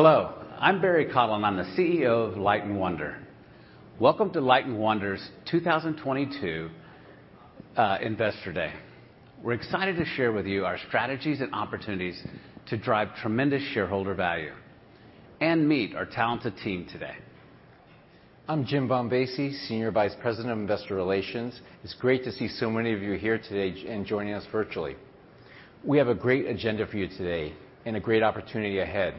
Hello, I'm Barry Cottle, and I'm the CEO of Light & Wonder. Welcome to Light & Wonder's 2022 Investor Day. We're excited to share with you our strategies and opportunities to drive tremendous shareholder value and meet our talented team today. I'm Jim Bombassei, Senior Vice President of Investor Relations. It's great to see so many of you here today and joining us virtually. We have a great agenda for you today, and a great opportunity ahead.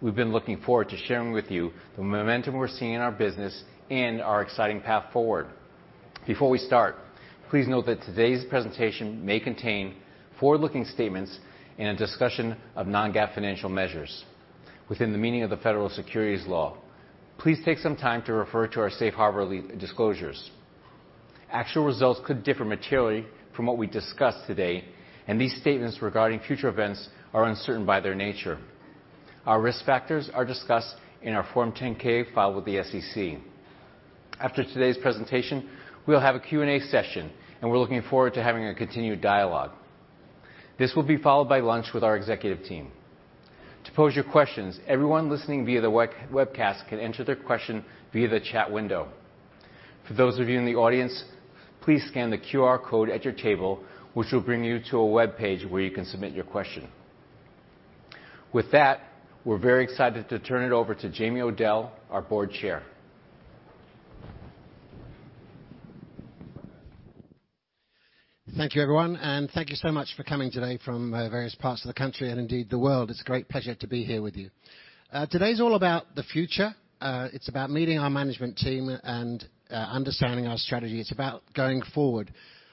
We've been looking forward to sharing with you the momentum we're seeing in our business and our exciting path forward. Before we start, please note that today's presentation may contain forward-looking statements and a discussion of non-GAAP financial measures within the meaning of the federal securities laws. Please take some time to refer to our safe harbor liability disclosures. Actual results could differ materially from what we discuss today, and these statements regarding future events are uncertain by their nature. Our risk factors are discussed in our Form 10-K filed with the SEC. After today's presentation, we'll have a Q&A session, and we're looking forward to having a continued dialogue. This will be followed by lunch with our executive team. To pose your questions, everyone listening via the web, webcast can enter their question via the chat window. For those of you in the audience, please scan the QR code at your table, which will bring you to a webpage where you can submit your question. With that, we're very excited to turn it over to Jamie Odell, our Board Chair. Thank you, everyone, and thank you so much for coming today from, various parts of the country and indeed, the world. It's a great pleasure to be here with you. Today's all about the future. It's about meeting our management team and, understanding our strategy. It's about going forward.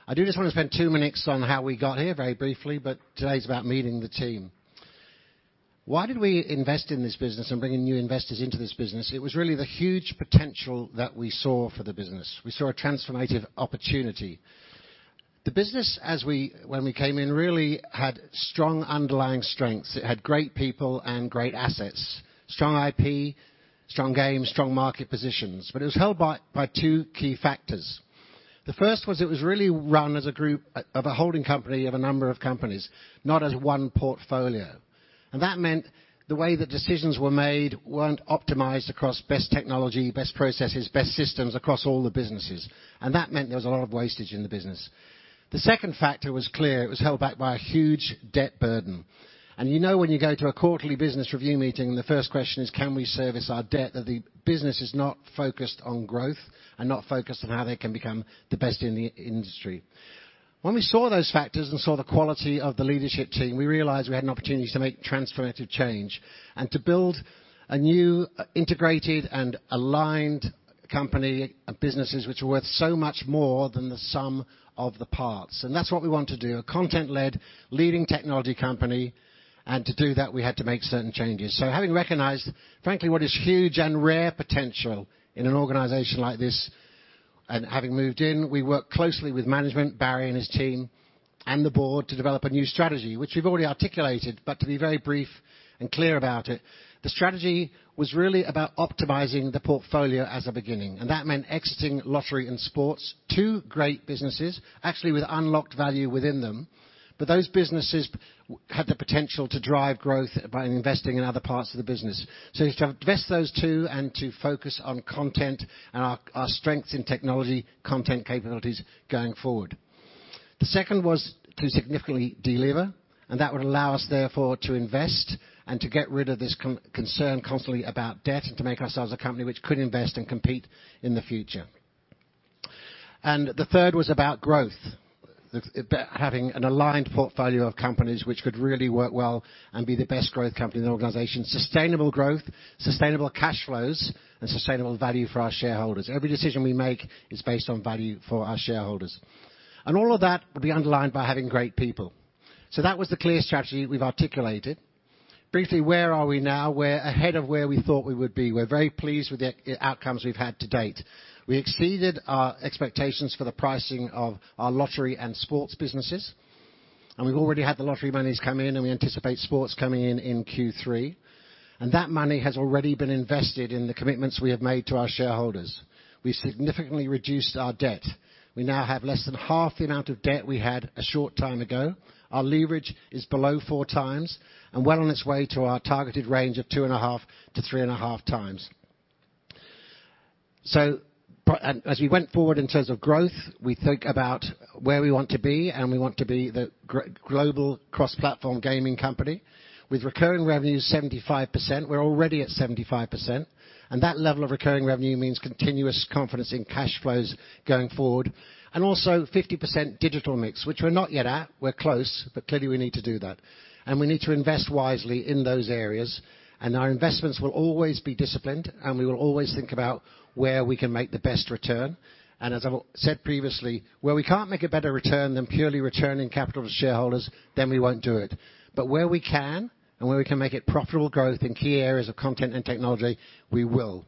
I do just wanna spend two minutes on how we got here, very briefly, but today's about meeting the team. Why did we invest in this business and bring in new investors into this business? It was really the huge potential that we saw for the business. We saw a transformative opportunity. The business, as we, when we came in, really had strong underlying strengths. It had great people and great assets, strong IP, strong games, strong market positions, but it was held back by two key factors. The first was it was really run as a group of a holding company of a number of companies, not as one portfolio. And that meant the way that decisions were made weren't optimized across best technology, best processes, best systems across all the businesses, and that meant there was a lot of wastage in the business. The second factor was clear: it was held back by a huge debt burden. And you know, when you go to a quarterly business review meeting, and the first question is, "Can we service our debt?" That the business is not focused on growth and not focused on how they can become the best in the industry. When we saw those factors and saw the quality of the leadership team, we realized we had an opportunity to make transformative change and to build a new, integrated, and aligned company of businesses which were worth so much more than the sum of the parts. And that's what we want to do, a content-led, leading technology company, and to do that, we had to make certain changes. So having recognized, frankly, what is huge and rare potential in an organization like this, and having moved in, we worked closely with management, Barry and his team, and the board, to develop a new strategy, which we've already articulated. But to be very brief and clear about it, the strategy was really about optimizing the portfolio as a beginning, and that meant exiting lottery and sports. Two great businesses, actually with unlocked value within them, but those businesses had the potential to drive growth by investing in other parts of the business. So we divested those two and to focus on content and our strengths in technology, content capabilities going forward. The second was to significantly deliver, and that would allow us, therefore, to invest and to get rid of this concern constantly about debt and to make ourselves a company which could invest and compete in the future, and the third was about growth, the having an aligned portfolio of companies which could really work well and be the best growth company in the organization. Sustainable growth, sustainable cash flows, and sustainable value for our shareholders. Every decision we make is based on value for our shareholders, and all of that will be underlined by having great people. That was the clear strategy we've articulated. Briefly, where are we now? We're ahead of where we thought we would be. We're very pleased with the outcomes we've had to date. We exceeded our expectations for the pricing of our lottery and sports businesses, and we've already had the lottery monies come in, and we anticipate sports coming in in Q3. That money has already been invested in the commitments we have made to our shareholders. We significantly reduced our debt. We now have less than half the amount of debt we had a short time ago. Our leverage is below four times and well on its way to our targeted range of 2.5x-3.5x. As we went forward in terms of growth, we think about where we want to be, and we want to be the global cross-platform gaming company. With recurring revenue 75%, we're already at 75%, and that level of recurring revenue means continuous confidence in cash flows going forward, and also 50% digital mix, which we're not yet at. We're close, but clearly, we need to do that. We need to invest wisely in those areas, and our investments will always be disciplined, and we will always think about where we can make the best return. As I've said previously, where we can't make a better return than purely returning capital to shareholders, then we won't do it. But where we can, and where we can make it profitable growth in key areas of content and technology, we will.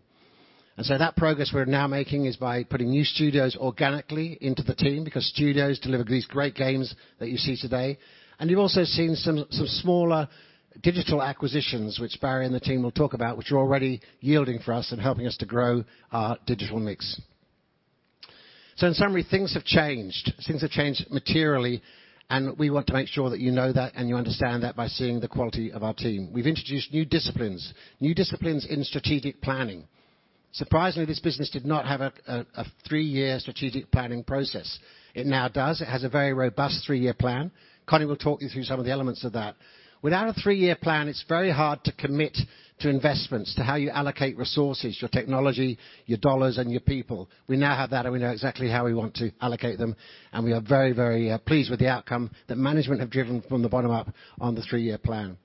That progress we're now making is by putting new studios organically into the team, because studios deliver these great games that you see today. You've also seen some, some smaller digital acquisitions, which Barry and the team will talk about, which are already yielding for us and helping us to grow our digital mix.... In summary, things have changed. Things have changed materially, and we want to make sure that you know that and you understand that by seeing the quality of our team. We've introduced new disciplines, new disciplines in strategic planning. Surprisingly, this business did not have a three-year strategic planning process. It now does. It has a very robust three-year plan. Connie will talk you through some of the elements of that. Without a three-year plan, it's very hard to commit to investments, to how you allocate resources, your technology, your dollars, and your people. We now have that, and we know exactly how we want to allocate them, and we are very, very, pleased with the outcome that management have driven from the bottom up on the three-year plan.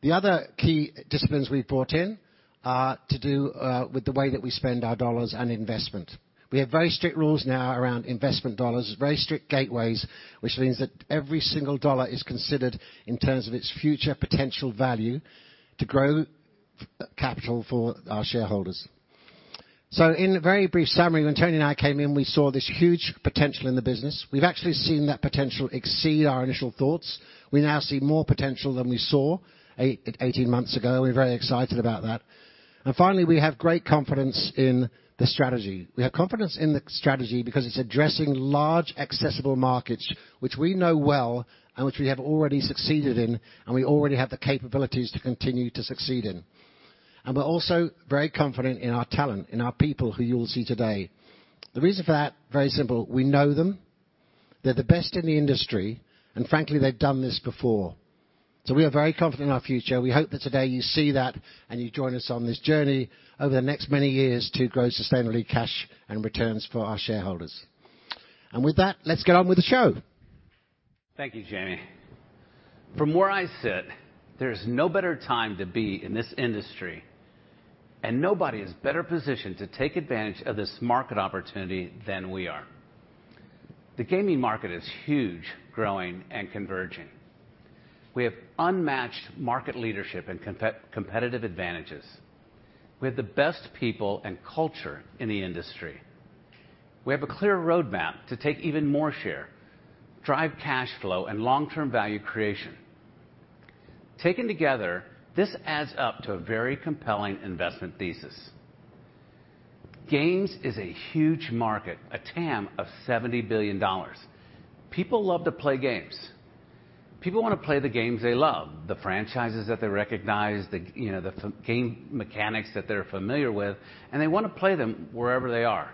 The other key disciplines we've brought in are to do, with the way that we spend our dollars and investment. We have very strict rules now around investment dollars, very strict gateways, which means that every single dollar is considered in terms of its future potential value to grow capital for our shareholders. So in a very brief summary, when Toni and I came in, we saw this huge potential in the business. We've actually seen that potential exceed our initial thoughts. We now see more potential than we saw 18 months ago. We're very excited about that. And finally, we have great confidence in the strategy. We have confidence in the strategy because it's addressing large, accessible markets which we know well and which we have already succeeded in, and we already have the capabilities to continue to succeed in. And we're also very confident in our talent, in our people, who you will see today. The reason for that, very simple: we know them, they're the best in the industry, and frankly, they've done this before. So we are very confident in our future. We hope that today you see that and you join us on this journey over the next many years to grow sustainably cash and returns for our shareholders. And with that, let's get on with the show! Thank you, Jamie. From where I sit, there's no better time to be in this industry, and nobody is better positioned to take advantage of this market opportunity than we are. The gaming market is huge, growing, and converging. We have unmatched market leadership and competitive advantages. We have the best people and culture in the industry. We have a clear roadmap to take even more share, drive cash flow, and long-term value creation. Taken together, this adds up to a very compelling investment thesis. Games is a huge market, a TAM of $70 billion. People love to play games. People want to play the games they love, the franchises that they recognize, you know, the game mechanics that they're familiar with, and they want to play them wherever they are.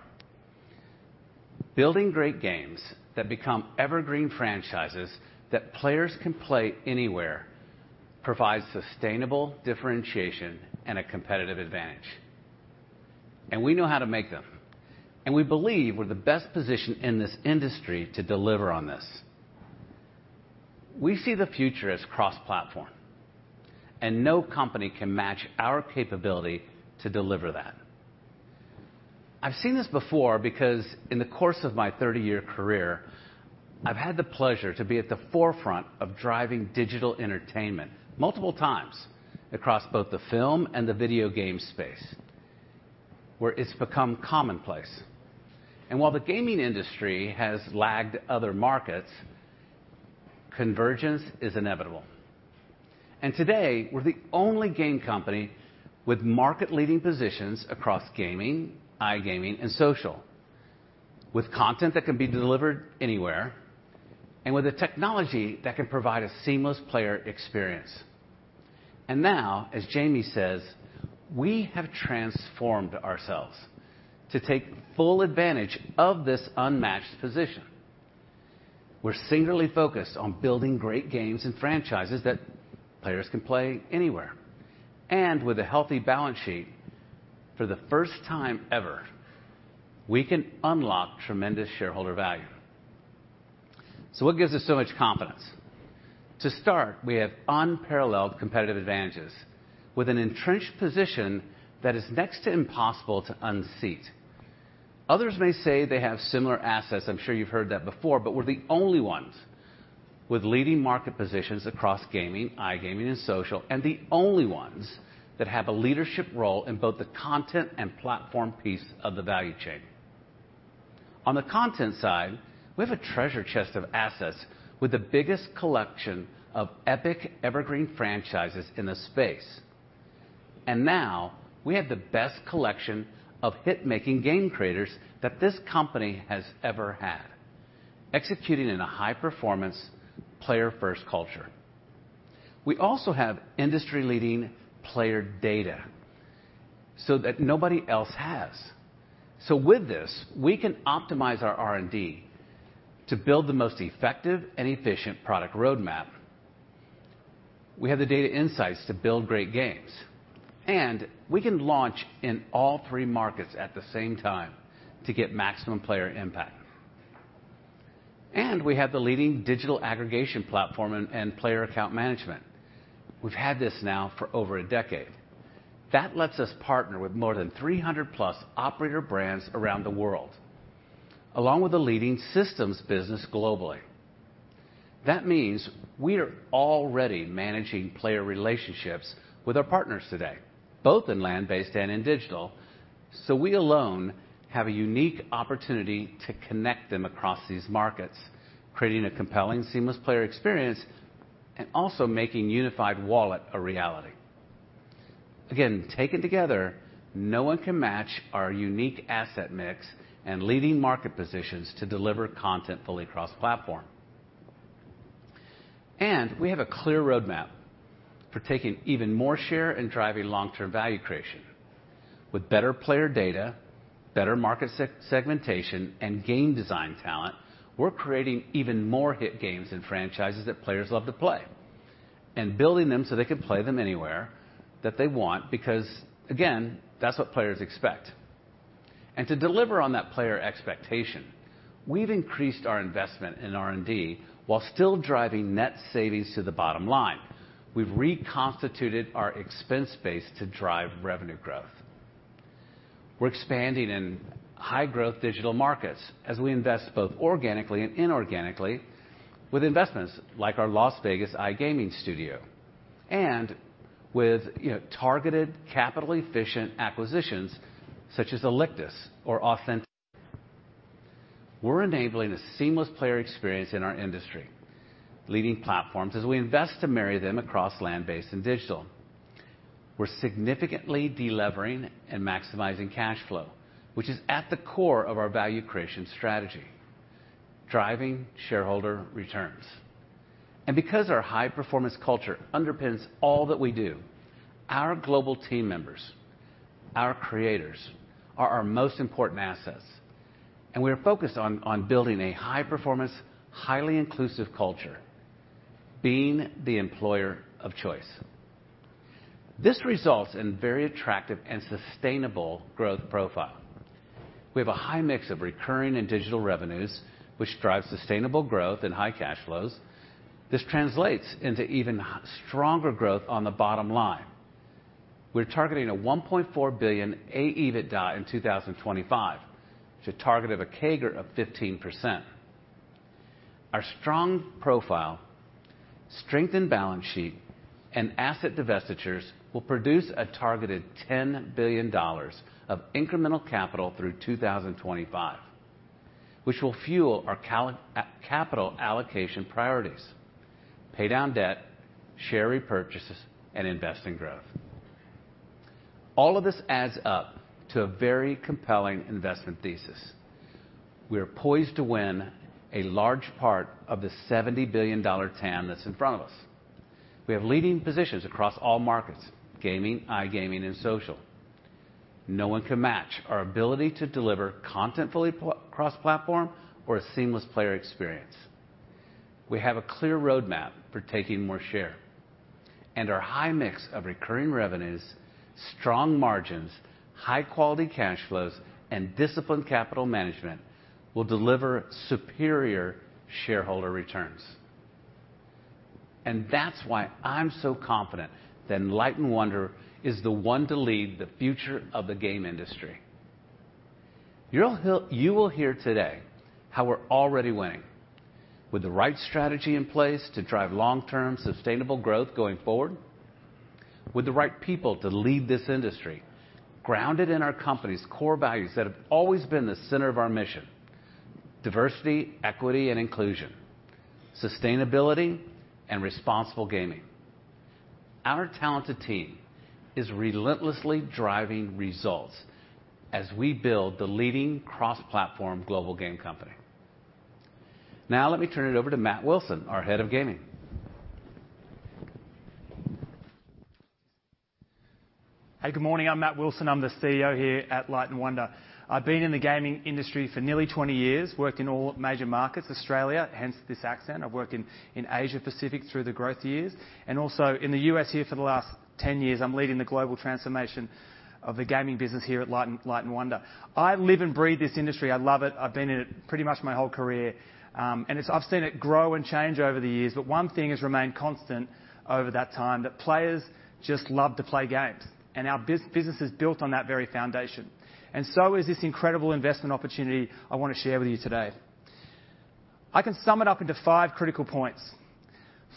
Building great games that become evergreen franchises that players can play anywhere provides sustainable differentiation and a competitive advantage, and we know how to make them, and we believe we're the best position in this industry to deliver on this. We see the future as cross-platform, and no company can match our capability to deliver that. I've seen this before because in the course of my 30-year career, I've had the pleasure to be at the forefront of driving digital entertainment multiple times across both the film and the video game space, where it's become commonplace, and while the gaming industry has lagged other markets, convergence is inevitable, and today, we're the only game company with market-leading positions across gaming, iGaming, and social, with content that can be delivered anywhere, and with the technology that can provide a seamless player experience. And now, as Jamie says, we have transformed ourselves to take full advantage of this unmatched position. We're singularly focused on building great games and franchises that players can play anywhere. And with a healthy balance sheet, for the first time ever, we can unlock tremendous shareholder value. So what gives us so much confidence? To start, we have unparalleled competitive advantages with an entrenched position that is next to impossible to unseat. Others may say they have similar assets. I'm sure you've heard that before, but we're the only ones with leading market positions across gaming, iGaming, and social, and the only ones that have a leadership role in both the content and platform piece of the value chain. On the content side, we have a treasure chest of assets with the biggest collection of epic evergreen franchises in the space. And now we have the best collection of hit-making game creators that this company has ever had, executing in a high-performance, player-first culture. We also have industry-leading player data so that nobody else has. So with this, we can optimize our R&D to build the most effective and efficient product roadmap. We have the data insights to build great games, and we can launch in all three markets at the same time to get maximum player impact. And we have the leading digital aggregation platform and player account management. We've had this now for over a decade. That lets us partner with more than 300-plus operator brands around the world, along with a leading systems business globally. That means we are already managing player relationships with our partners today, both in land-based and in digital, so we alone have a unique opportunity to connect them across these markets, creating a compelling, seamless player experience and also making unified wallet a reality. Again, taken together, no one can match our unique asset mix and leading market positions to deliver content fully cross-platform. And we have a clear roadmap for taking even more share and driving long-term value creation. With better player data, better market segmentation, and game design talent, we're creating even more hit games and franchises that players love to play, and building them so they can play them anywhere that they want, because, again, that's what players expect. And to deliver on that player expectation, we've increased our investment in R&D while still driving net savings to the bottom line. We've reconstituted our expense base to drive revenue growth. We're expanding in high-growth digital markets as we invest both organically and inorganically, with investments like our Las Vegas iGaming studio, and with, you know, targeted, capital-efficient acquisitions, such as Alictus or Authentic. We're enabling a seamless player experience in our industry, leading platforms as we invest to marry them across land-based and digital. We're significantly de-levering and maximizing cash flow, which is at the core of our value creation strategy, driving shareholder returns. And because our high-performance culture underpins all that we do, our global team members, our creators, are our most important assets, and we are focused on building a high-performance, highly inclusive culture, being the employer of choice. This results in very attractive and sustainable growth profile. We have a high mix of recurring and digital revenues, which drives sustainable growth and high cash flows. This translates into even stronger growth on the bottom line. We're targeting a $1.4 billion AEBITDA in 2025, a target of a CAGR of 15%. Our strong profile, strengthened balance sheet, and asset divestitures will produce a targeted $10 billion of incremental capital through 2025, which will fuel our capital allocation priorities: pay down debt, share repurchases, and invest in growth. All of this adds up to a very compelling investment thesis. We are poised to win a large part of the $70 billion TAM that's in front of us. We have leading positions across all markets: gaming, iGaming, and social. No one can match our ability to deliver content fully cross-platform or a seamless player experience. We have a clear roadmap for taking more share, and our high mix of recurring revenues, strong margins, high-quality cash flows, and disciplined capital management will deliver superior shareholder returns. And that's why I'm so confident that Light & Wonder is the one to lead the future of the game industry. You will hear today how we're already winning. With the right strategy in place to drive long-term, sustainable growth going forward, with the right people to lead this industry, grounded in our company's core values that have always been the center of our mission: diversity, equity, and inclusion, sustainability, and responsible gaming. Our talented team is relentlessly driving results as we build the leading cross-platform global game company. Now, let me turn it over to Matt Wilson, our head of gaming. Hey, good morning. I'm Matt Wilson. I'm the CEO here at Light & Wonder. I've been in the gaming industry for nearly 20 years, worked in all major markets, Australia, hence this accent. I've worked in Asia Pacific through the growth years and also in the U.S. here for the last 10 years. I'm leading the global transformation of the gaming business here at Light & Wonder. I live and breathe this industry. I love it. I've been in it pretty much my whole career. And it's. I've seen it grow and change over the years, but one thing has remained constant over that time, that players just love to play games, and our business is built on that very foundation, and so is this incredible investment opportunity I want to share with you today. I can sum it up into five critical points.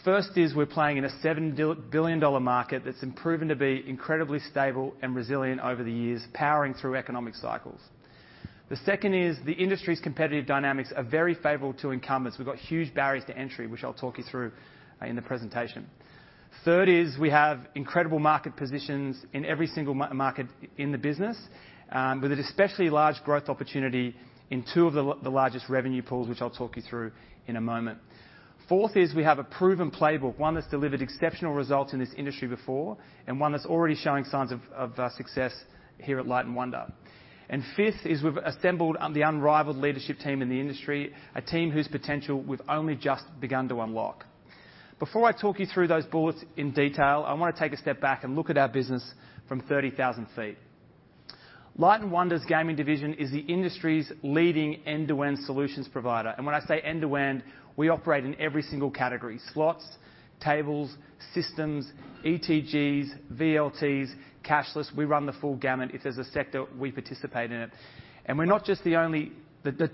First is we're playing in a $7 billion market that's been proven to be incredibly stable and resilient over the years, powering through economic cycles. The second is the industry's competitive dynamics are very favorable to incumbents. We've got huge barriers to entry, which I'll talk you through in the presentation. Third is we have incredible market positions in every single market in the business, with an especially large growth opportunity in two of the largest revenue pools, which I'll talk you through in a moment. Fourth is we have a proven playbook, one that's delivered exceptional results in this industry before and one that's already showing signs of success here at Light & Wonder. And fifth is we've assembled the unrivaled leadership team in the industry, a team whose potential we've only just begun to unlock. Before I talk you through those bullets in detail, I want to take a step back and look at our business from 30,000 ft. Light & Wonder's gaming division is the industry's leading end-to-end solutions provider. And when I say end-to-end, we operate in every single category: slots, tables, systems, ETGs, VLTs, cashless. We run the full gamut. If there's a sector, we participate in it. And we're not just the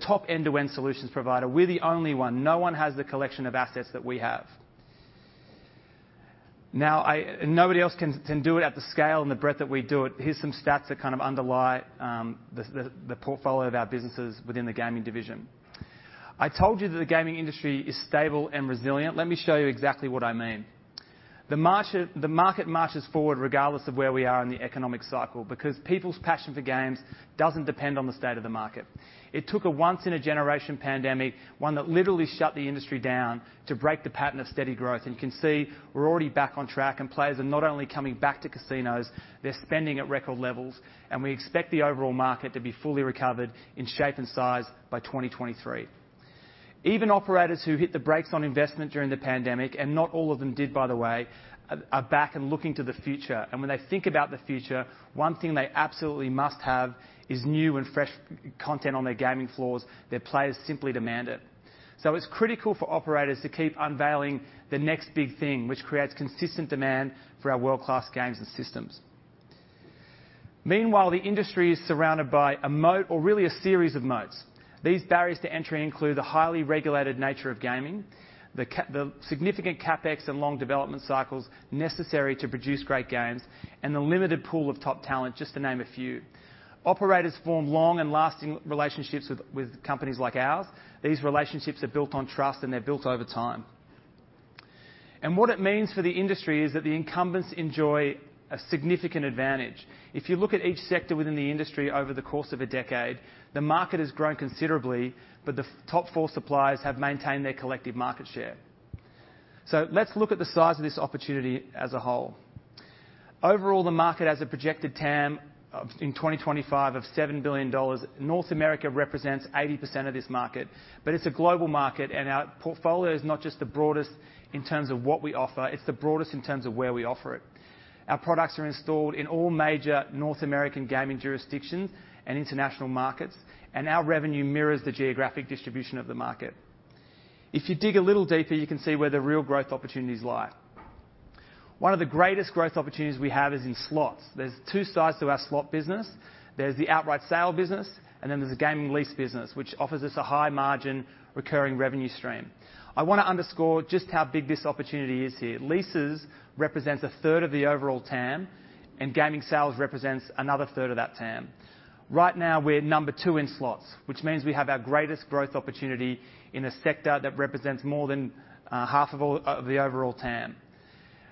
top end-to-end solutions provider, we're the only one. No one has the collection of assets that we have. Nobody else can do it at the scale and the breadth that we do it. Here's some stats that kind of underlie the portfolio of our businesses within the gaming division. I told you that the gaming industry is stable and resilient. Let me show you exactly what I mean. The market marches forward regardless of where we are in the economic cycle, because people's passion for games doesn't depend on the state of the market. It took a once-in-a-generation pandemic, one that literally shut the industry down, to break the pattern of steady growth. And you can see we're already back on track, and players are not only coming back to casinos, they're spending at record levels, and we expect the overall market to be fully recovered in shape and size by 2023. Even operators who hit the brakes on investment during the pandemic, and not all of them did, by the way, are back and looking to the future. And when they think about the future, one thing they absolutely must have is new and fresh content on their gaming floors. Their players simply demand it. So it's critical for operators to keep unveiling the next big thing, which creates consistent demand for our world-class games and systems. Meanwhile, the industry is surrounded by a moat or really a series of moats. These barriers to entry include the highly regulated nature of gaming, the significant CapEx and long development cycles necessary to produce great games, and the limited pool of top talent, just to name a few. Operators form long and lasting relationships with companies like ours. These relationships are built on trust, and they're built over time. And what it means for the industry is that the incumbents enjoy a significant advantage. If you look at each sector within the industry over the course of a decade, the market has grown considerably, but the top four suppliers have maintained their collective market share. Let's look at the size of this opportunity as a whole. Overall, the market has a projected TAM of, in 2025, of $7 billion. North America represents 80% of this market, but it's a global market, and our portfolio is not just the broadest in terms of what we offer, it's the broadest in terms of where we offer it. Our products are installed in all major North American gaming jurisdictions and international markets, and our revenue mirrors the geographic distribution of the market. If you dig a little deeper, you can see where the real growth opportunities lie. One of the greatest growth opportunities we have is in slots. There's two sides to our slot business. There's the outright sale business, and then there's the gaming lease business, which offers us a high margin, recurring revenue stream. I want to underscore just how big this opportunity is here. Leases represents a third of the overall TAM, and gaming sales represents another third of that TAM. Right now, we're number two in slots, which means we have our greatest growth opportunity in a sector that represents more than half of all of the overall TAM.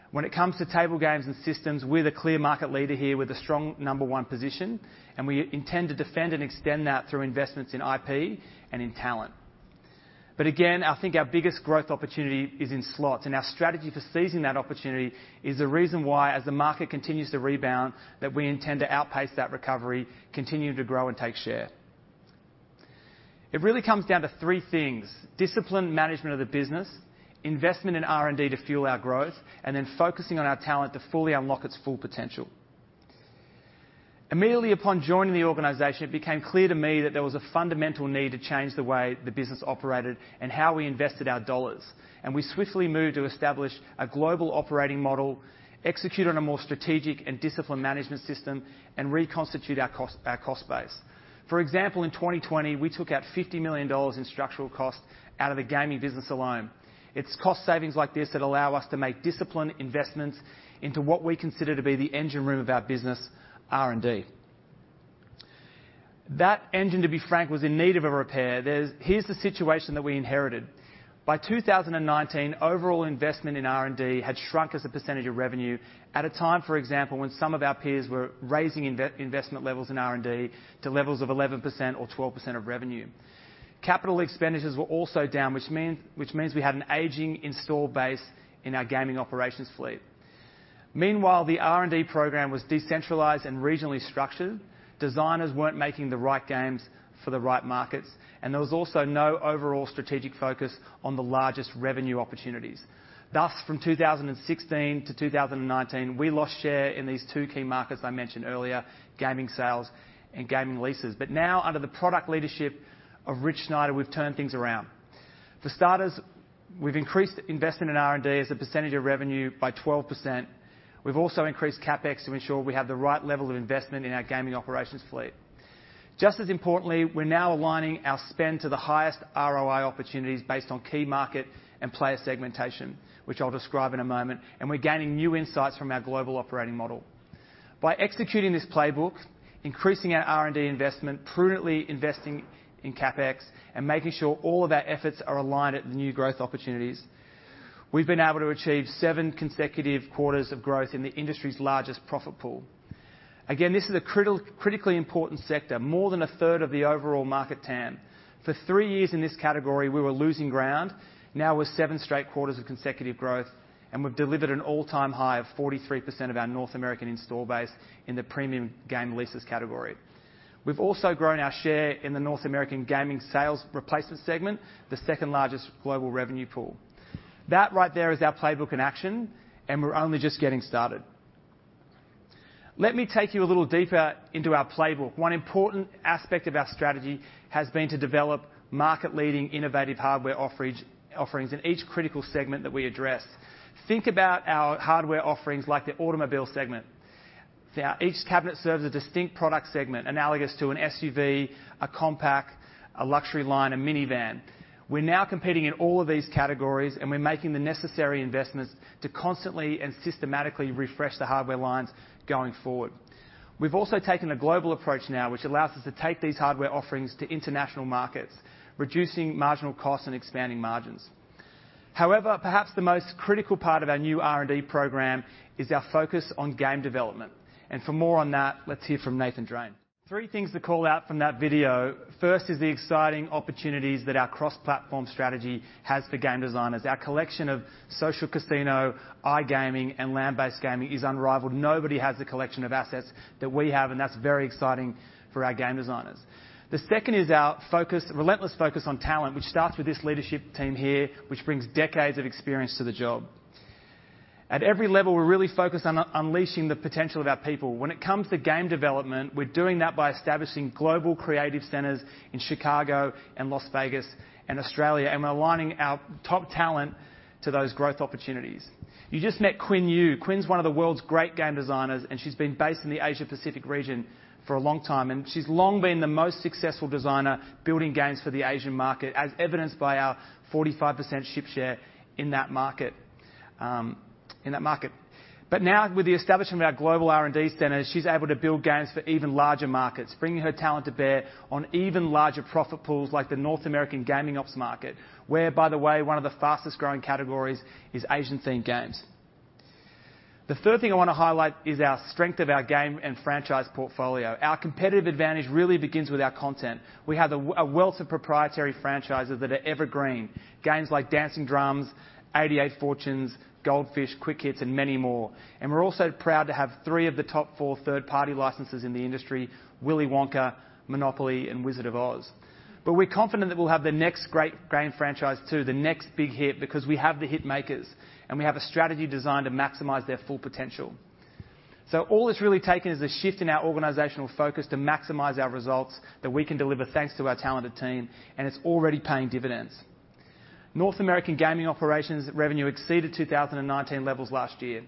When it comes to table games and systems, we're the clear market leader here with a strong number one position, and we intend to defend and extend that through investments in IP and in talent. But again, I think our biggest growth opportunity is in slots, and our strategy for seizing that opportunity is the reason why, as the market continues to rebound, that we intend to outpace that recovery, continue to grow and take share. It really comes down to three things: discipline, management of the business, investment in R&D to fuel our growth, and then focusing on our talent to fully unlock its full potential. Immediately upon joining the organization, it became clear to me that there was a fundamental need to change the way the business operated and how we invested our dollars, and we swiftly moved to establish a global operating model, execute on a more strategic and disciplined management system, and reconstitute our cost base. For example, in 2020, we took out $50 million in structural costs out of the gaming business alone. It's cost savings like this that allow us to make disciplined investments into what we consider to be the engine room of our business, R&D. That engine, to be frank, was in need of a repair. Here's the situation that we inherited. By2019, overall investment in R&D had shrunk as a percentage of revenue at a time, for example, when some of our peers were raising investment levels in R&D to levels of 11% or 12% of revenue. Capital expenditures were also down, which means we had an aging install base in our gaming operations fleet. Meanwhile, the R&D program was decentralized and regionally structured. Designers weren't making the right games for the right markets, and there was also no overall strategic focus on the largest revenue opportunities. Thus, from 2016 to2019, we lost share in these two key markets I mentioned earlier, gaming sales and gaming leases. But now, under the product leadership of Rich Schneider, we've turned things around. For starters, we've increased investment in R&D as a percentage of revenue by 12%. We've also increased CapEx to ensure we have the right level of investment in our gaming operations fleet. Just as importantly, we're now aligning our spend to the highest ROI opportunities based on key market and player segmentation, which I'll describe in a moment, and we're gaining new insights from our global operating model. By executing this playbook, increasing our R&D investment, prudently investing in CapEx, and making sure all of our efforts are aligned at the new growth opportunities, we've been able to achieve seven consecutive quarters of growth in the industry's largest profit pool. Again, this is a critically important sector, more than a third of the overall market TAM. For three years in this category, we were losing ground. Now, with seven straight quarters of consecutive growth, and we've delivered an all-time high of 43% of our North American install base in the premium game leases category. We've also grown our share in the North American gaming sales replacement segment, the second-largest global revenue pool. That right there is our playbook in action, and we're only just getting started. Let me take you a little deeper into our playbook. One important aspect of our strategy has been to develop market-leading, innovative hardware offerings in each critical segment that we address. Think about our hardware offerings, like the automobile segment. Now, each cabinet serves a distinct product segment, analogous to an SUV, a compact, a luxury line, a minivan. We're now competing in all of these categories, and we're making the necessary investments to constantly and systematically refresh the hardware lines going forward. We've also taken a global approach now, which allows us to take these hardware offerings to international markets, reducing marginal costs and expanding margins. However, perhaps the most critical part of our new R&D program is our focus on game development, and for more on that, let's hear from Nathan Drane. Three things to call out from that video. First is the exciting opportunities that our cross-platform strategy has for game designers. Our collection of social casino, iGaming, and land-based gaming is unrivaled. Nobody has the collection of assets that we have, and that's very exciting for our game designers. The second is our focus, relentless focus on talent, which starts with this leadership team here, which brings decades of experience to the job. At every level, we're really focused on unleashing the potential of our people. When it comes to game development, we're doing that by establishing global creative centers in Chicago and Las Vegas and Australia, and we're aligning our top talent to those growth opportunities. You just met Qin You. Qin's one of the world's great game designers, and she's been based in the Asia Pacific region for a long time, and she's long been the most successful designer building games for the Asian market, as evidenced by our 45% market share in that market. But now, with the establishment of our global R&D centers, she's able to build games for even larger markets, bringing her talent to bear on even larger profit pools like the North American gaming ops market, where, by the way, one of the fastest-growing categories is Asian-themed games. The third thing I wanna highlight is the strength of our game and franchise portfolio. Our competitive advantage really begins with our content. We have a wealth of proprietary franchises that are evergreen. Games like Dancing Drums, 88 Fortunes, Gold Fish, Quick Hit, and many more. And we're also proud to have three of the top four third-party licenses in the industry: Willy Wonka, Monopoly, and Wizard of Oz. But we're confident that we'll have the next great game franchise, too, the next big hit, because we have the hit makers, and we have a strategy designed to maximize their full potential. So all it's really taken is a shift in our organizational focus to maximize our results that we can deliver, thanks to our talented team, and it's already paying dividends. North American gaming operations revenue exceeded 2019 levels last year.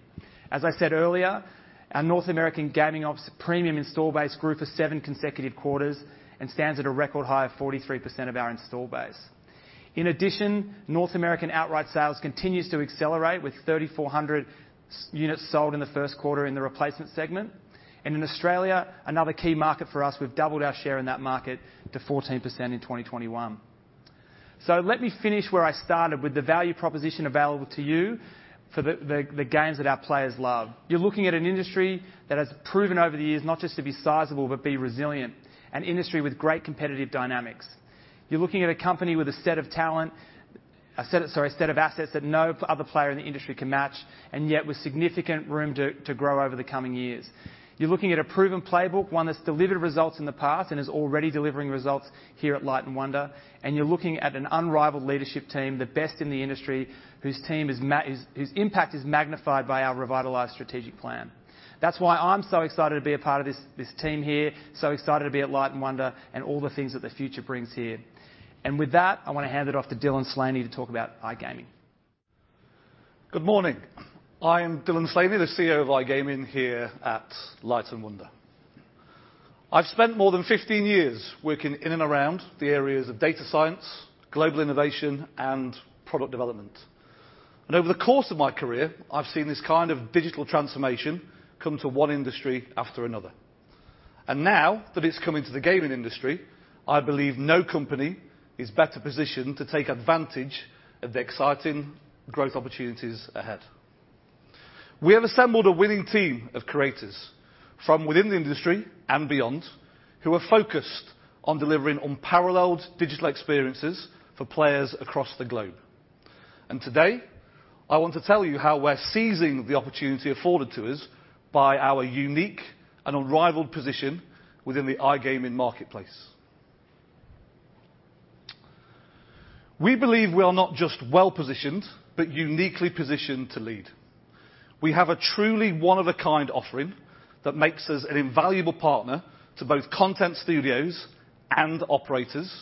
As I said earlier, our North American gaming ops premium install base grew for seven consecutive quarters and stands at a record high of 43% of our install base. In addition, North American outright sales continues to accelerate, with 3,400 units sold in the first quarter in the replacement segment. In Australia, another key market for us, we've doubled our share in that market to 14% in 2021. Let me finish where I started with the value proposition available to you for the games that our players love. You're looking at an industry that has proven over the years not just to be sizable, but be resilient, an industry with great competitive dynamics. You're looking at a company with a set of talent, a set of... Sorry, a set of assets that no other player in the industry can match, and yet with significant room to grow over the coming years. You're looking at a proven playbook, one that's delivered results in the past and is already delivering results here at Light & Wonder, and you're looking at an unrivaled leadership team, the best in the industry, whose impact is magnified by our revitalized strategic plan. That's why I'm so excited to be a part of this team here, so excited to be at Light & Wonder and all the things that the future brings here. And with that, I want to hand it off to Dylan Slaney to talk about iGaming. Good morning. I'm Dylan Slaney, the CEO of iGaming here at Light & Wonder. I've spent more than fifteen years working in and around the areas of data science, global innovation, and product development. And over the course of my career, I've seen this kind of digital transformation come to one industry after another. And now that it's come into the gaming industry, I believe no company is better positioned to take advantage of the exciting growth opportunities ahead. We have assembled a winning team of creators from within the industry and beyond, who are focused on delivering unparalleled digital experiences for players across the globe. And today, I want to tell you how we're seizing the opportunity afforded to us by our unique and unrivaled position within the iGaming marketplace. We believe we are not just well-positioned, but uniquely positioned to lead. We have a truly one-of-a-kind offering that makes us an invaluable partner to both content studios and operators,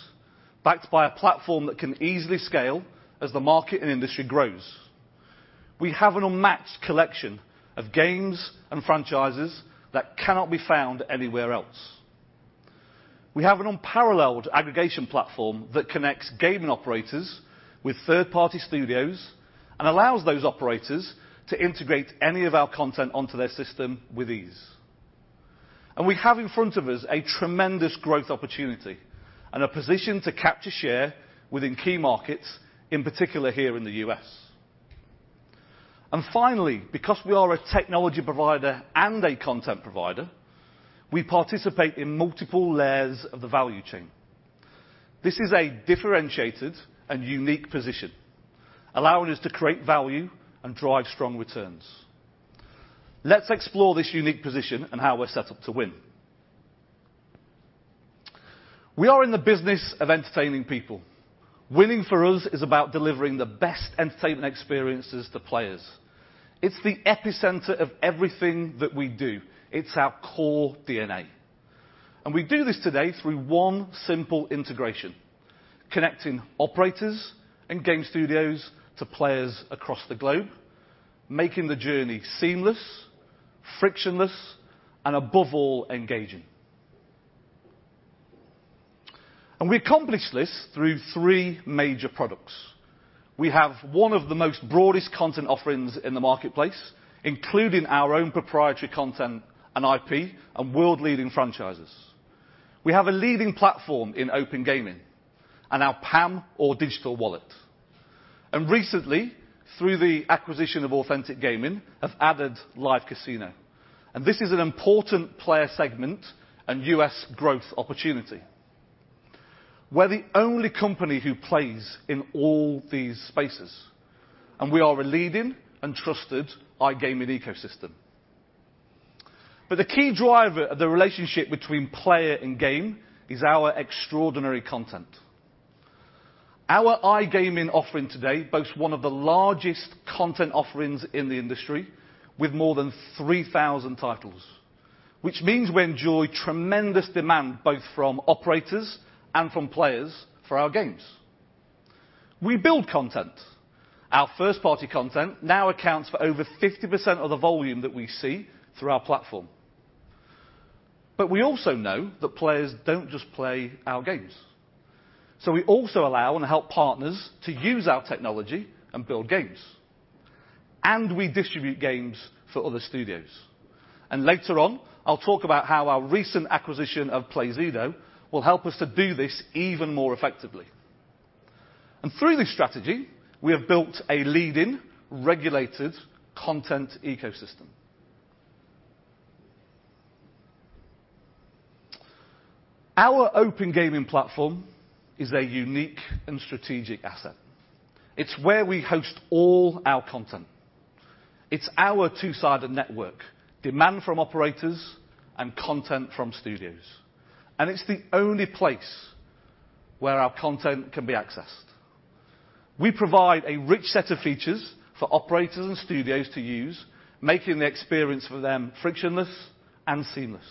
backed by a platform that can easily scale as the market and industry grows. We have an unmatched collection of games and franchises that cannot be found anywhere else. We have an unparalleled aggregation platform that connects gaming operators with third-party studios and allows those operators to integrate any of our content onto their system with ease. And we have in front of us a tremendous growth opportunity and a position to capture share within key markets, in particular here in the U.S. And finally, because we are a technology provider and a content provider, we participate in multiple layers of the value chain. This is a differentiated and unique position, allowing us to create value and drive strong returns. Let's explore this unique position and how we're set up to win. We are in the business of entertaining people. Winning for us is about delivering the best entertainment experiences to players. It's the epicenter of everything that we do. It's our core DNA. And we do this today through one simple integration: connecting operators and game studios to players across the globe, making the journey seamless, frictionless, and above all, engaging. And we accomplish this through three major products. We have one of the most broadest content offerings in the marketplace, including our own proprietary content and IP and world-leading franchises.... We have a leading platform in OpenGaming and our PAM or digital wallet. And recently, through the acquisition of Authentic Gaming, have added live casino, and this is an important player segment and U.S. growth opportunity. We're the only company who plays in all these spaces, and we are a leading and trusted iGaming ecosystem. But the key driver of the relationship between player and game is our extraordinary content. Our iGaming offering today boasts one of the largest content offerings in the industry, with more than 3,000 titles, which means we enjoy tremendous demand, both from operators and from players for our games. We build content. Our first-party content now accounts for over 50% of the volume that we see through our platform. But we also know that players don't just play our games, so we also allow and help partners to use our technology and build games, and we distribute games for other studios. And later on, I'll talk about how our recent acquisition of Playzido will help us to do this even more effectively. And through this strategy, we have built a leading, regulated content ecosystem. Our OpenGaming platform is a unique and strategic asset. It's where we host all our content. It's our two-sided network, demand from operators and content from studios, and it's the only place where our content can be accessed. We provide a rich set of features for operators and studios to use, making the experience for them frictionless and seamless.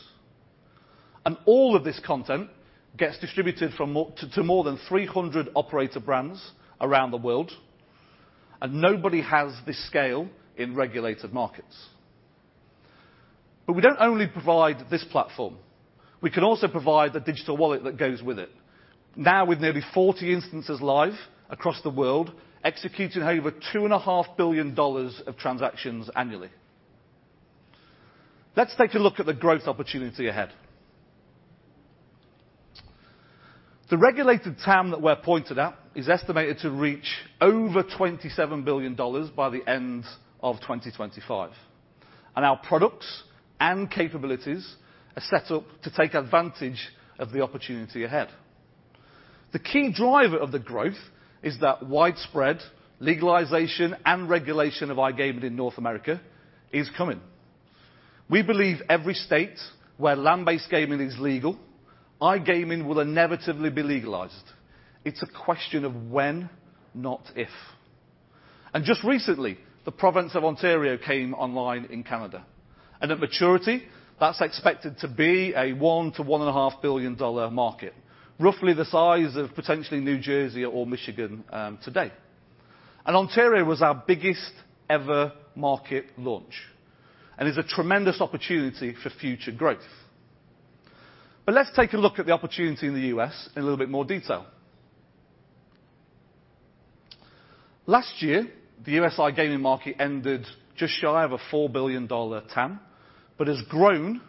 And all of this content gets distributed to more than 300 operator brands around the world, and nobody has this scale in regulated markets. But we don't only provide this platform, we can also provide the digital wallet that goes with it. Now, with nearly 40 instances live across the world, executing over $2.5 billion of transactions annually. Let's take a look at the growth opportunity ahead. The regulated TAM that we're pointed at is estimated to reach over $27 billion by the end of 2025, and our products and capabilities are set up to take advantage of the opportunity ahead. The key driver of the growth is that widespread legalization and regulation of iGaming in North America is coming. We believe every state where land-based gaming is legal, iGaming will inevitably be legalized. It's a question of when, not if. And just recently, the province of Ontario came online in Canada, and at maturity, that's expected to be a $1 billion-$1.5 billion market, roughly the size of potentially New Jersey or Michigan, today. And Ontario was our biggest-ever market launch, and is a tremendous opportunity for future growth. But let's take a look at the opportunity in the U.S. in a little bit more detail. Last year, the U.S. iGaming market ended just shy of a $4 billion TAM, but has grown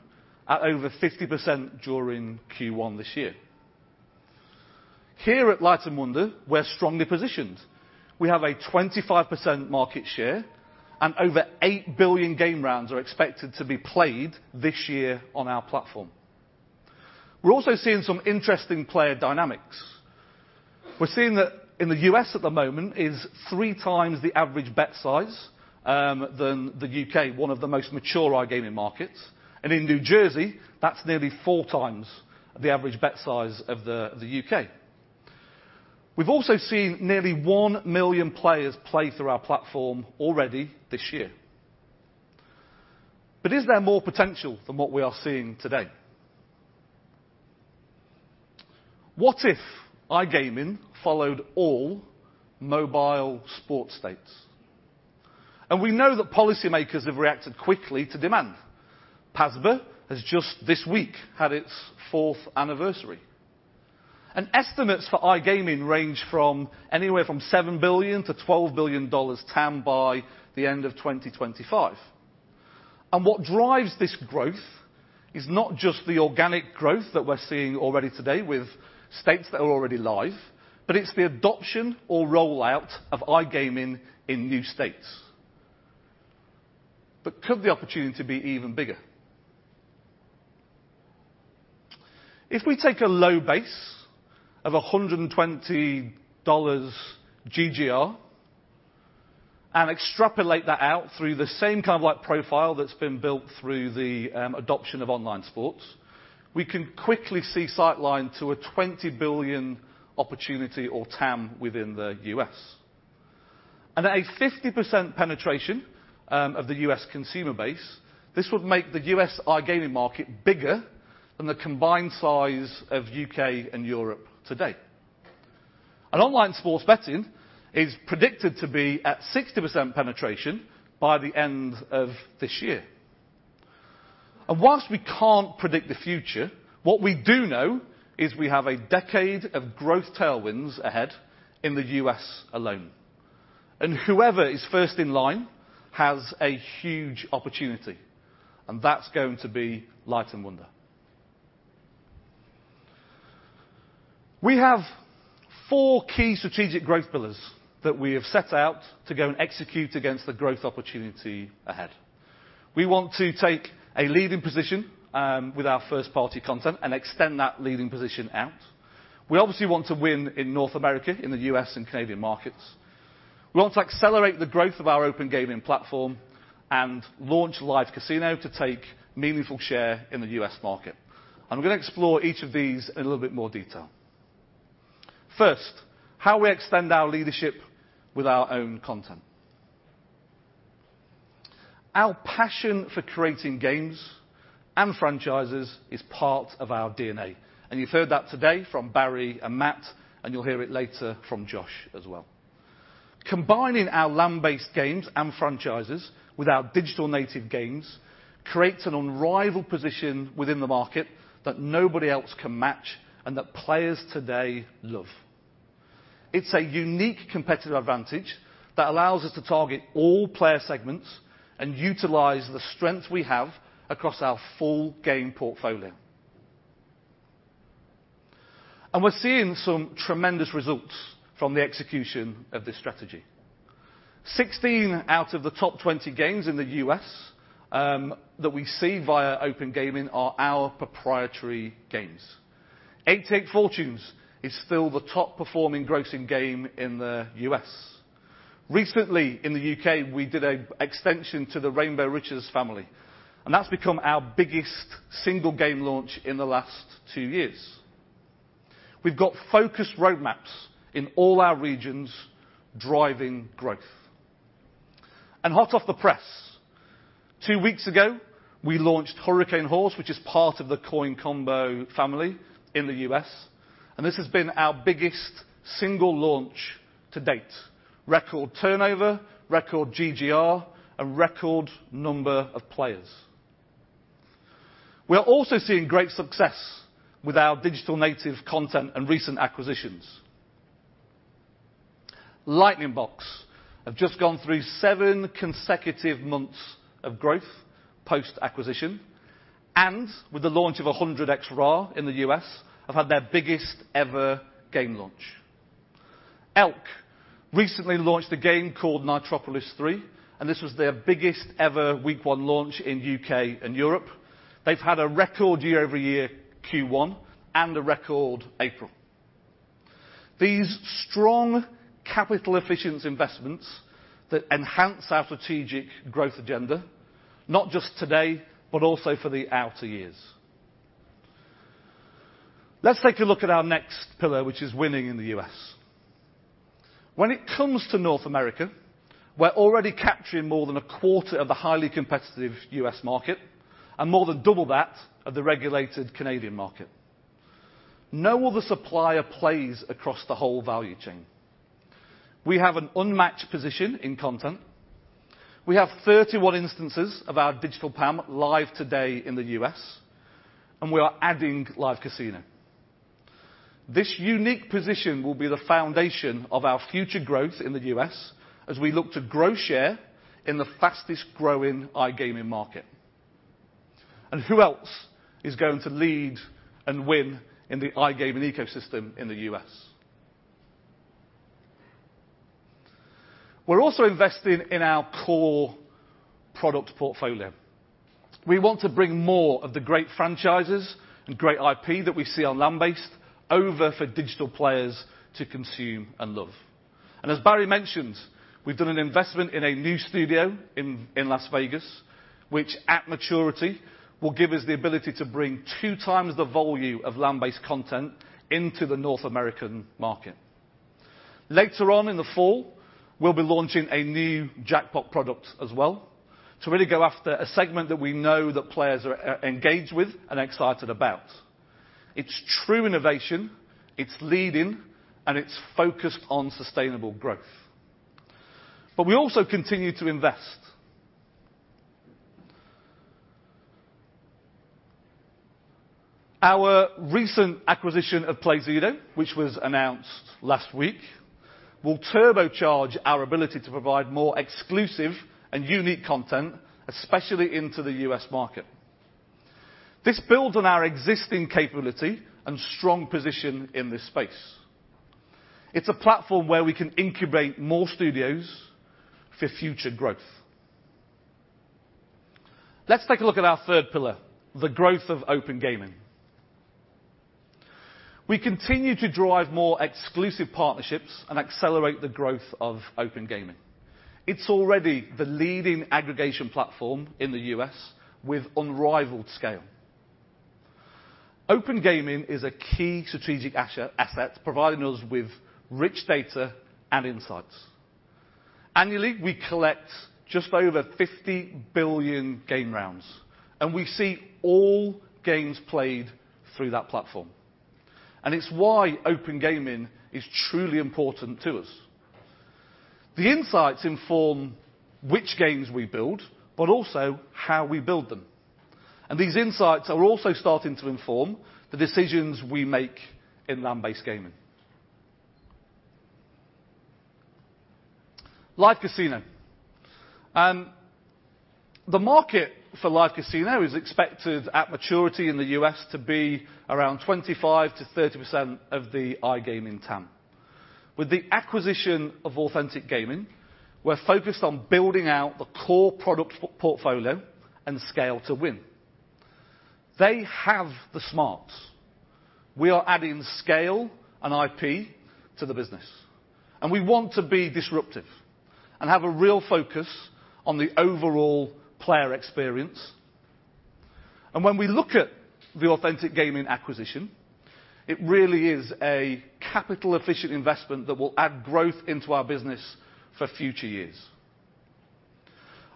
at over 50% during Q1 this year. Here at Light & Wonder, we're strongly positioned. We have a 25% market share, and over 8 billion game rounds are expected to be played this year on our platform. We're also seeing some interesting player dynamics. We're seeing that in the U.S. at the moment is three times the average bet size than the U.K., one of the most mature iGaming markets. And in New Jersey, that's nearly 4x the average bet size of the U.K. We've also seen nearly 1 million players play through our platform already this year. But is there more potential than what we are seeing today? What if iGaming followed all mobile sports states? And we know that policymakers have reacted quickly to demand. PASPA has just this week had its fourth anniversary. And estimates for iGaming range from anywhere from $7 billion-$12 billion TAM by the end of 2025. And what drives this growth is not just the organic growth that we're seeing already today with states that are already live, but it's the adoption or rollout of iGaming in new states. But could the opportunity be even bigger? If we take a low base of $120 GGR and extrapolate that out through the same kind of like profile that's been built through the adoption of online sports, we can quickly see line of sight to a $20 billion opportunity or TAM within the U.S. And at a 50% penetration of the U.S. consumer base, this would make the U.S. iGaming market bigger than the combined size of U.K. and Europe today. Online sports betting is predicted to be at 60% penetration by the end of this year. While we can't predict the future, what we do know is we have a decade of growth tailwinds ahead in the US alone.... Whoever is first in line has a huge opportunity, and that's going to be Light & Wonder. We have four key strategic growth pillars that we have set out to go and execute against the growth opportunity ahead. We want to take a leading position with our first-party content and extend that leading position out. We obviously want to win in North America, in the U.S. and Canadian markets. We want to accelerate the growth of our OpenGaming platform and launch live casino to take meaningful share in the U.S. market. I'm gonna explore each of these in a little bit more detail. First, how we extend our leadership with our own content. Our passion for creating games and franchises is part of our DNA, and you've heard that today from Barry and Matt, and you'll hear it later from Josh as well. Combining our land-based games and franchises with our digital native games creates an unrivaled position within the market that nobody else can match, and that players today love. It's a unique competitive advantage that allows us to target all player segments and utilize the strength we have across our full game portfolio. And we're seeing some tremendous results from the execution of this strategy. 16 out of the top 20 games in the U.S. that we see via OpenGaming are our proprietary games. 88 Fortunes is still the top-performing grossing game in the U.S. Recently, in the U.K., we did an extension to the Rainbow Riches family, and that's become our biggest single game launch in the last two years. We've got focused roadmaps in all our regions driving growth. And hot off the press, two weeks ago, we launched Hurricane Horse, which is part of the Coin Combo family in the U.S., and this has been our biggest single launch to date. Record turnover, record GGR, a record number of players. We are also seeing great success with our digital native content and recent acquisitions. Lightning Box have just gone through seven consecutive months of growth post-acquisition, and with the launch of 100x Ra in the U.S., have had their biggest ever game launch. ELK recently launched a game called Nitropolis 3, and this was their biggest ever week one launch in U.K. and Europe. They've had a record year-over-year Q1 and a record April. These strong capital efficient investments that enhance our strategic growth agenda, not just today, but also for the outer years. Let's take a look at our next pillar, which is winning in the U.S., When it comes to North America, we're already capturing more than a quarter of the highly competitive U.S. market, and more than double that of the regulated Canadian market. No other supplier plays across the whole value chain. We have an unmatched position in content. We have thirty-one instances of our digital PAM live today in the US, and we are adding live casino. This unique position will be the foundation of our future growth in the U.S. as we look to grow share in the fastest-growing iGaming market, and who else is going to lead and win in the iGaming ecosystem in the U.S.? We're also investing in our core product portfolio. We want to bring more of the great franchises and great IP that we see on land-based over for digital players to consume and love, and as Barry mentioned, we've done an investment in a new studio in Las Vegas, which, at maturity, will give us the ability to bring two times the volume of land-based content into the North American market. Later on in the fall, we'll be launching a new jackpot product as well, to really go after a segment that we know that players are engaged with and excited about. It's true innovation, it's leading, and it's focused on sustainable growth, but we also continue to invest. Our recent acquisition of Playzido, which was announced last week, will turbocharge our ability to provide more exclusive and unique content, especially into the U.S. market. This builds on our existing capability and strong position in this space. It's a platform where we can incubate more studios for future growth. Let's take a look at our third pillar, the growth of OpenGaming. We continue to drive more exclusive partnerships and accelerate the growth of OpenGaming. It's already the leading aggregation platform in the U.S., with unrivaled scale. OpenGaming is a key strategic asset, providing us with rich data and insights. Annually, we collect just over 50 billion game rounds, and we see all games played through that platform, and it's why OpenGaming is truly important to us. The insights inform which games we build, but also how we build them, and these insights are also starting to inform the decisions we make in land-based gaming. Live casino. The market for live casino is expected, at maturity in the U.S., to be around 25%-30% of the iGaming TAM. With the acquisition of Authentic Gaming, we're focused on building out the core product portfolio and scale to win. They have the smarts. We are adding scale and IP to the business, and we want to be disruptive and have a real focus on the overall player experience. When we look at the Authentic Gaming acquisition, it really is a capital-efficient investment that will add growth into our business for future years.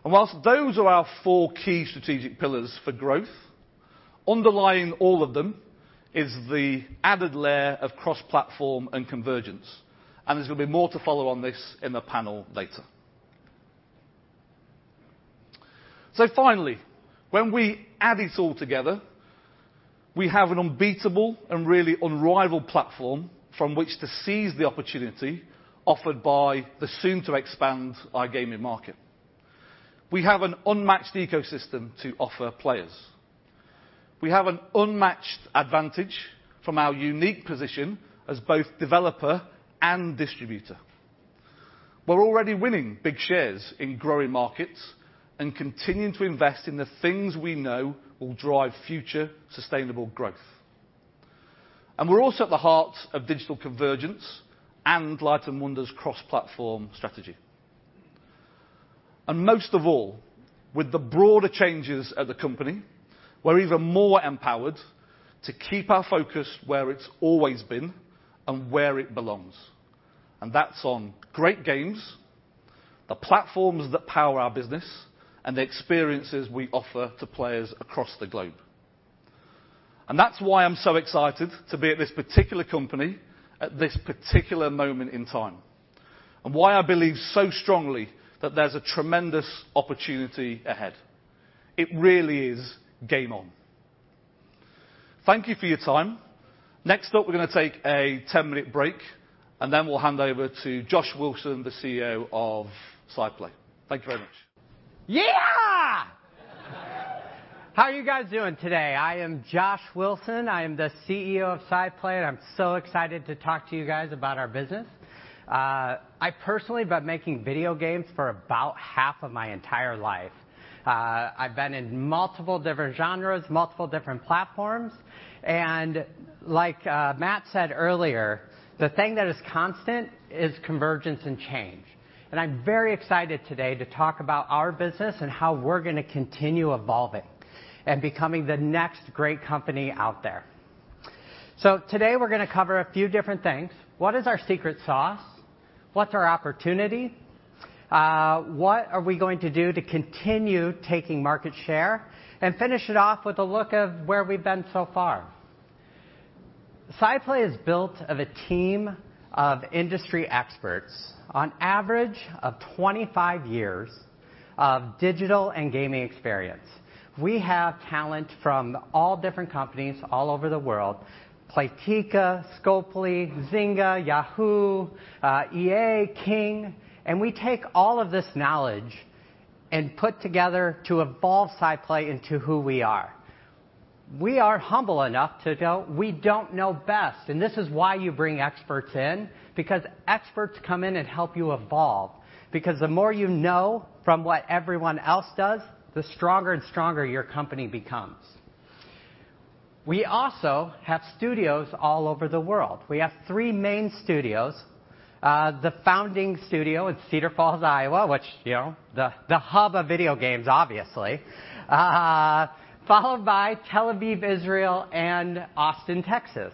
While those are our four key strategic pillars for growth, underlying all of them is the added layer of cross-platform and convergence, and there's going to be more to follow on this in the panel later. Finally, when we add it all together, we have an unbeatable and really unrivaled platform from which to seize the opportunity offered by the soon-to-expand iGaming market. We have an unmatched ecosystem to offer players. We have an unmatched advantage from our unique position as both developer and distributor. We're already winning big shares in growing markets and continuing to invest in the things we know will drive future sustainable growth, and we're also at the heart of digital convergence and Light & Wonder's cross-platform strategy, and most of all, with the broader changes at the company, we're even more empowered to keep our focus where it's always been and where it belongs, and that's on great games, the platforms that power our business, and the experiences we offer to players across the globe. And that's why I'm so excited to be at this particular company at this particular moment in time, and why I believe so strongly that there's a tremendous opportunity ahead. It really is game on. Thank you for your time. Next up, we're going to take a ten-minute break, and then we'll hand over to Josh Wilson, the CEO of SciPlay. Thank you very much. Yeah! How are you guys doing today? I am Josh Wilson. I am the CEO of SciPlay, and I'm so excited to talk to you guys about our business. I personally have been making video games for about half of my entire life. I've been in multiple different genres, multiple different platforms, and like, Matt said earlier, the thing that is constant is convergence and change. And I'm very excited today to talk about our business and how we're going to continue evolving and becoming the next great company out there. So today, we're going to cover a few different things. What is our secret sauce? What's our opportunity? What are we going to do to continue taking market share? And finish it off with a look at where we've been so far. SciPlay is built of a team of industry experts, on average of twenty-five years of digital and gaming experience. We have talent from all different companies all over the world: Playtika, Scopely, Zynga, Yahoo!, EA, King, and we take all of this knowledge and put together to evolve SciPlay into who we are. We are humble enough to know we don't know best, and this is why you bring experts in, because experts come in and help you evolve. Because the more you know from what everyone else does, the stronger and stronger your company becomes. We also have studios all over the world. We have three main studios, the founding studio in Cedar Falls, Iowa, which, you know, the hub of video games, obviously, followed by Tel Aviv, Israel, and Austin, Texas,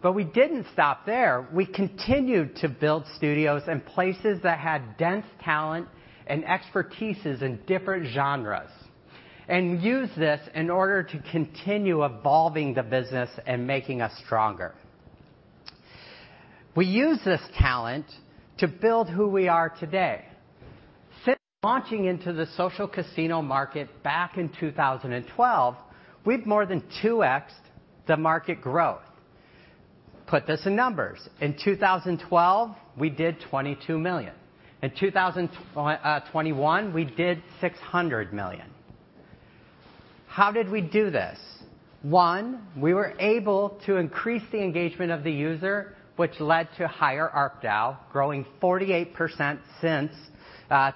but we didn't stop there. We continued to build studios in places that had dense talent and expertise in different genres, and use this in order to continue evolving the business and making us stronger. We use this talent to build who we are today. Since launching into the social casino market back in 2012, we've more than two X'd the market growth. Put this in numbers: in 2012, we did $22 million. In 2021, we did $600 million. How did we do this? One, we were able to increase the engagement of the user, which led to higher ARPDAU, growing 48% since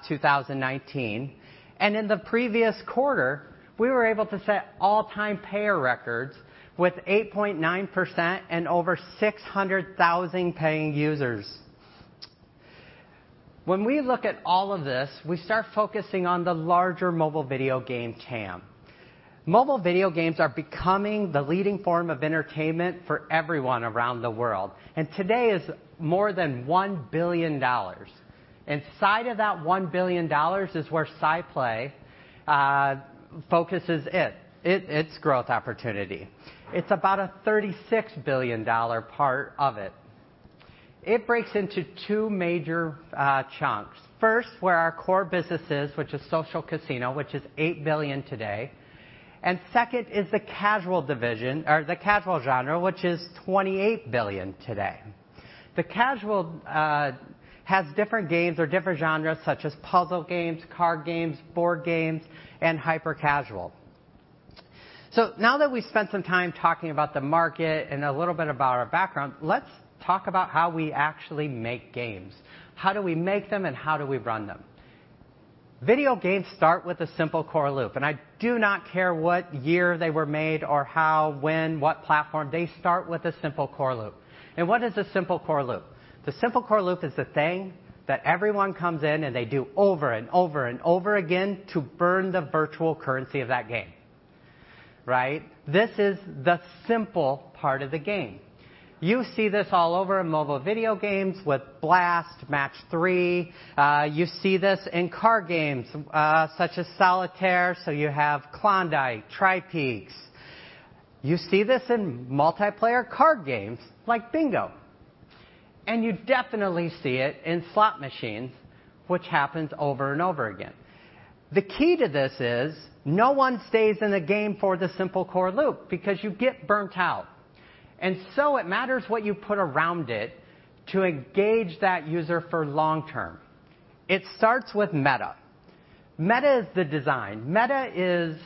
2019. And in the previous quarter, we were able to set all-time payer records with 8.9% and over 600,000 paying users. When we look at all of this, we start focusing on the larger mobile video game TAM. Mobile video games are becoming the leading form of entertainment for everyone around the world, and today is more than $1 billion. Inside of that $1 billion is where SciPlay focuses its growth opportunity. It's about a $36 billion part of it. It breaks into two major chunks. First, where our core business is, which is social casino, which is $8 billion today, and second is the casual division, or the casual genre, which is $28 billion today. The casual has different games or different genres, such as puzzle games, card games, board games, and hyper-casual. So now that we've spent some time talking about the market and a little bit about our background, let's talk about how we actually make games. How do we make them, and how do we run them? Video games start with a simple core loop, and I do not care what year they were made or how, when, what platform, they start with a simple core loop, and what is a simple core loop? The simple core loop is the thing that everyone comes in and they do over and over and over again to burn the virtual currency of that game, right? This is the simple part of the game. You see this all over in mobile video games with Blast, Match 3. You see this in card games, such as Solitaire, so you have Klondike, TriPeaks. You see this in multiplayer card games like Bingo, and you definitely see it in slot machines, which happens over and over again. The key to this is no one stays in the game for the simple core loop because you get burned out. It matters what you put around it to engage that user for long term. It starts with meta. Meta is the design. Meta is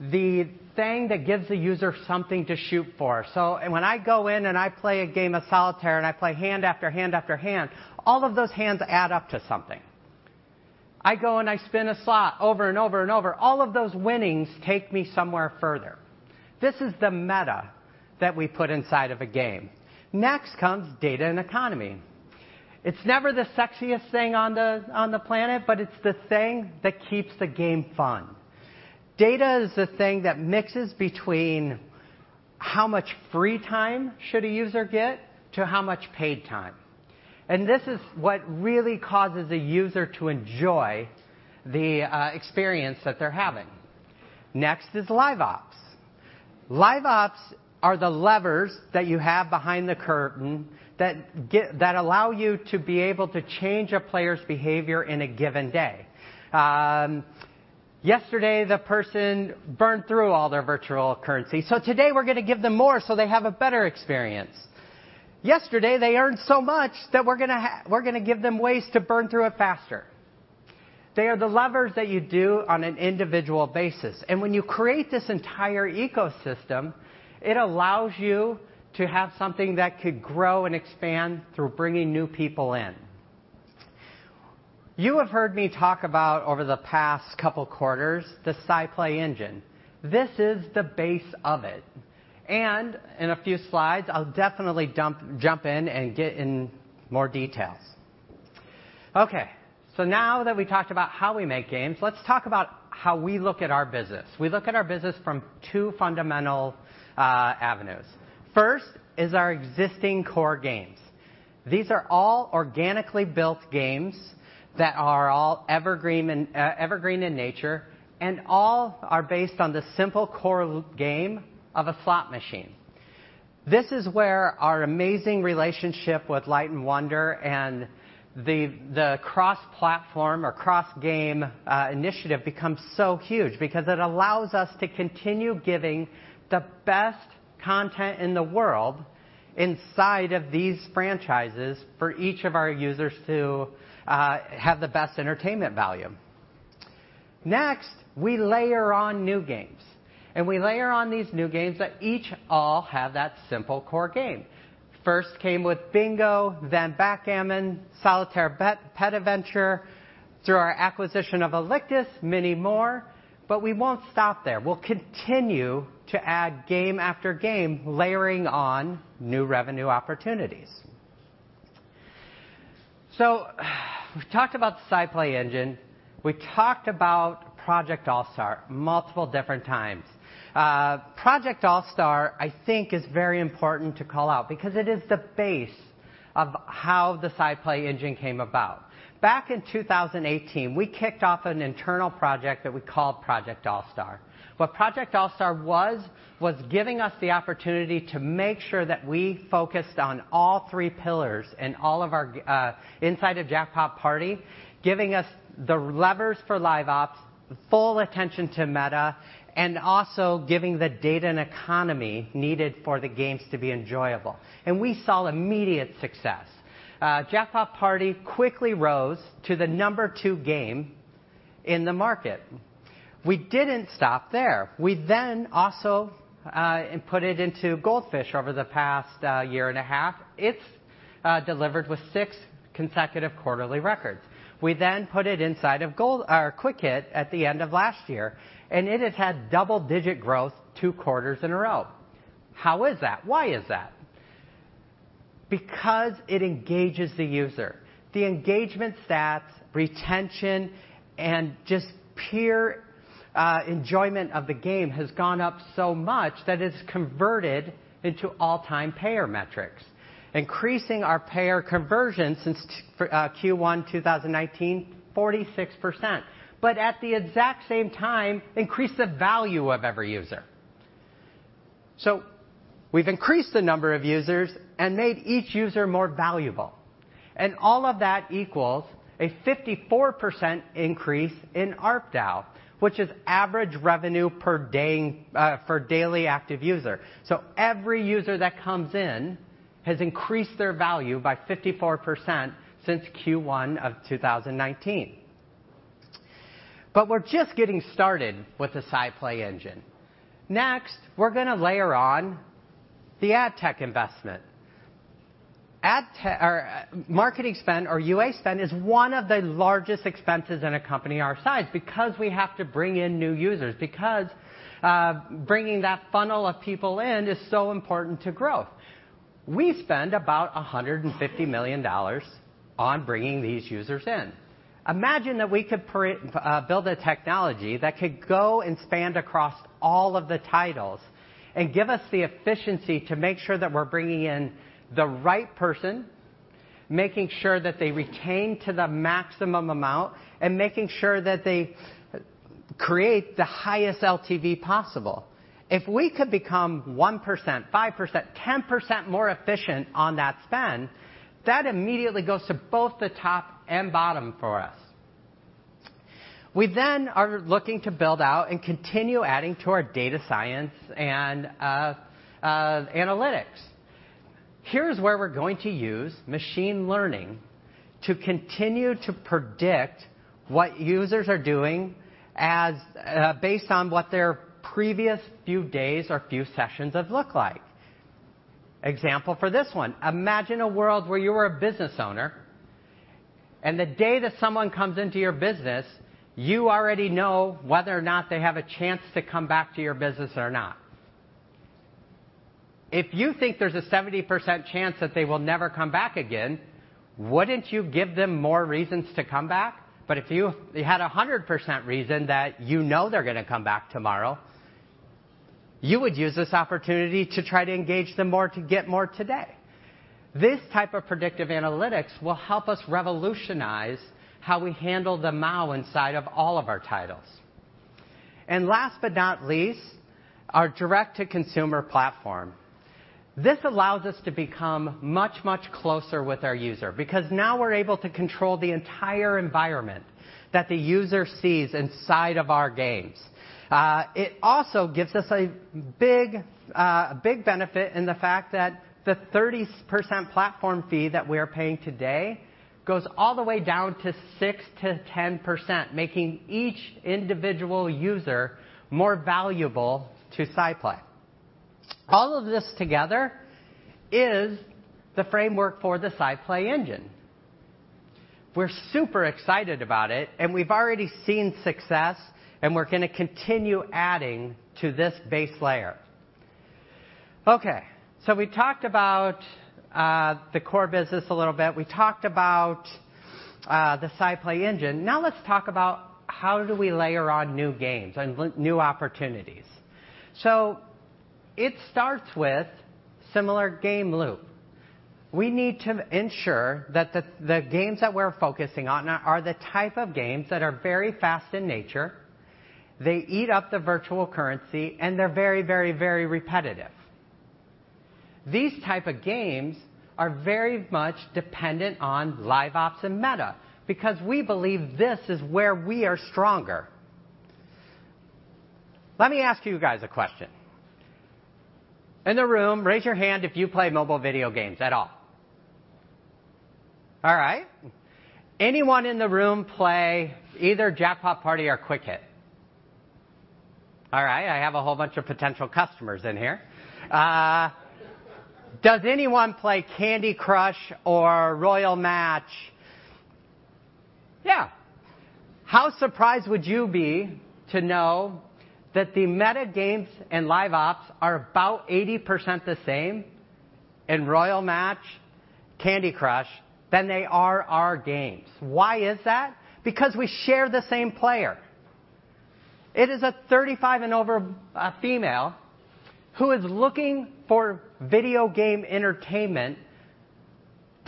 the thing that gives the user something to shoot for. So when I go in and I play a game of Solitaire, and I play hand after hand after hand, all of those hands add up to something. I go and I spin a slot over and over and over, all of those winnings take me somewhere further. This is the meta that we put inside of a game. Next comes data and economy. It's never the sexiest thing on the planet, but it's the thing that keeps the game fun. Data is the thing that mixes between how much free time should a user get to how much paid time. This is what really causes a user to enjoy the experience that they're having. Next is Live Ops. Live Ops are the levers that you have behind the curtain that allow you to be able to change a player's behavior in a given day. Yesterday, the person burned through all their virtual currency, so today we're going to give them more so they have a better experience. Yesterday, they earned so much that we're going to give them ways to burn through it faster. They are the levers that you do on an individual basis, and when you create this entire ecosystem, it allows you to have something that could grow and expand through bringing new people in. You have heard me talk about over the past couple of quarters, the SciPlay Engine. This is the base of it, and in a few slides, I'll definitely jump in and get in more details. Okay, so now that we talked about how we make games, let's talk about how we look at our business. We look at our business from two fundamental avenues. First is our existing core games. These are all organically built games that are all evergreen and evergreen in nature, and all are based on the simple core loop game of a slot machine. This is where our amazing relationship with Light & Wonder and the cross-platform or cross-game initiative becomes so huge because it allows us to continue giving the best content in the world inside of these franchises for each of our users to have the best entertainment value. Next, we layer on new games, and we layer on these new games that each all have that simple core game. First came with Bingo, then Backgammon, Solitaire Pet Adventure, through our acquisition of Alictus, many more, but we won't stop there. We'll continue to add game after game, layering on new revenue opportunities, so we've talked about the SciPlay Engine. We talked about Project All Star multiple different times. Project All Star, I think, is very important to call out because it is the base of how the SciPlay Engine came about. Back in two thousand and eighteen, we kicked off an internal project that we called Project All Star. What Project All Star was, was giving us the opportunity to make sure that we focused on all three pillars and all of our inside of Jackpot Party, giving us the levers for Live Ops, full attention to meta, and also giving the data and economy needed for the games to be enjoyable. And we saw immediate success. Jackpot Party quickly rose to the number two game in the market. We didn't stop there. We then also put it into Goldfish over the past year and a half. It's delivered with six consecutive quarterly records. We then put it inside of Quick Hit at the end of last year, and it has had double-digit growth two quarters in a row. How is that? Why is that? Because it engages the user. The engagement stats, retention, and just pure, enjoyment of the game has gone up so much that it's converted into all-time payer metrics, increasing our payer conversion since Q1 2019, 46%. But at the exact same time, increased the value of every user. So we've increased the number of users and made each user more valuable, and all of that equals a 54% increase in ARPDAU, which is average revenue per day, per daily active user. So every user that comes in has increased their value by 54% since Q1 of 2019. But we're just getting started with the SciPlay Engine. Next, we're going to layer on the ad tech investment. Ad tech or marketing spend or UA spend is one of the largest expenses in a company our size because we have to bring in new users, because bringing that funnel of people in is so important to growth. We spend about $150 million on bringing these users in. Imagine that we could build a technology that could go and span across all of the titles and give us the efficiency to make sure that we're bringing in the right person, making sure that they retain to the maximum amount, and making sure that they create the highest LTV possible. If we could become 1%, 5%, 10% more efficient on that spend, that immediately goes to both the top and bottom for us. We then are looking to build out and continue adding to our data science and analytics. Here's where we're going to use machine learning to continue to predict what users are doing as based on what their previous few days or few sessions have looked like. Example for this one: imagine a world where you were a business owner, and the day that someone comes into your business, you already know whether or not they have a chance to come back to your business or not. If you think there's a 70% chance that they will never come back again, wouldn't you give them more reasons to come back? But if you had a 100% reason that you know they're going to come back tomorrow, you would use this opportunity to try to engage them more to get more today. This type of predictive analytics will help us revolutionize how we handle the MAU inside of all of our titles, and last but not least, our direct-to-consumer platform. This allows us to become much, much closer with our user because now we're able to control the entire environment that the user sees inside of our games. It also gives us a big, a big benefit in the fact that the 30% platform fee that we are paying today goes all the way down to 6%-10%, making each individual user more valuable to SciPlay. All of this together is the framework for the SciPlay Engine. We're super excited about it, and we've already seen success, and we're going to continue adding to this base layer. Okay, so we talked about, the core business a little bit. We talked about, the SciPlay Engine. Now let's talk about how do we layer on new games and new opportunities. So it starts with similar game loop. We need to ensure that the, the games that we're focusing on are the type of games that are very fast in nature, they eat up the virtual currency, and they're very, very, very repetitive. These type of games are very much dependent on live ops and meta because we believe this is where we are stronger. Let me ask you guys a question. In the room, raise your hand if you play mobile video games at all. All right. Anyone in the room play either Jackpot Party or Quick Hit? All right. I have a whole bunch of potential customers in here. Does anyone play Candy Crush or Royal Match? Yeah. How surprised would you be to know that the meta games and live ops are about 80% the same in Royal Match, Candy Crush, than they are our games? Why is that? Because we share the same player. It is a thirty-five and over, a female who is looking for video game entertainment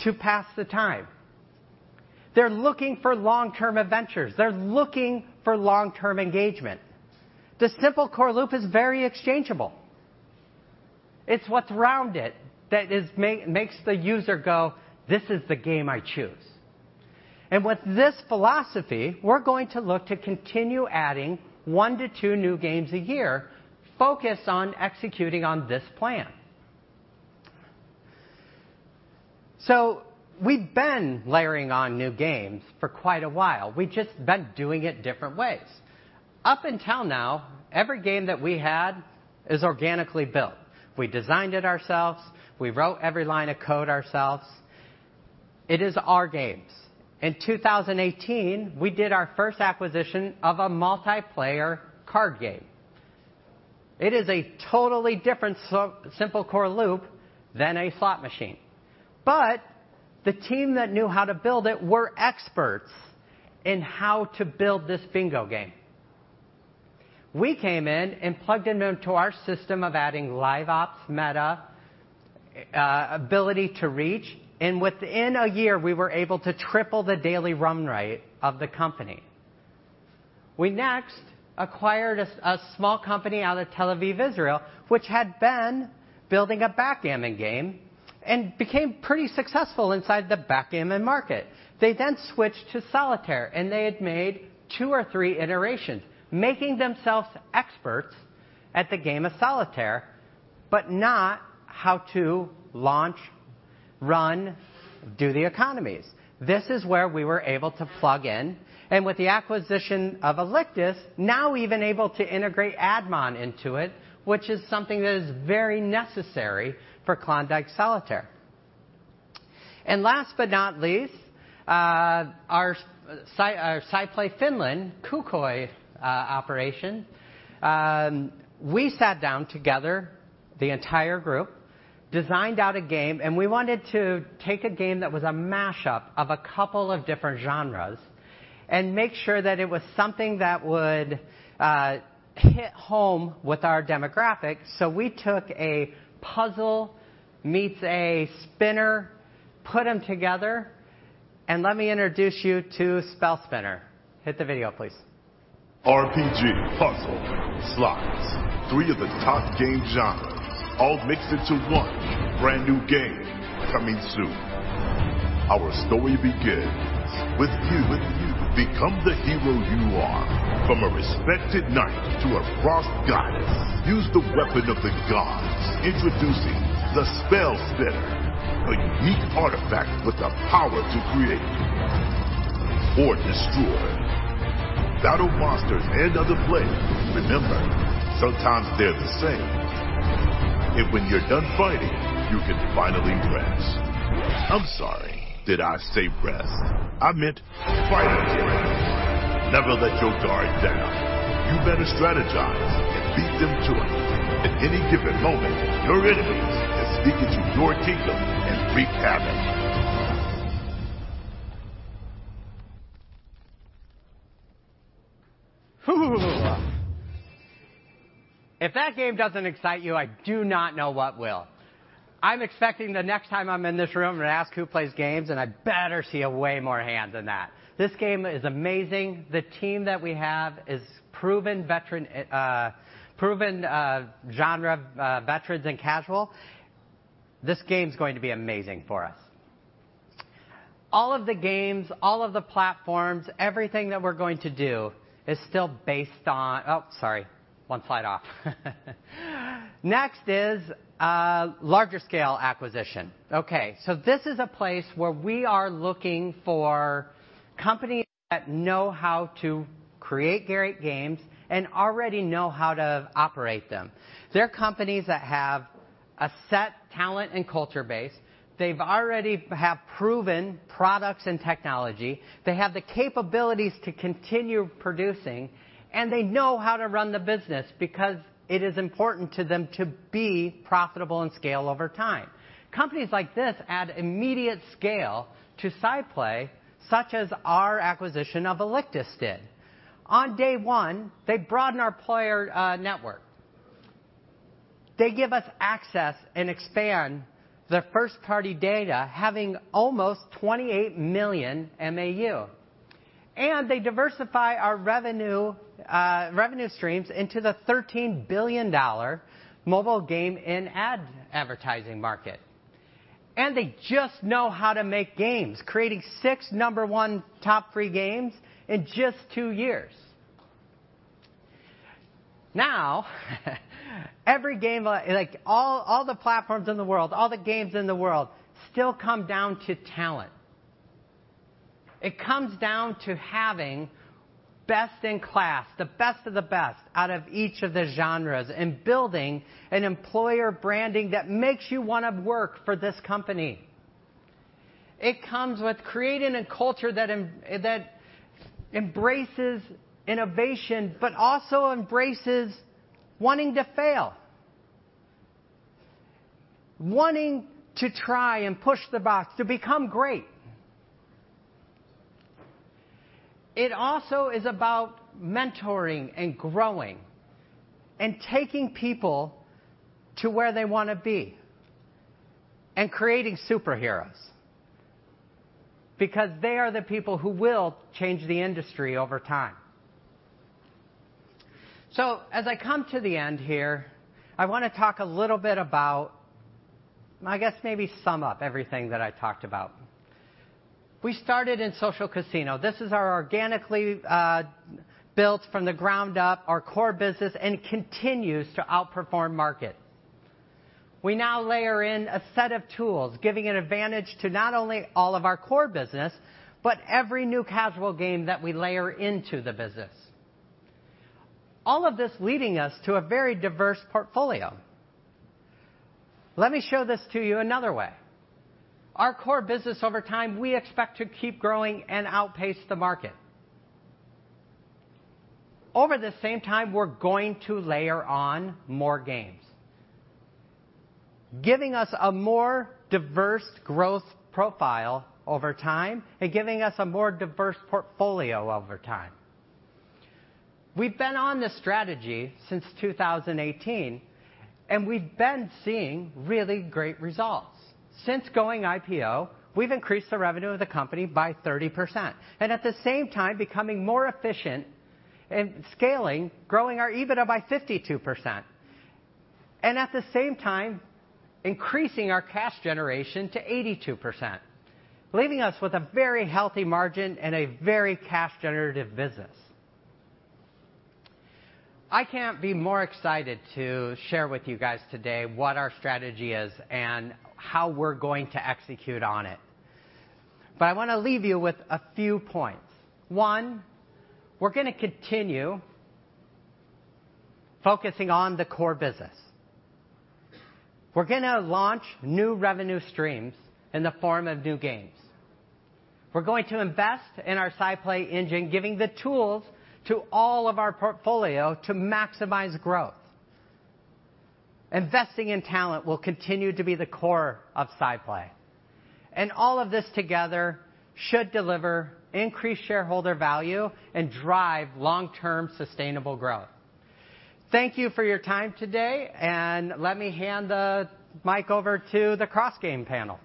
to pass the time. They're looking for long-term adventures. They're looking for long-term engagement. The simple core loop is very exchangeable. It's what's around it that makes the user go, "This is the game I choose." With this philosophy, we're going to look to continue adding one to two new games a year, focused on executing on this plan. We've been layering on new games for quite a while. We've just been doing it different ways. Up until now, every game that we had is organically built. We designed it ourselves. We wrote every line of code ourselves. It is our games. In 2018, we did our first acquisition of a multiplayer card game. It is a totally different simple core loop than a slot machine, but the team that knew how to build it were experts in how to build this bingo game. We came in and plugged them into our system of adding live ops, meta, ability to reach, and within a year, we were able to triple the daily run rate of the company. We next acquired a small company out of Tel Aviv, Israel, which had been building a backgammon game and became pretty successful inside the backgammon market. They then switched to solitaire, and they had made two or three iterations, making themselves experts at the game of solitaire, but not how to launch, run, do the economies. This is where we were able to plug in, and with the acquisition of Alictus, now we've been able to integrate AdMob into it, which is something that is very necessary for Klondike Solitaire. And last but not least, our Zynga Finland, Koukoi, operation. We sat down together, the entire group, designed out a game, and we wanted to take a game that was a mashup of a couple of different genres and make sure that it was something that would hit home with our demographic. So we took a puzzle, meets a spinner, put them together, and let me introduce you to Spell Spinner. Hit the video, please. RPG, puzzle, slots, three of the top game genres, all mixed into one brand-new game coming soon. Our story begins with you. Become the hero you are. From a respected knight to a frost goddess, use the weapon of the gods. Introducing the Spell Spinner, a unique artifact with the power to create or destroy. Battle monsters and other players. Remember, sometimes they're the same. And when you're done fighting, you can finally rest. I'm sorry, did I say rest? I meant fight again! Never let your guard down. You better strategize and beat them to it. At any given moment, your enemies can sneak into your kingdom and wreak havoc. If that game doesn't excite you, I do not know what will. I'm expecting the next time I'm in this room and ask who plays games, and I better see a way more hands than that. This game is amazing. The team that we have is proven veteran, proven genre veterans and casual. This game's going to be amazing for us. All of the games, all of the platforms, everything that we're going to do is still based on... Oh, sorry, one slide off. Next is a larger scale acquisition. Okay, so this is a place where we are looking for companies that know how to create great games and already know how to operate them. They're companies that have a set talent and culture base. They've already have proven products and technology. They have the capabilities to continue producing, and they know how to run the business because it is important to them to be profitable and scale over time. Companies like this add immediate scale to Zynga, such as our acquisition of Alictus did. On day one, they broaden our player network. They give us access and expand their first-party data, having almost 28 million MAU. And they diversify our revenue revenue streams into the $13 billion mobile game in ad advertising market. And they just know how to make games, creating six number one top free games in just two years. Now, every game, like, all the platforms in the world, all the games in the world, still come down to talent. It comes down to having best-in-class, the best of the best out of each of the genres, and building an employer branding that makes you want to work for this company. It comes with creating a culture that embraces innovation, but also embraces wanting to fail, wanting to try and push the box to become great. It also is about mentoring and growing and taking people to where they want to be and creating superheroes, because they are the people who will change the industry over time. As I come to the end here, I want to talk a little bit about... I guess maybe sum up everything that I talked about. We started in social casino. This is our organically built from the ground up, our core business, and continues to outperform market. We now layer in a set of tools, giving an advantage to not only all of our core business, but every new casual game that we layer into the business. All of this leading us to a very diverse portfolio. Let me show this to you another way. Our core business over time, we expect to keep growing and outpace the market. Over the same time, we're going to layer on more games, giving us a more diverse growth profile over time and giving us a more diverse portfolio over time. We've been on this strategy since 2018, and we've been seeing really great results. Since going IPO, we've increased the revenue of the company by 30%, and at the same time becoming more efficient and scaling, growing our EBITDA by 52%. And at the same time, increasing our cash generation to 82%, leaving us with a very healthy margin and a very cash generative business. I can't be more excited to share with you guys today what our strategy is and how we're going to execute on it. But I want to leave you with a few points. One, we're going to continue focusing on the core business. We're gonna launch new revenue streams in the form of new games. We're going to invest in our SciPlay Engine, giving the tools to all of our portfolio to maximize growth. Investing in talent will continue to be the core of SciPlay, and all of this together should deliver increased shareholder value and drive long-term sustainable growth. Thank you for your time today, and let me hand the mic over to the cross-game panel.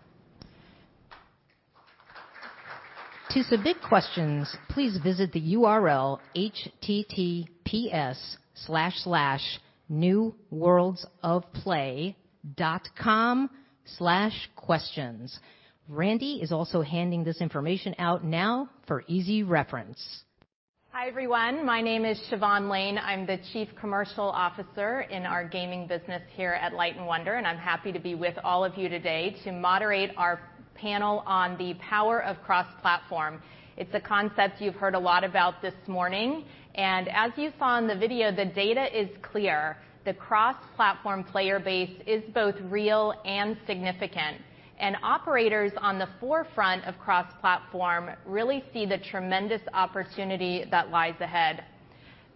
To submit questions, please visit the URL https://newworldsofplay.com/questions. Randy is also handing this information out now for easy reference. Hi, everyone. My name is Siobhan Lane. I'm the Chief Commercial Officer in our gaming business here at Light & Wonder, and I'm happy to be with all of you today to moderate our panel on the power of cross-platform. It's a concept you've heard a lot about this morning, and as you saw in the video, the data is clear: the cross-platform player base is both real and significant, and operators on the forefront of cross-platform really see the tremendous opportunity that lies ahead.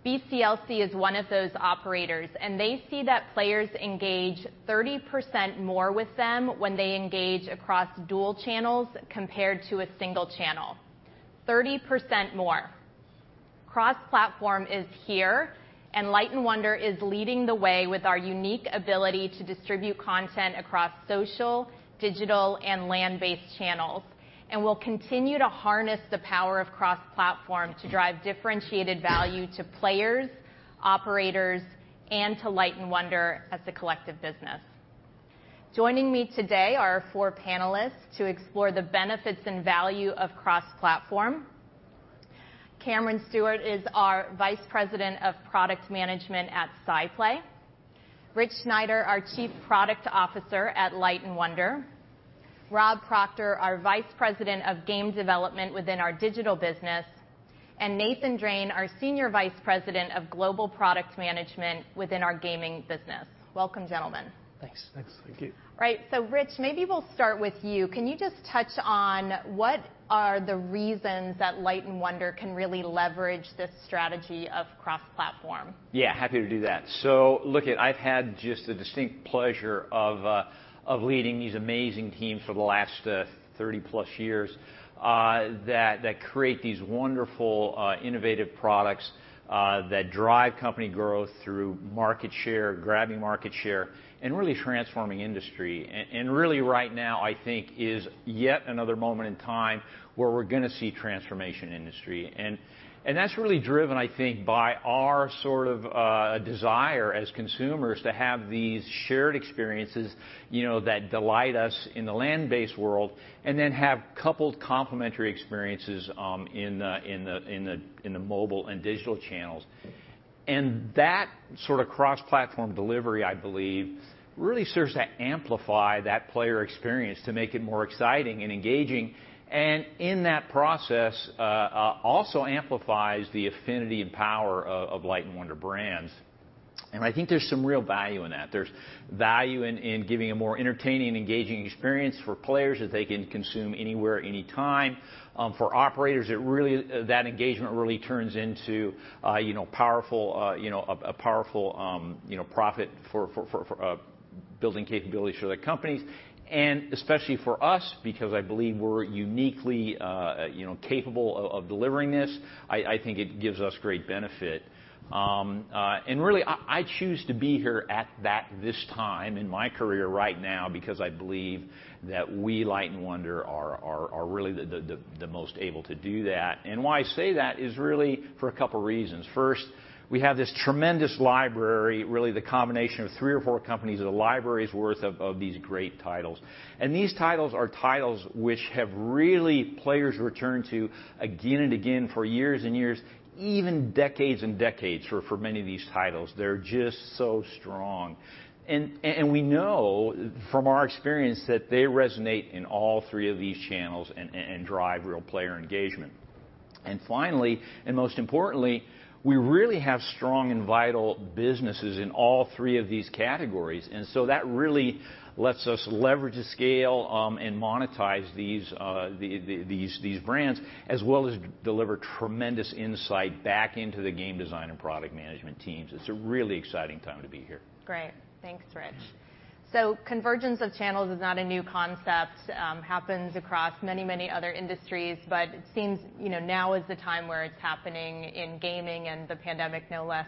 BCLC is one of those operators, and they see that players engage 30% more with them when they engage across dual channels compared to a single channel. 30% more. Cross-platform is here, and Light & Wonder is leading the way with our unique ability to distribute content across social, digital, and land-based channels. And we'll continue to harness the power of cross-platform to drive differentiated value to players, operators, and to Light & Wonder as a collective business. Joining me today are our four panelists to explore the benefits and value of cross-platform. Cameron Stewart is our Vice President of Product Management at SciPlay, Rich Schneider, our Chief Product Officer at Light & Wonder, Rob Proctor, our Vice President of Game Development within our digital business, and Nathan Drane, our Senior Vice President of Global Product Management within our gaming business. Welcome, gentlemen. Thanks. Thanks. Thank you. All right, so Rich, maybe we'll start with you. Can you just touch on what are the reasons that Light & Wonder can really leverage this strategy of cross-platform? Yeah, happy to do that. So look, I've had just the distinct pleasure of leading these amazing teams for the last thirty-plus years that create these wonderful innovative products that drive company growth through market share, grabbing market share, and really transforming industry. Really right now, I think, is yet another moment in time where we're gonna see transformation in industry. That's really driven, I think, by our sort of desire as consumers to have these shared experiences, you know, that delight us in the land-based world, and then have coupled complementary experiences in the mobile and digital channels. That sort of cross-platform delivery, I believe, really serves to amplify that player experience to make it more exciting and engaging, and in that process, also amplifies the affinity and power of Light & Wonder brands. I think there's some real value in that. There's value in giving a more entertaining and engaging experience for players that they can consume anywhere, anytime. For operators, it really, that engagement really turns into, you know, powerful, you know, a powerful, you know, profit for building capabilities for their companies, and especially for us, because I believe we're uniquely, you know, capable of delivering this. I think it gives us great benefit. Really, I choose to be here at this time in my career right now because I believe that we, Light & Wonder, are really the most able to do that. Why I say that is really for a couple reasons. First, we have this tremendous library, really the combination of three or four companies with a library's worth of these great titles. These titles are titles which have really players return to again and again for years and years, even decades and decades for many of these titles. They're just so strong, and we know from our experience that they resonate in all three of these channels and drive real player engagement. Finally, and most importantly, we really have strong and vital businesses in all three of these categories, and so that really. Let us leverage the scale and monetize these brands, as well as deliver tremendous insight back into the game design and product management teams. It's a really exciting time to be here. Great. Thanks, Rich. So convergence of channels is not a new concept. Happens across many, many other industries, but it seems, you know, now is the time where it's happening in gaming, and the pandemic, no less,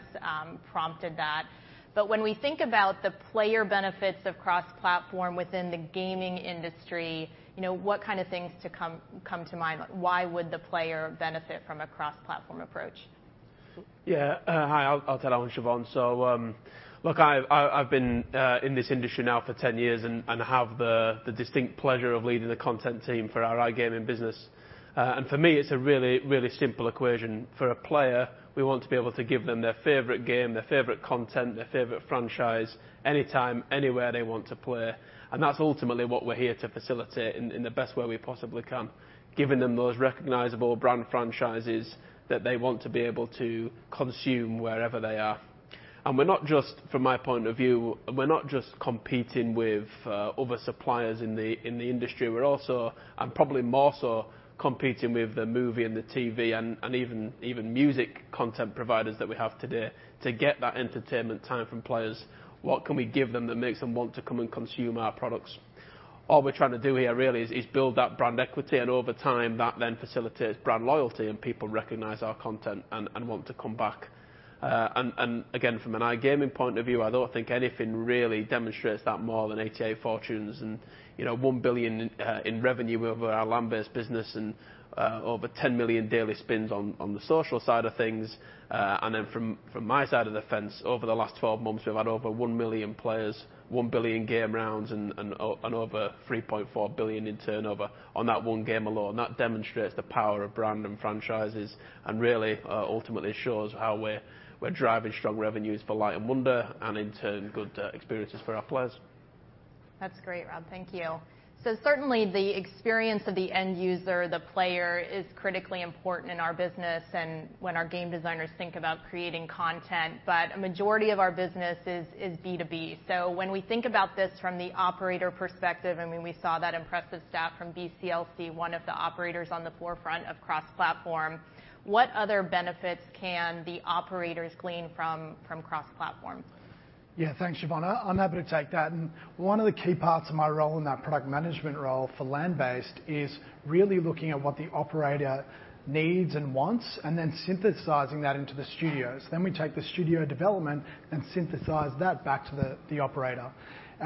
prompted that. But when we think about the player benefits of cross-platform within the gaming industry, you know, what kind of things come to mind? Why would the player benefit from a cross-platform approach? Yeah, hi, I'll tell on Siobhan. So, look, I've been in this industry now for ten years and have the distinct pleasure of leading the content team for our iGaming business. And for me, it's a really, really simple equation. For a player, we want to be able to give them their favorite game, their favorite content, their favorite franchise, anytime, anywhere they want to play, and that's ultimately what we're here to facilitate in the best way we possibly can, giving them those recognizable brand franchises that they want to be able to consume wherever they are. And we're not just, from my point of view, we're not just competing with other suppliers in the industry. We're also, and probably more so, competing with the movie and the TV and even music content providers that we have today to get that entertainment time from players. What can we give them that makes them want to come and consume our products? All we're trying to do here really is build that brand equity, and over time, that then facilitates brand loyalty, and people recognize our content and want to come back. And again, from an iGaming point of view, I don't think anything really demonstrates that more than 88 Fortunes and, you know, $1 billion in revenue over our land-based business and over 10 million daily spins on the social side of things. And then from my side of the fence, over the last 12 months, we've had over 1 million players, 1 billion game rounds, and over $3.4 billion in turnover on that one game alone. That demonstrates the power of brand and franchises and really, ultimately shows how we're driving strong revenues for Light & Wonder, and in turn, good experiences for our players. That's great, Rob. Thank you. So certainly, the experience of the end user, the player, is critically important in our business and when our game designers think about creating content, but a majority of our business is B2B. So when we think about this from the operator perspective, I mean, we saw that impressive staff from BCLC, one of the operators on the forefront of cross-platform. What other benefits can the operators glean from cross-platform? Yeah, thanks, Siobhan. I'm happy to take that. One of the key parts of my role in that product management role for land-based is really looking at what the operator needs and wants, and then synthesizing that into the studios, then we take the studio development and synthesize that back to the operator.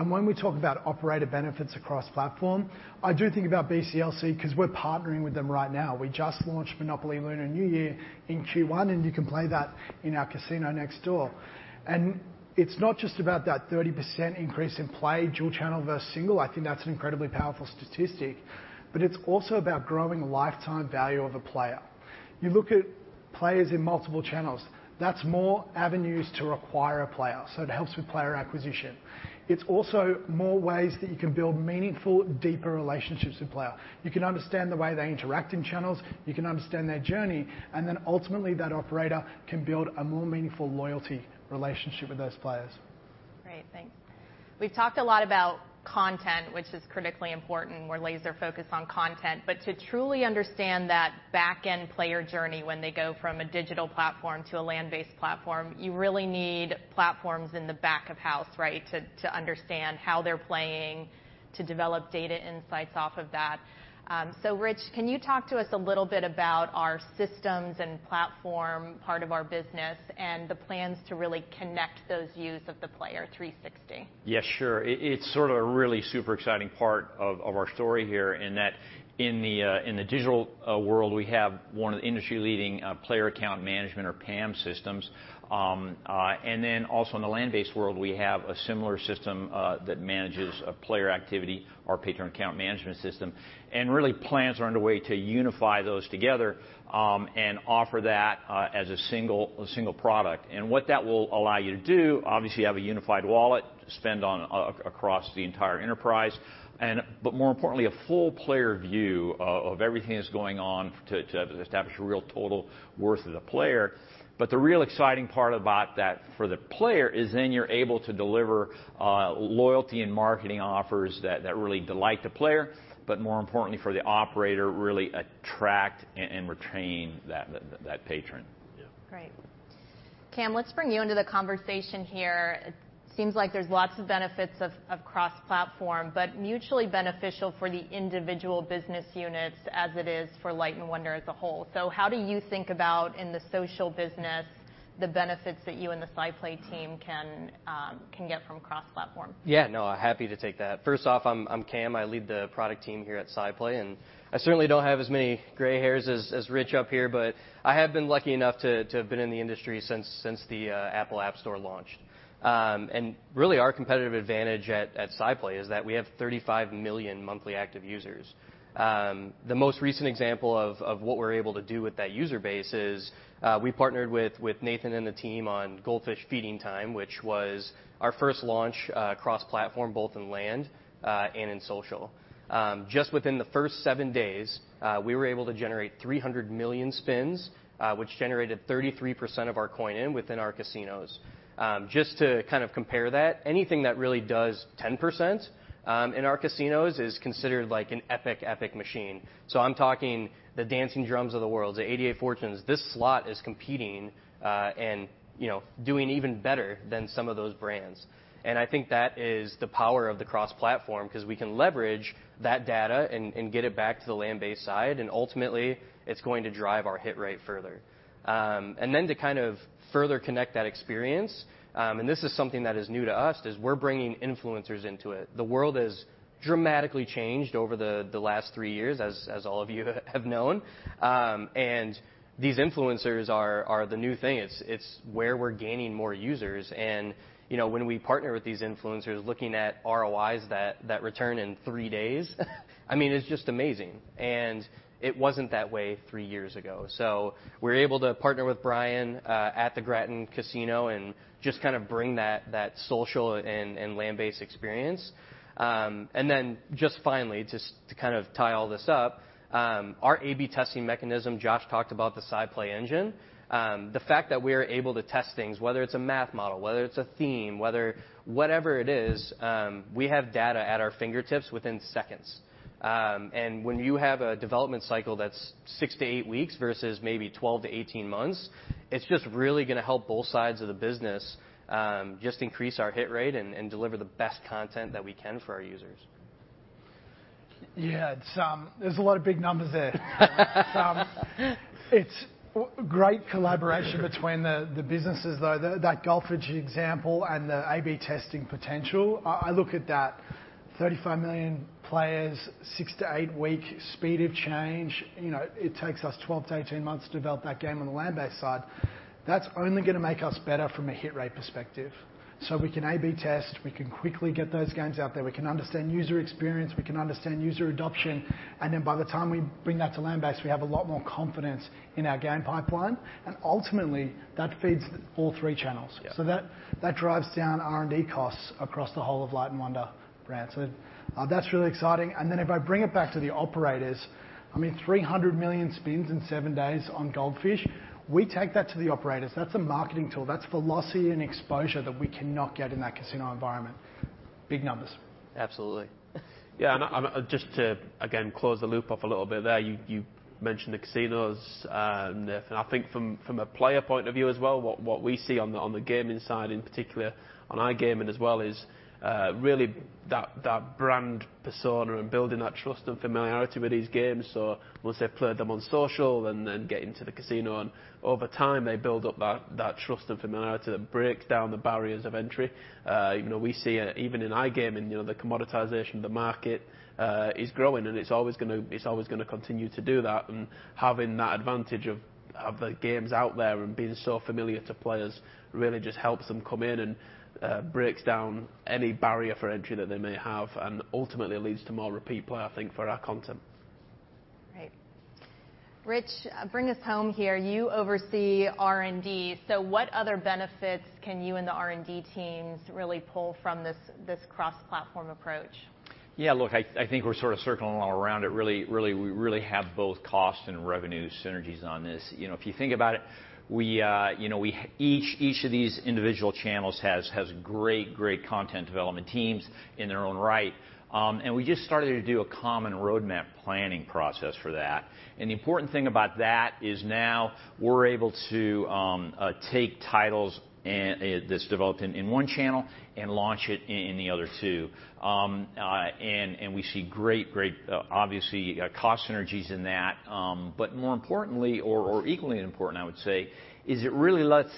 When we talk about operator benefits across platform, I do think about BCLC 'cause we're partnering with them right now. We just launched Monopoly Lunar New Year in Q1, and you can play that in our casino next door. It's not just about that 30% increase in play, dual channel versus single. I think that's an incredibly powerful statistic, but it's also about growing lifetime value of a player. You look at players in multiple channels. That's more avenues to acquire a player, so it helps with player acquisition. It's also more ways that you can build meaningful, deeper relationships with player. You can understand the way they interact in channels, you can understand their journey, and then ultimately, that operator can build a more meaningful loyalty relationship with those players. Great, thanks. We've talked a lot about content, which is critically important. We're laser-focused on content, but to truly understand that back-end player journey when they go from a digital platform to a land-based platform, you really need platforms in the back of house, right? To understand how they're playing, to develop data insights off of that. So Rich, can you talk to us a little bit about our systems and platform part of our business and the plans to really connect those views of the player three sixty? Yes, sure. It's sort of a really super exciting part of our story here, in that in the digital world, we have one of the industry-leading player account management or PAM systems. And then also in the land-based world, we have a similar system that manages player activity, our patron account management system. And really, plans are underway to unify those together, and offer that as a single product. And what that will allow you to do, obviously, you have a unified wallet to spend across the entire enterprise, and but more importantly, a full player view of everything that's going on to establish a real total worth of the player. But the real exciting part about that for the player is then you're able to deliver loyalty and marketing offers that really delight the player, but more importantly, for the operator, really attract and retain that patron. Yeah. Great. Cam, let's bring you into the conversation here. It seems like there's lots of benefits of, of cross-platform, but mutually beneficial for the individual business units, as it is for Light & Wonder as a whole. So how do you think about, in the social business-... the benefits that you and the SciPlay team can, can get from cross-platform? Yeah, no, happy to take that. First off, I'm Cam, I lead the product team here at SciPlay, and I certainly don't have as many gray hairs as Rich up here, but I have been lucky enough to have been in the industry since the Apple App Store launched, and really, our competitive advantage at SciPlay is that we have 35 million monthly active users. The most recent example of what we're able to do with that user base is we partnered with Nathan and the team on Goldfish Feeding Time, which was our first launch cross-platform, both in land and in social. Just within the first seven days, we were able to generate 300 million spins, which generated 33% of our coin in within our casinos. Just to kind of compare that, anything that really does 10% in our casinos is considered like an epic, epic machine. So I'm talking the Dancing Drums of the world, the 88 Fortunes. This slot is competing, and, you know, doing even better than some of those brands. And I think that is the power of the cross-platform, 'cause we can leverage that data and get it back to the land-based side, and ultimately, it's going to drive our hit rate further. And then to kind of further connect that experience, and this is something that is new to us, is we're bringing influencers into it. The world has dramatically changed over the last three years, as all of you have known. And these influencers are the new thing. It's where we're gaining more users, and, you know, when we partner with these influencers, looking at ROIs that return in three days, I mean, it's just amazing, and it wasn't that way three years ago, so we're able to partner with Brian at the Graton Casino and just kind of bring that social and land-based experience. And then just finally, just to kind of tie all this up, our A/B testing mechanism, Josh talked about the SciPlay Engine. The fact that we are able to test things, whether it's a math model, whether it's a theme, whether whatever it is, we have data at our fingertips within seconds. When you have a development cycle that's six to eight weeks versus maybe 12-18 months, it's just really gonna help both sides of the business, just increase our hit rate and deliver the best content that we can for our users. Yeah, it's. There's a lot of big numbers there. It's great collaboration between the businesses, though. That Goldfish example and the A/B testing potential, I look at that 35 million players, six- to eight-week speed of change, you know, it takes us 12-18 months to develop that game on the land-based side. That's only gonna make us better from a hit rate perspective. So we can A/B test, we can quickly get those games out there, we can understand user experience, we can understand user adoption, and then by the time we bring that to land-based, we have a lot more confidence in our game pipeline. And ultimately, that feeds all three channels. Yeah. So that, that drives down R&D costs across the whole of Light & Wonder brand. So, that's really exciting. And then if I bring it back to the operators, I mean, three hundred million spins in seven days on Goldfish? We take that to the operators, that's a marketing tool. That's velocity and exposure that we cannot get in that casino environment. Big numbers. Absolutely. Yeah, and just to, again, close the loop off a little bit there, you mentioned the casinos, and I think from a player point of view as well, what we see on the gaming side, in particular on iGaming as well, is really that brand persona and building that trust and familiarity with these games. So once they've played them on social and then get into the casino, and over time, they build up that trust and familiarity that breaks down the barriers of entry. You know, we see, even in iGaming, you know, the commoditization of the market is growing, and it's always gonna, it's always gonna continue to do that. Having that advantage of the games out there and being so familiar to players really just helps them come in and breaks down any barrier for entry that they may have, and ultimately leads to more repeat play, I think, for our content. Great. Rich, bring us home here. You oversee R&D, so what other benefits can you and the R&D teams really pull from this cross-platform approach? Yeah, look, I think we're sort of circling all around it. Really, we really have both cost and revenue synergies on this. You know, if you think about it, you know, we each of these individual channels has great, obviously, cost synergies in that. But more importantly, or equally important, I would say, is it really lets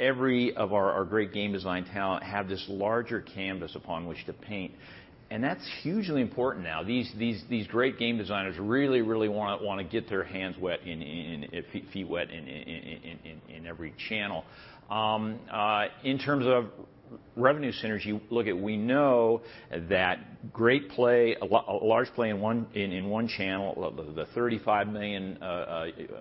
every of our great game design talent have this larger canvas upon which to paint, and that's hugely important now. These great game designers really wanna get their feet wet in every channel. In terms of revenue synergy, look, we know that a large play in one channel, the 35 million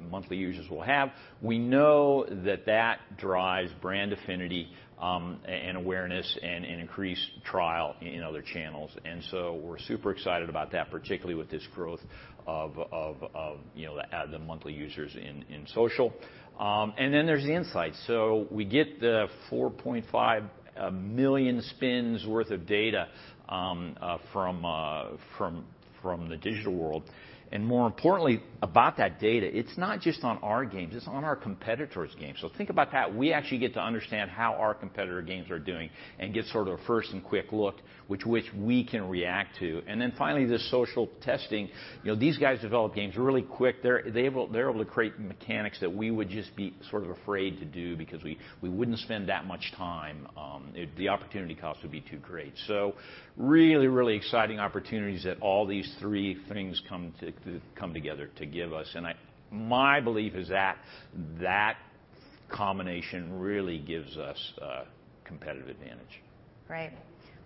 monthly users we'll have, we know that that drives brand affinity and awareness and increased trial in other channels. So we're super excited about that, particularly with this growth of, you know, the monthly users in social. And then there's the insights. So we get the 4.5 million spins worth of data from the digital world. More importantly, about that data, it's not just on our games, it's on our competitors' games. So think about that. We actually get to understand how our competitor games are doing and get sort of a first and quick look, which we can react to. And then finally, the social testing. You know, these guys develop games really quick. They're able to create mechanics that we would just be sort of afraid to do because we wouldn't spend that much time, the opportunity cost would be too great. So really, really exciting opportunities that all these three things come to come together to give us. And my belief is that that combination really gives us competitive advantage. Great.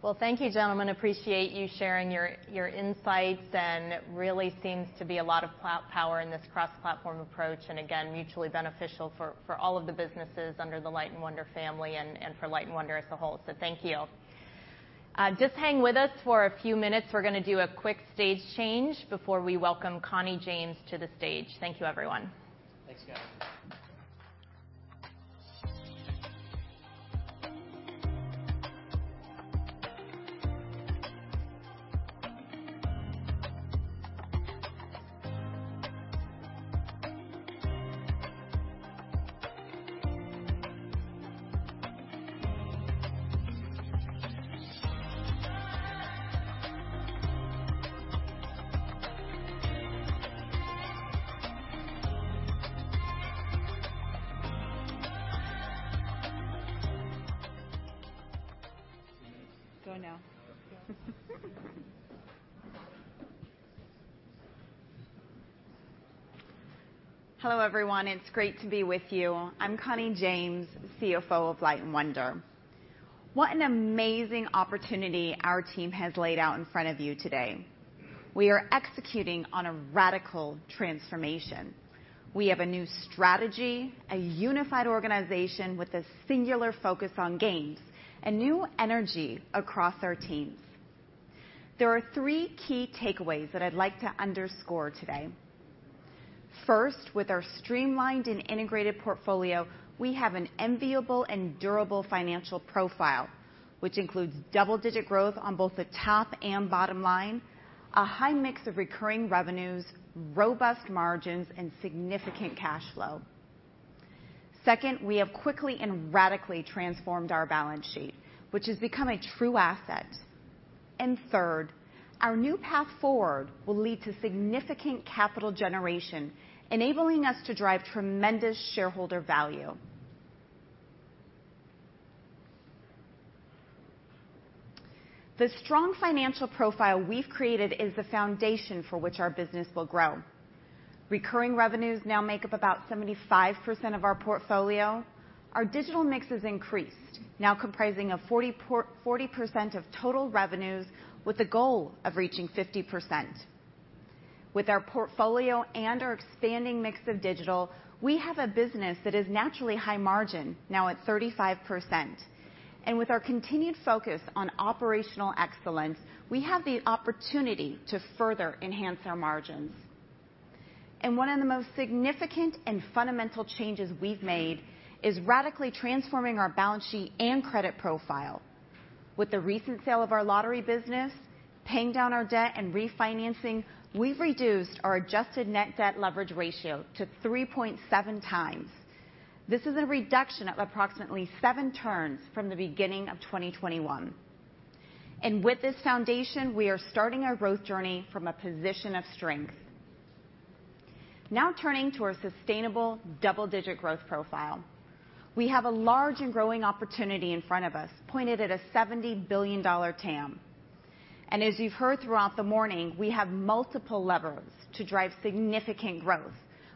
Well, thank you, gentlemen. Appreciate you sharing your insights, and really seems to be a lot of power in this cross-platform approach, and again, mutually beneficial for all of the businesses under the Light & Wonder family and for Light & Wonder as a whole. So thank you. Just hang with us for a few minutes. We're gonna do a quick stage change before we welcome Connie James to the stage. Thank you, everyone. Thanks, guys. Go now. Hello, everyone. It's great to be with you. I'm Connie James, CFO of Light & Wonder. What an amazing opportunity our team has laid out in front of you today. We are executing on a radical transformation. We have a new strategy, a unified organization with a singular focus on games, and new energy across our teams. There are three key takeaways that I'd like to underscore today. First, with our streamlined and integrated portfolio, we have an enviable and durable financial profile, which includes double-digit growth on both the top and bottom line, a high mix of recurring revenues, robust margins, and significant cash flow. Second, we have quickly and radically transformed our balance sheet, which has become a true asset, and third, our new path forward will lead to significant capital generation, enabling us to drive tremendous shareholder value. The strong financial profile we've created is the foundation for which our business will grow. Recurring revenues now make up about 75% of our portfolio. Our digital mix has increased, now comprising of 40% of total revenues, with the goal of reaching 50%. With our portfolio and our expanding mix of digital, we have a business that is naturally high margin, now at 35%. And with our continued focus on operational excellence, we have the opportunity to further enhance our margins. And one of the most significant and fundamental changes we've made is radically transforming our balance sheet and credit profile. With the recent sale of our lottery business, paying down our debt and refinancing, we've reduced our adjusted net debt leverage ratio to 3.7x. This is a reduction of approximately seven turns from the beginning of 2021. With this foundation, we are starting our growth journey from a position of strength. Now turning to our sustainable double-digit growth profile. We have a large and growing opportunity in front of us, pointed at a $70 billion TAM. And as you've heard throughout the morning, we have multiple levers to drive significant growth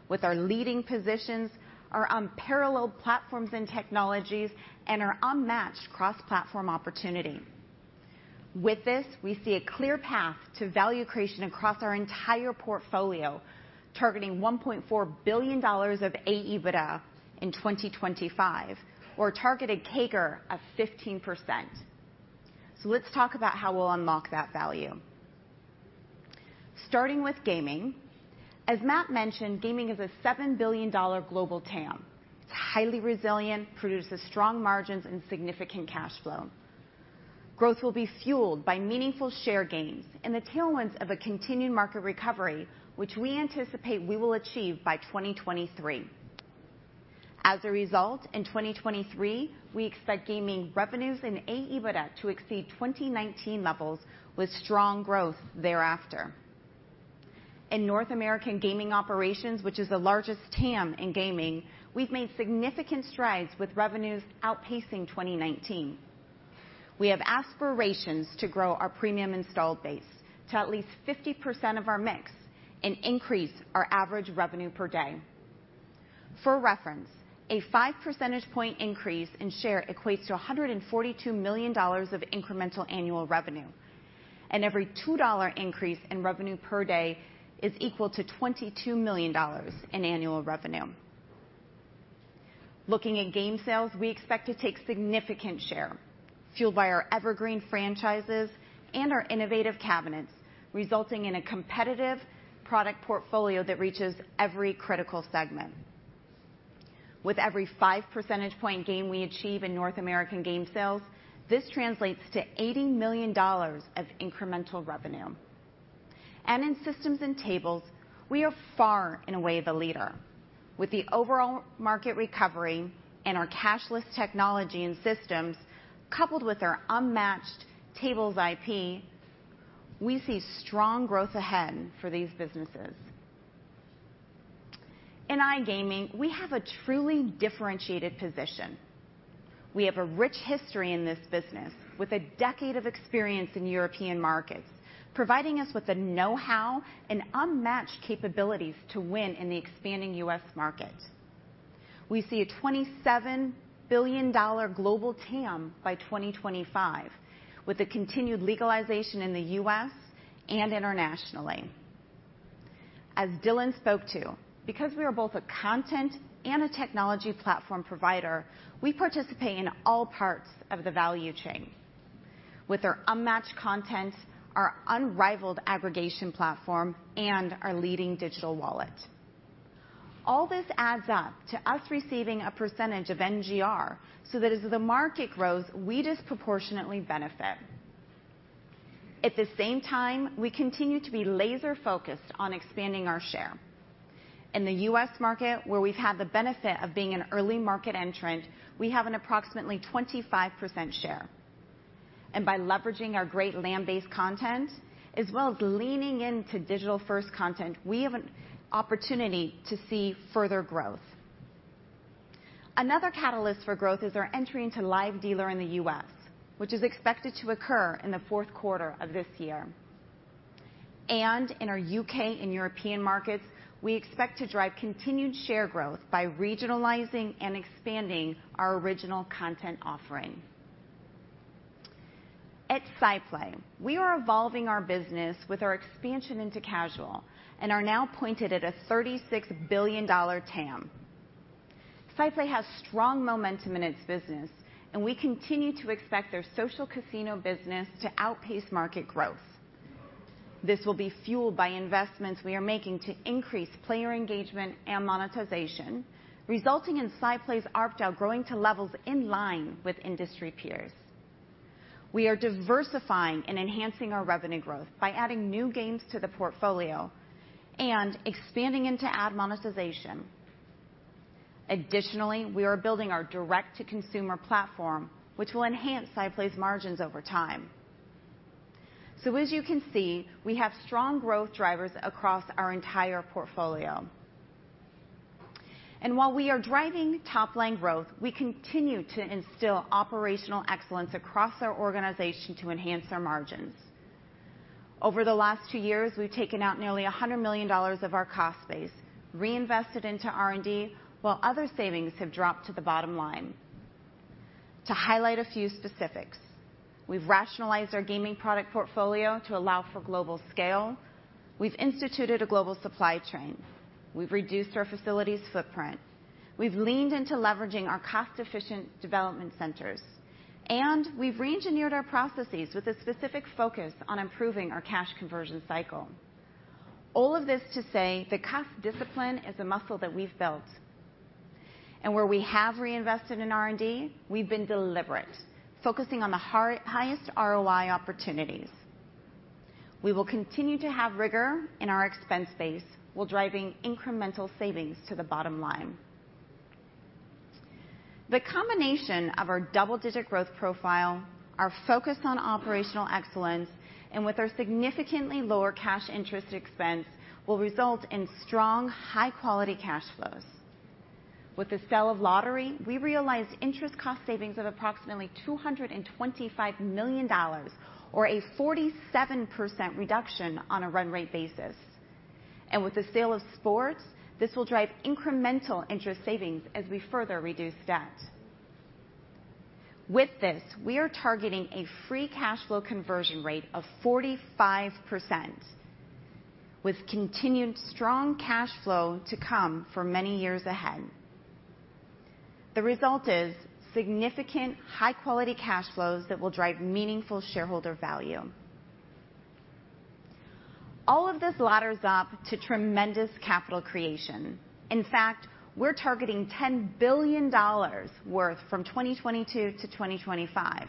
with our leading positions, our unparalleled platforms and technologies, and our unmatched cross-platform opportunity. With this, we see a clear path to value creation across our entire portfolio, targeting $1.4 billion of AEBITDA in 2025, or a targeted CAGR of 15%. Let's talk about how we'll unlock that value. Starting with gaming. As Matt mentioned, gaming is a $7 billion global TAM. It's highly resilient, produces strong margins and significant cash flow. Growth will be fueled by meaningful share gains and the tailwinds of a continued market recovery, which we anticipate we will achieve by 2023. As a result, in 2023, we expect gaming revenues and AEBITDA to exceed 2019 levels, with strong growth thereafter. In North American gaming operations, which is the largest TAM in gaming, we've made significant strides with revenues outpacing 2019. We have aspirations to grow our premium installed base to at least 50% of our mix and increase our average revenue per day. For reference, a five percentage point increase in share equates to $142 million of incremental annual revenue, and every $2 increase in revenue per day is equal to $22 million in annual revenue. Looking at game sales, we expect to take significant share, fueled by our evergreen franchises and our innovative cabinets, resulting in a competitive product portfolio that reaches every critical segment. With every five percentage point gain we achieve in North American game sales, this translates to $80 million of incremental revenue. And in systems and tables, we are far and away the leader. With the overall market recovery and our cashless technology and systems, coupled with our unmatched tables IP, we see strong growth ahead for these businesses. In iGaming, we have a truly differentiated position. We have a rich history in this business, with a decade of experience in European markets, providing us with the know-how and unmatched capabilities to win in the expanding U.S. market. We see a $27 billion global TAM by 2025, with the continued legalization in the U.S. and internationally. As Dylan spoke to, because we are both a content and a technology platform provider, we participate in all parts of the value chain with our unmatched content, our unrivaled aggregation platform, and our leading digital wallet. All this adds up to us receiving a percentage of NGR, so that as the market grows, we disproportionately benefit. At the same time, we continue to be laser-focused on expanding our share. In the U.S. market, where we've had the benefit of being an early market entrant, we have an approximately 25% share, and by leveraging our great land-based content, as well as leaning into digital-first content, we have an opportunity to see further growth. Another catalyst for growth is our entry into live dealer in the U.S., which is expected to occur in the fourth quarter of this year. In our U.K. and European markets, we expect to drive continued share growth by regionalizing and expanding our original content offering. At SciPlay, we are evolving our business with our expansion into casual and are now pointed at a $36 billion TAM. SciPlay has strong momentum in its business, and we continue to expect their social casino business to outpace market growth. This will be fueled by investments we are making to increase player engagement and monetization, resulting in SciPlay's ARPDAU growing to levels in line with industry peers. We are diversifying and enhancing our revenue growth by adding new games to the portfolio and expanding into ad monetization. Additionally, we are building our direct-to-consumer platform, which will enhance SciPlay's margins over time. As you can see, we have strong growth drivers across our entire portfolio. While we are driving top-line growth, we continue to instill operational excellence across our organization to enhance our margins. Over the last two years, we've taken out nearly $100 million of our cost base, reinvested into R&D, while other savings have dropped to the bottom line. To highlight a few specifics, we've rationalized our gaming product portfolio to allow for global scale, we've instituted a global supply chain, we've reduced our facilities footprint, we've leaned into leveraging our cost-efficient development centers, and we've reengineered our processes with a specific focus on improving our cash conversion cycle. All of this to say that cost discipline is a muscle that we've built, and where we have reinvested in R&D, we've been deliberate, focusing on the highest ROI opportunities. We will continue to have rigor in our expense base while driving incremental savings to the bottom line. The combination of our double-digit growth profile, our focus on operational excellence, and with our significantly lower cash interest expense, will result in strong, high-quality cash flows. With the sale of lottery, we realized interest cost savings of approximately $225 million, or a 47% reduction on a run rate basis. With the sale of sports, this will drive incremental interest savings as we further reduce debt. With this, we are targeting a free cash flow conversion rate of 45%, with continued strong cash flow to come for many years ahead. The result is significant, high-quality cash flows that will drive meaningful shareholder value. All of this ladders up to tremendous capital creation. In fact, we're targeting $10 billion worth from 2022 to 2025.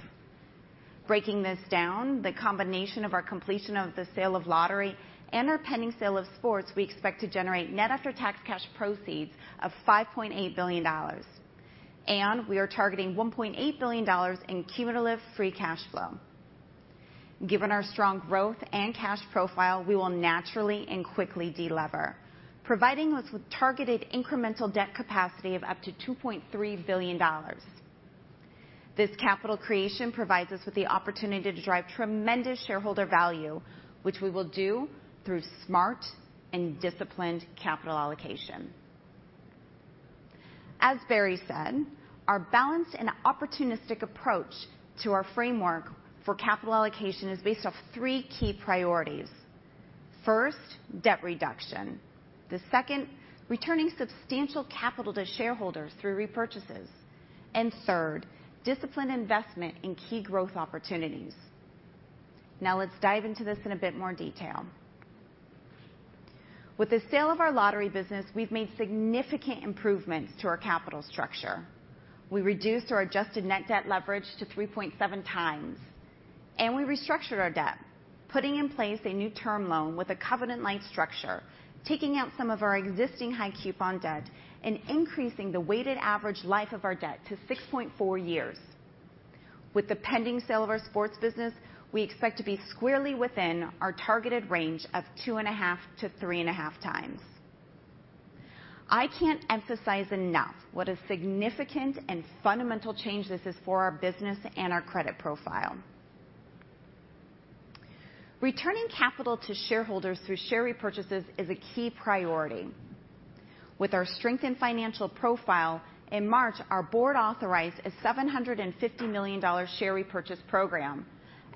Breaking this down, the combination of our completion of the sale of lottery and our pending sale of sports, we expect to generate net after-tax cash proceeds of $5.8 billion, and we are targeting $1.8 billion in cumulative free cash flow. Given our strong growth and cash profile, we will naturally and quickly deliver, providing us with targeted incremental debt capacity of up to $2.3 billion. This capital creation provides us with the opportunity to drive tremendous shareholder value, which we will do through smart and disciplined capital allocation. As Barry said, our balanced and opportunistic approach to our framework for capital allocation is based off three key priorities. First, debt reduction, the second, returning substantial capital to shareholders through repurchases, and third, disciplined investment in key growth opportunities. Now, let's dive into this in a bit more detail. With the sale of our lottery business, we've made significant improvements to our capital structure. We reduced our adjusted net debt leverage to 3.7x, and we restructured our debt, putting in place a new term loan with a covenant-like structure, taking out some of our existing high-coupon debt and increasing the weighted average life of our debt to 6.4 years. With the pending sale of our sports business, we expect to be squarely within our targeted range of 2.5 to 3.5x. I can't emphasize enough what a significant and fundamental change this is for our business and our credit profile. Returning capital to shareholders through share repurchases is a key priority. With our strengthened financial profile, in March, our board authorized a $750 million share repurchase program,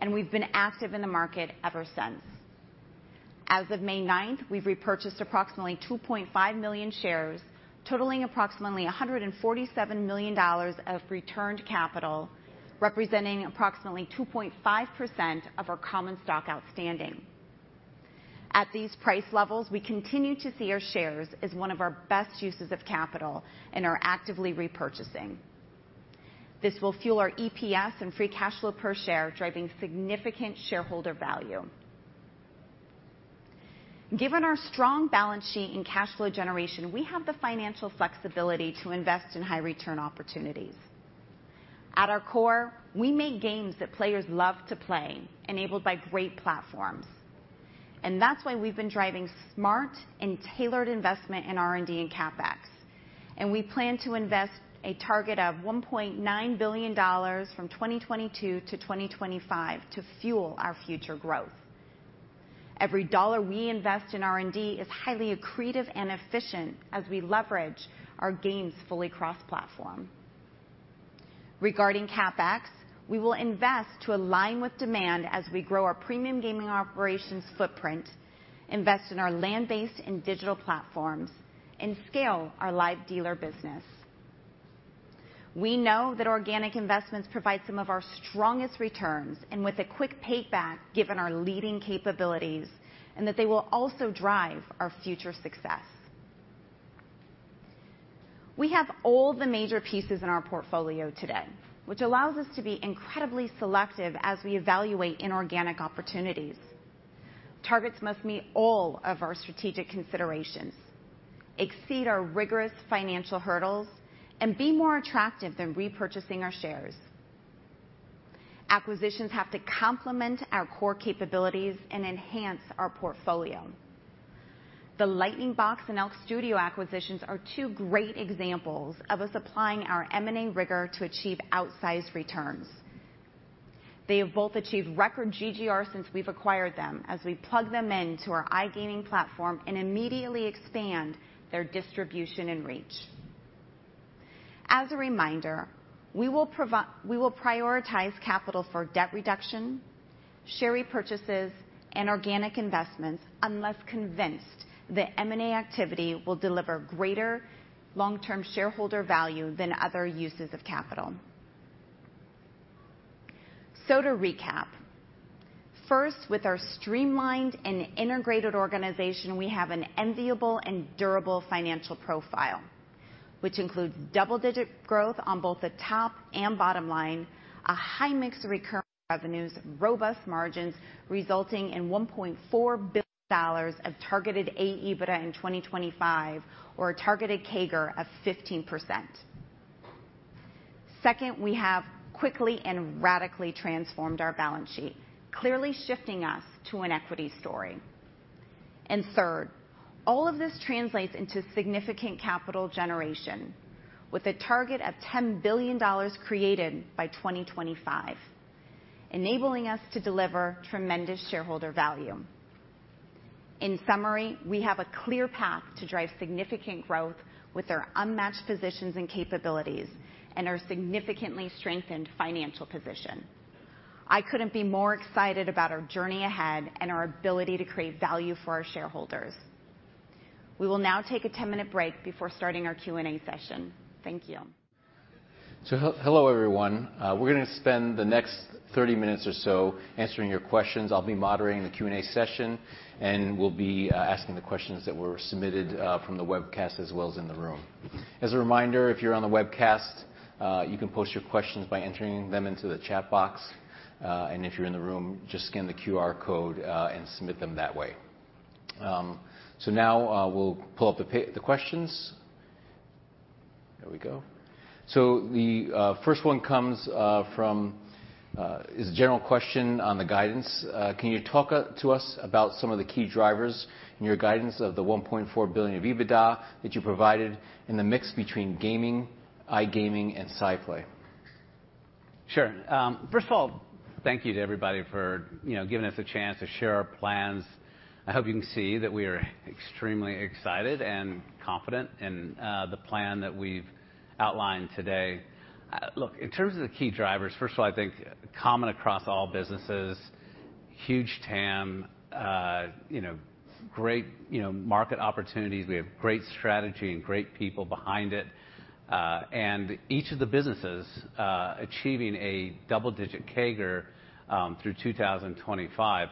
and we've been active in the market ever since. As of May ninth, we've repurchased approximately 2.5 million shares, totaling approximately $147 million of returned capital, representing approximately 2.5% of our common stock outstanding. At these price levels, we continue to see our shares as one of our best uses of capital and are actively repurchasing. This will fuel our EPS and free cash flow per share, driving significant shareholder value. Given our strong balance sheet and cash flow generation, we have the financial flexibility to invest in high-return opportunities. At our core, we make games that players love to play, enabled by great platforms, and that's why we've been driving smart and tailored investment in R&D and CapEx, and we plan to invest a target of $1.9 billion from 2022 to 2025 to fuel our future growth. Every dollar we invest in R&D is highly accretive and efficient as we leverage our games fully cross-platform. Regarding CapEx, we will invest to align with demand as we grow our premium gaming operations footprint, invest in our land-based and digital platforms, and scale our live dealer business. We know that organic investments provide some of our strongest returns, and with a quick payback, given our leading capabilities, and that they will also drive our future success. We have all the major pieces in our portfolio today, which allows us to be incredibly selective as we evaluate inorganic opportunities. Targets must meet all of our strategic considerations, exceed our rigorous financial hurdles, and be more attractive than repurchasing our shares. Acquisitions have to complement our core capabilities and enhance our portfolio. The Lightning Box and ELK Studios acquisitions are two great examples of us applying our M&A rigor to achieve outsized returns. They have both achieved record GGR since we've acquired them, as we plug them into our iGaming platform and immediately expand their distribution and reach. As a reminder, we will prioritize capital for debt reduction, share repurchases, and organic investments, unless convinced that M&A activity will deliver greater long-term shareholder value than other uses of capital. So to recap, first, with our streamlined and integrated organization, we have an enviable and durable financial profile, which includes double-digit growth on both the top and bottom line, a high mix of recurring revenues, robust margins, resulting in $1.4 billion of targeted AEBITDA in 2025, or a targeted CAGR of 15%. Second, we have quickly and radically transformed our balance sheet, clearly shifting us to an equity story. And third, all of this translates into significant capital generation with a target of $10 billion created by 2025, enabling us to deliver tremendous shareholder value. In summary, we have a clear path to drive significant growth with our unmatched positions and capabilities and our significantly strengthened financial position. I couldn't be more excited about our journey ahead and our ability to create value for our shareholders. We will now take a ten-minute break before starting our Q&A session. Thank you. Hello, everyone. We're gonna spend the next thirty minutes or so answering your questions. I'll be moderating the Q&A session, and we'll be asking the questions that were submitted from the webcast as well as in the room. As a reminder, if you're on the webcast, you can post your questions by entering them into the chat box, and if you're in the room, just scan the QR code and submit them that way. So now we'll pull up the questions. There we go. So the first one comes from... It's a general question on the guidance: Can you talk to us about some of the key drivers in your guidance of the $1.4 billion of EBITDA that you provided and the mix between gaming, iGaming, and SciPlay? Sure. First of all, thank you to everybody for, you know, giving us a chance to share our plans. I hope you can see that we are extremely excited and confident in the plan that we've outlined today. Look, in terms of the key drivers, first of all, I think common across all businesses, huge TAM, you know, great, you know, market opportunities. We have great strategy and great people behind it, and each of the businesses achieving a double-digit CAGR through 2025,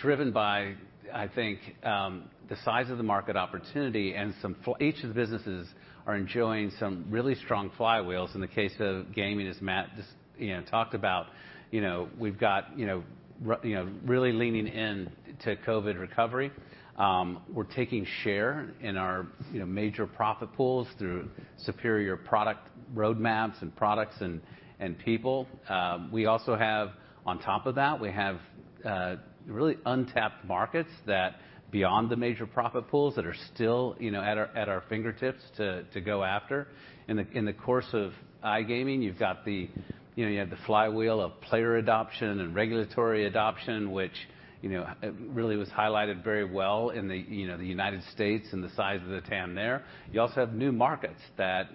driven by, I think, the size of the market opportunity and some for each of the businesses are enjoying some really strong flywheels. In the case of gaming, as Matt just, you know, talked about, you know, we've got, you know, really leaning in to COVID recovery. We're taking share in our, you know, major profit pools through superior product roadmaps and products and people. We also have, on top of that, really untapped markets beyond the major profit pools that are still, you know, at our fingertips to go after. In the course of iGaming, you've got the, you know, flywheel of player adoption and regulatory adoption, which, you know, really was highlighted very well in the United States and the size of the TAM there. You also have new markets that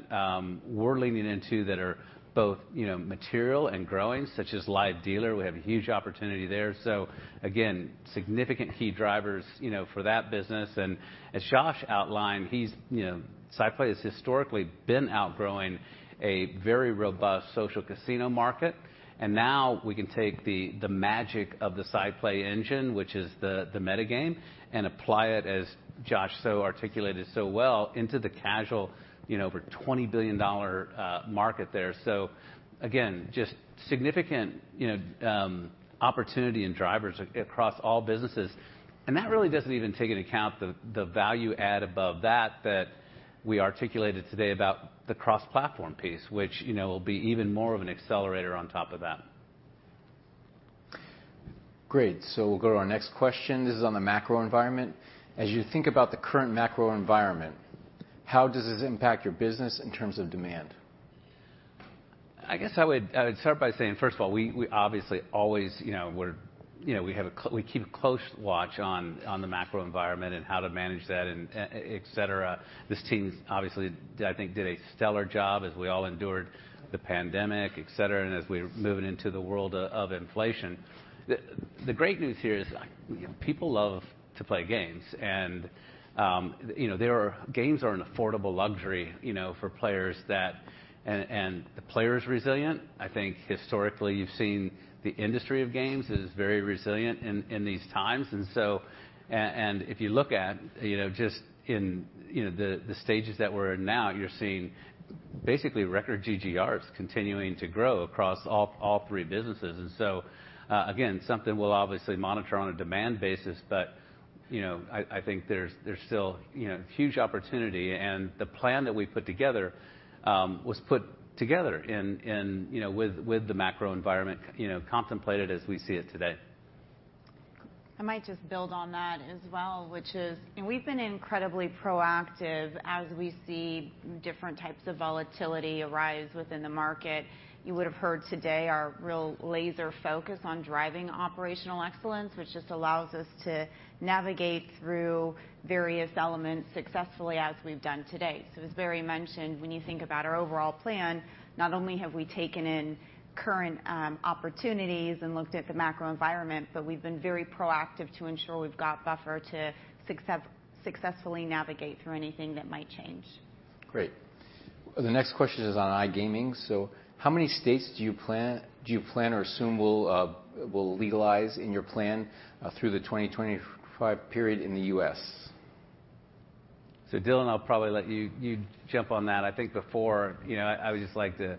we're leaning into that are both, you know, material and growing, such as live dealer. We have a huge opportunity there. So again, significant key drivers, you know, for that business. And as Josh outlined, he's, you know, SciPlay has historically been outgrowing a very robust social casino market. And now we can take the magic of the SciPlay Engine, which is the meta game, and apply it, as Josh so articulated so well, into the casual, you know, over $20 billion market there. So again, just significant, you know, opportunity and drivers across all businesses. And that really doesn't even take into account the value add above that, that we articulated today about the cross-platform piece, which, you know, will be even more of an accelerator on top of that. Great, so we'll go to our next question. This is on the macro environment. As you think about the current macro environment, how does this impact your business in terms of demand? I guess I would start by saying, first of all, we obviously always, you know, we're. You know, we keep a close watch on the macro environment and how to manage that and, et cetera. This team, obviously, I think, did a stellar job as we all endured the pandemic, et cetera, and as we're moving into the world of inflation. The great news here is, people love to play games, and, you know, games are an affordable luxury, you know, for players that, and the player is resilient. I think historically, you've seen the industry of games is very resilient in these times. If you look at, you know, just in, you know, the stages that we're in now, you're seeing basically record GGRs continuing to grow across all three businesses. Again, something we'll obviously monitor on a demand basis, but, you know, I think there's still, you know, huge opportunity. The plan that we put together was put together in, you know, with the macro environment, you know, contemplated as we see it today. I might just build on that as well, which is, we've been incredibly proactive as we see different types of volatility arise within the market. You would have heard today our real laser focus on driving operational excellence, which just allows us to navigate through various elements successfully as we've done today. So as Barry mentioned, when you think about our overall plan, not only have we taken in current opportunities and looked at the macro environment, but we've been very proactive to ensure we've got buffer to successfully navigate through anything that might change. Great. The next question is on iGaming. So how many states do you plan or assume will legalize in your plan through the 2025 period in the U.S.? So Dylan, I'll probably let you jump on that. I think before, you know, I would just like to,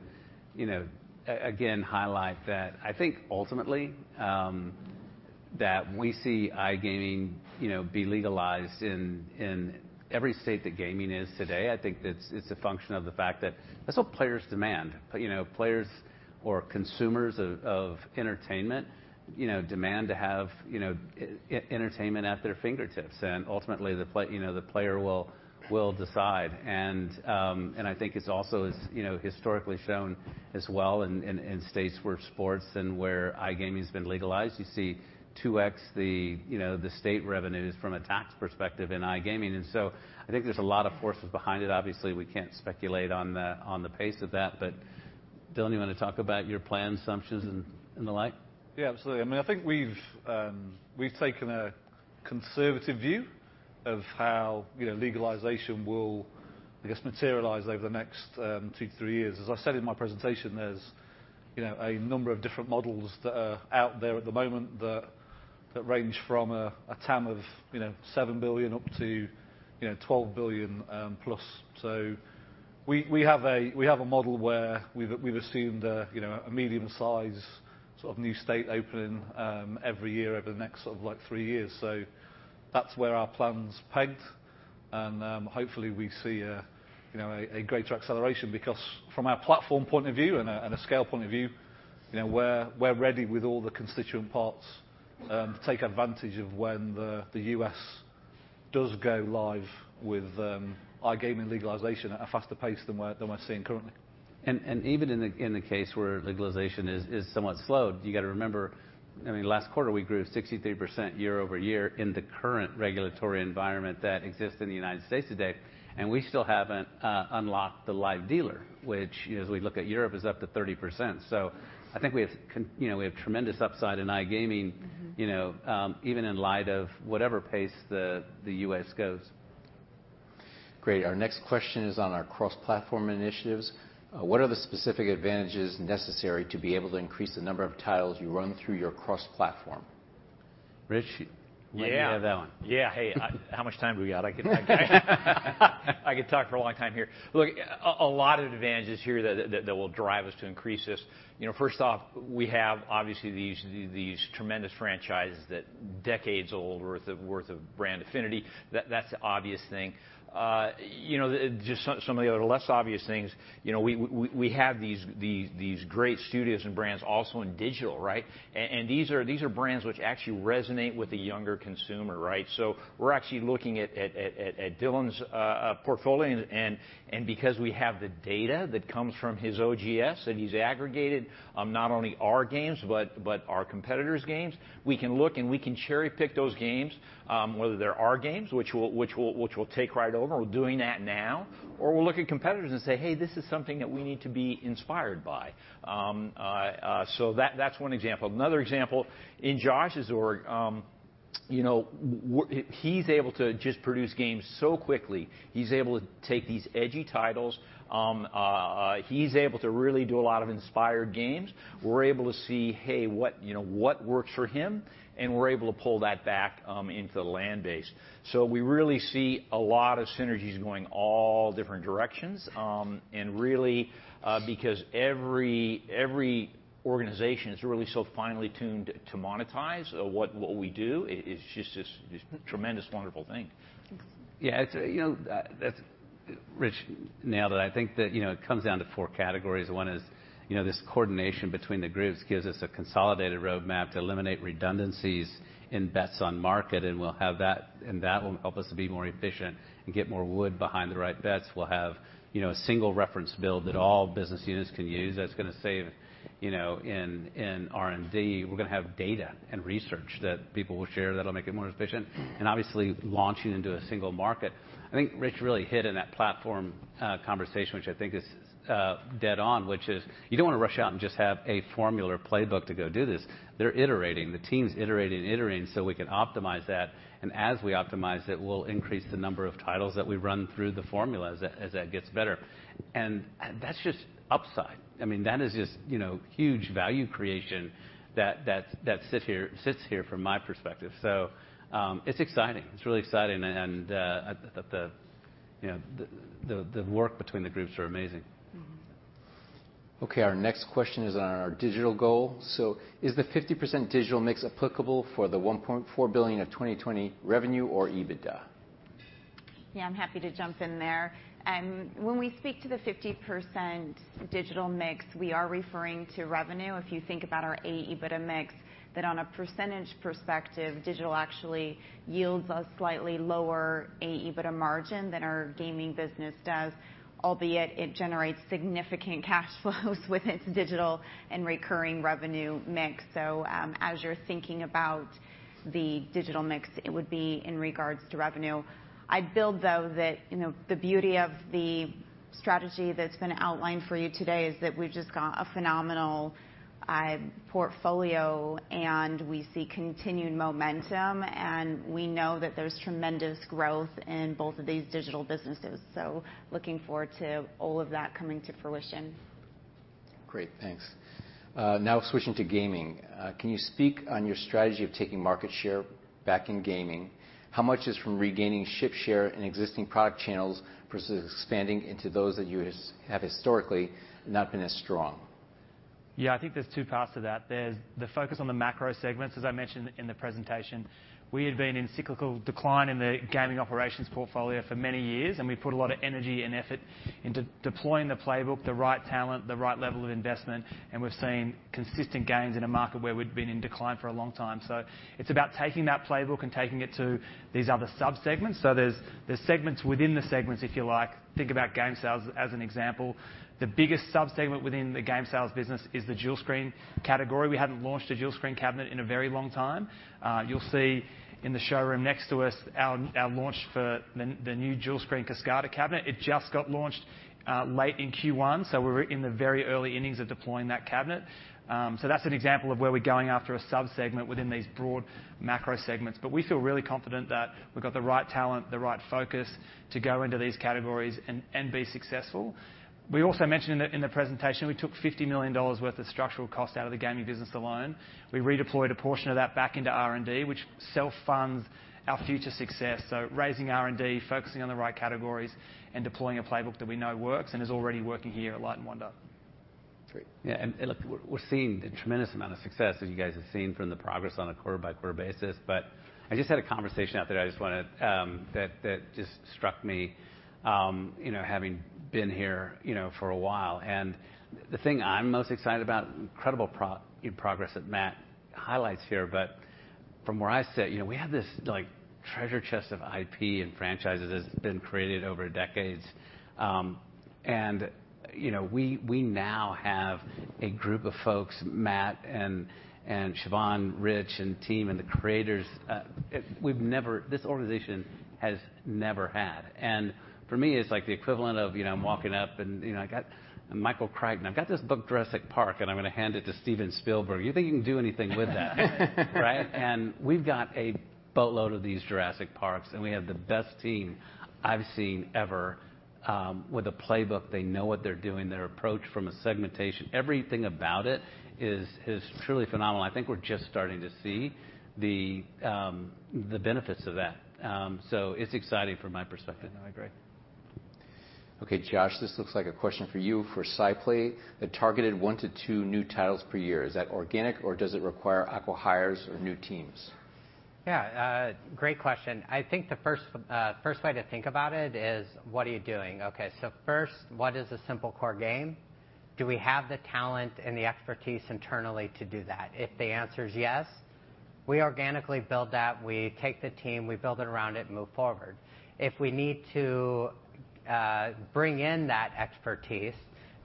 you know, again, highlight that I think ultimately that we see iGaming, you know, be legalized in every state that gaming is today. I think that's a function of the fact that that's what players demand. You know, players or consumers of entertainment, you know, demand to have entertainment at their fingertips, and ultimately, the player will decide. And I think it's also, as, you know, historically shown as well in states where sports and where iGaming has been legalized, you see two X the state revenues from a tax perspective in iGaming. And so I think there's a lot of forces behind it. Obviously, we can't speculate on the pace of that, but Dylan, you want to talk about your plan assumptions and the like? Yeah, absolutely. I mean, I think we've taken a conservative view of how, you know, legalization will, I guess, materialize over the next two, three years. As I said in my presentation, there's, you know, a number of different models that are out there at the moment that range from a TAM of $7 billion up to $12 billion plus. So we have a model where we've assumed a, you know, a medium size, sort of, new state opening every year over the next, sort of, like, three years. So that's where our plan's pegged. Hopefully, we see a, you know, greater acceleration, because from a platform point of view and a scale point of view, you know, we're ready with all the constituent parts to take advantage of when the U.S. does go live with iGaming legalization at a faster pace than we're seeing currently. Even in the case where legalization is somewhat slowed, you got to remember, I mean, last quarter, we grew 63% year-over-year in the current regulatory environment that exists in the United States today, and we still haven't unlocked the live dealer, which, as we look at Europe, is up to 30%. So I think we have you know, we have tremendous upside in iGaming- Mm-hmm. You know, even in light of whatever pace the U.S. goes. Great. Our next question is on our cross-platform initiatives. What are the specific advantages necessary to be able to increase the number of titles you run through your cross-platform? Rich, you might have that one. Yeah. Yeah, hey, how much time do we got? I could talk for a long time here. Look, a lot of advantages here that will drive us to increase this. You know, first off, we have, obviously, these tremendous franchises that decades old, worth of brand affinity. That's the obvious thing. You know, just some of the other less obvious things, you know, we have these great studios and brands also in digital, right? And these are brands which actually resonate with the younger consumer, right? We're actually looking at Dylan's portfolio, and because we have the data that comes from his OGS that he's aggregated, not only our games, but our competitors' games, we can look, and we can cherry-pick those games, whether they're our games, which we'll take right over, we're doing that now, or we'll look at competitors and say, "Hey, this is something that we need to be inspired by." So that's one example. Another example, in Josh's org, you know, he's able to just produce games so quickly. He's able to take these edgy titles, he's able to really do a lot of inspired games. We're able to see, hey, what, you know, what works for him, and we're able to pull that back into the land-based. So we really see a lot of synergies going all different directions. And really, because every organization is really so finely tuned to monetize what we do is just this tremendous, wonderful thing. Yeah, it's, you know, that's... Rich, nailed it. I think that, you know, it comes down to four categories. One is, you know, this coordination between the groups gives us a consolidated roadmap to eliminate redundancies in bets on market, and we'll have that, and that will help us to be more efficient and get more wood behind the right bets. We'll have, you know, a single reference build that all business units can use. That's going to save, you know, in R&D. We're going to have data and research that people will share that'll make it more efficient. Mm-hmm. Obviously, launching into a single market. I think Rich really hit on that platform conversation, which I think is dead on, which is you don't want to rush out and just have a formula or playbook to go do this. They're iterating. The team's iterating and iterating so we can optimize that, and as we optimize it, we'll increase the number of titles that we run through the formula as that gets better. And that's just upside. I mean, that is just, you know, huge value creation that sits here from my perspective. So, it's exciting. It's really exciting, and the work between the groups is amazing. Mm-hmm. Okay, our next question is on our digital goal. So is the 50% digital mix applicable for the $1.4 billion of 2020 revenue or EBITDA? Yeah, I'm happy to jump in there. When we speak to the 50% digital mix, we are referring to revenue. If you think about our AEBITDA mix, that on a percentage perspective, digital actually yields a slightly lower AEBITDA margin than our gaming business does, albeit it generates significant cash flows with its digital and recurring revenue mix. So, as you're thinking about the digital mix, it would be in regards to revenue. I'd build, though, that, you know, the beauty of the strategy that's been outlined for you today is that we've just got a phenomenal portfolio, and we see continued momentum, and we know that there's tremendous growth in both of these digital businesses. So looking forward to all of that coming to fruition. Great, thanks. Now switching to gaming. Can you speak on your strategy of taking market share back in gaming? How much is from regaining ship share in existing product channels versus expanding into those that you have historically not been as strong? Yeah, I think there's two parts to that. There's the focus on the macro segments, as I mentioned in the presentation. We had been in cyclical decline in the gaming operations portfolio for many years, and we put a lot of energy and effort into deploying the playbook, the right talent, the right level of investment, and we're seeing consistent gains in a market where we'd been in decline for a long time. So it's about taking that playbook and taking it to these other subsegments. So there's segments within the segments, if you like. Think about game sales as an example. The biggest subsegment within the game sales business is the dual screen category. We hadn't launched a dual screen cabinet in a very long time. You'll see in the showroom next to us, our launch for the new dual screen Kascada cabinet. It just got launched late in Q1, so we're in the very early innings of deploying that cabinet. So that's an example of where we're going after a subsegment within these broad macro segments. But we feel really confident that we've got the right talent, the right focus to go into these categories and be successful. We also mentioned in the presentation, we took $50 million worth of structural cost out of the gaming business alone. We redeployed a portion of that back into R&D, which self-funds our future success. So raising R&D, focusing on the right categories, and deploying a playbook that we know works and is already working here at Light & Wonder. Great. Yeah, and look, we're seeing a tremendous amount of success, as you guys have seen from the progress on a quarter-by-quarter basis. But I just had a conversation out there. I just wanted to, that just struck me, you know, having been here, you know, for a while. And the thing I'm most excited about, incredible progress that Matt highlights here, but from where I sit, you know, we have this, like, treasure chest of IP and franchises that's been created over decades. And, you know, we now have a group of folks, Matt and Siobhan, Rich, and team, and the creators, we've never, this organization has never had. And for me, it's like the equivalent of, you know, I'm walking up, and, you know, I got Michael Crichton. I've got this book, Jurassic Park, and I'm going to hand it to Steven Spielberg. You think he can do anything with that, right? And we've got a boatload of these Jurassic Parks, and we have the best team I've seen ever, with a playbook. They know what they're doing, their approach from a segmentation. Everything about it is truly phenomenal. I think we're just starting to see the benefits of that. So it's exciting from my perspective. I agree. Okay, Josh, this looks like a question for you. For SciPlay, the targeted one to two new titles per year, is that organic, or does it require acquihires or new teams? Yeah, great question. I think the first way to think about it is, what are you doing? Okay, so first, what is a simple core game? Do we have the talent and the expertise internally to do that? If the answer is yes, we organically build that. We take the team, we build it around it, and move forward. If we need to, bring in that expertise,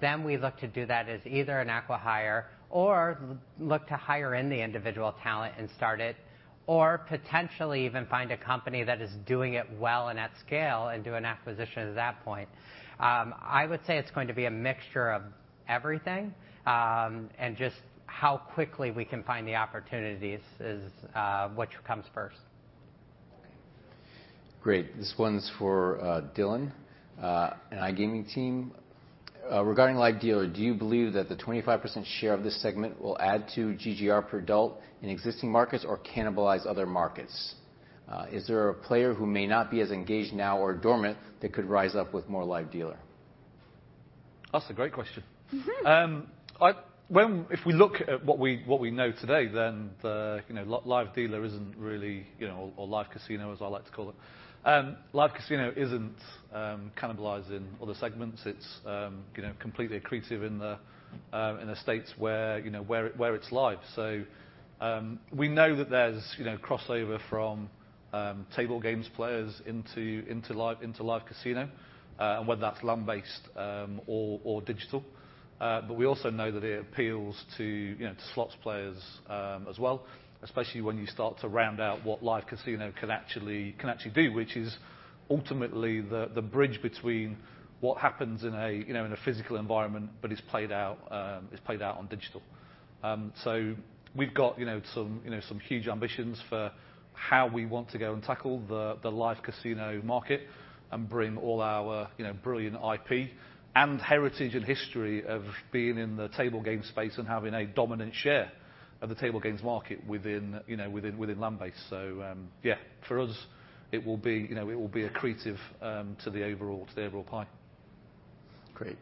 then we look to do that as either an acquihire or look to hire in the individual talent and start it, or potentially even find a company that is doing it well and at scale and do an acquisition at that point. I would say it's going to be a mixture of everything, and just how quickly we can find the opportunities is, what comes first. Great. This one's for Dylan and iGaming team. Regarding live dealer, do you believe that the 25% share of this segment will add to GGR per adult in existing markets or cannibalize other markets? Is there a player who may not be as engaged now or dormant that could rise up with more live dealer? That's a great question. Mm-hmm. If we look at what we know today, then the live dealer isn't really, you know, or live casino, as I like to call it, live casino isn't cannibalizing other segments. It's you know, completely accretive in the states where it's live. So, we know that there's you know, crossover from table games players into live casino, and whether that's land-based or digital. But we also know that it appeals to you know, to slots players as well, especially when you start to round out what live casino can actually do, which is ultimately the bridge between what happens in a physical environment, but is played out on digital. We've got, you know, some huge ambitions for how we want to go and tackle the live casino market and bring all our, you know, brilliant IP and heritage and history of being in the table game space and having a dominant share of the table games market within, you know, land-based. Yeah, for us, it will be, you know, accretive to the overall pie. Great.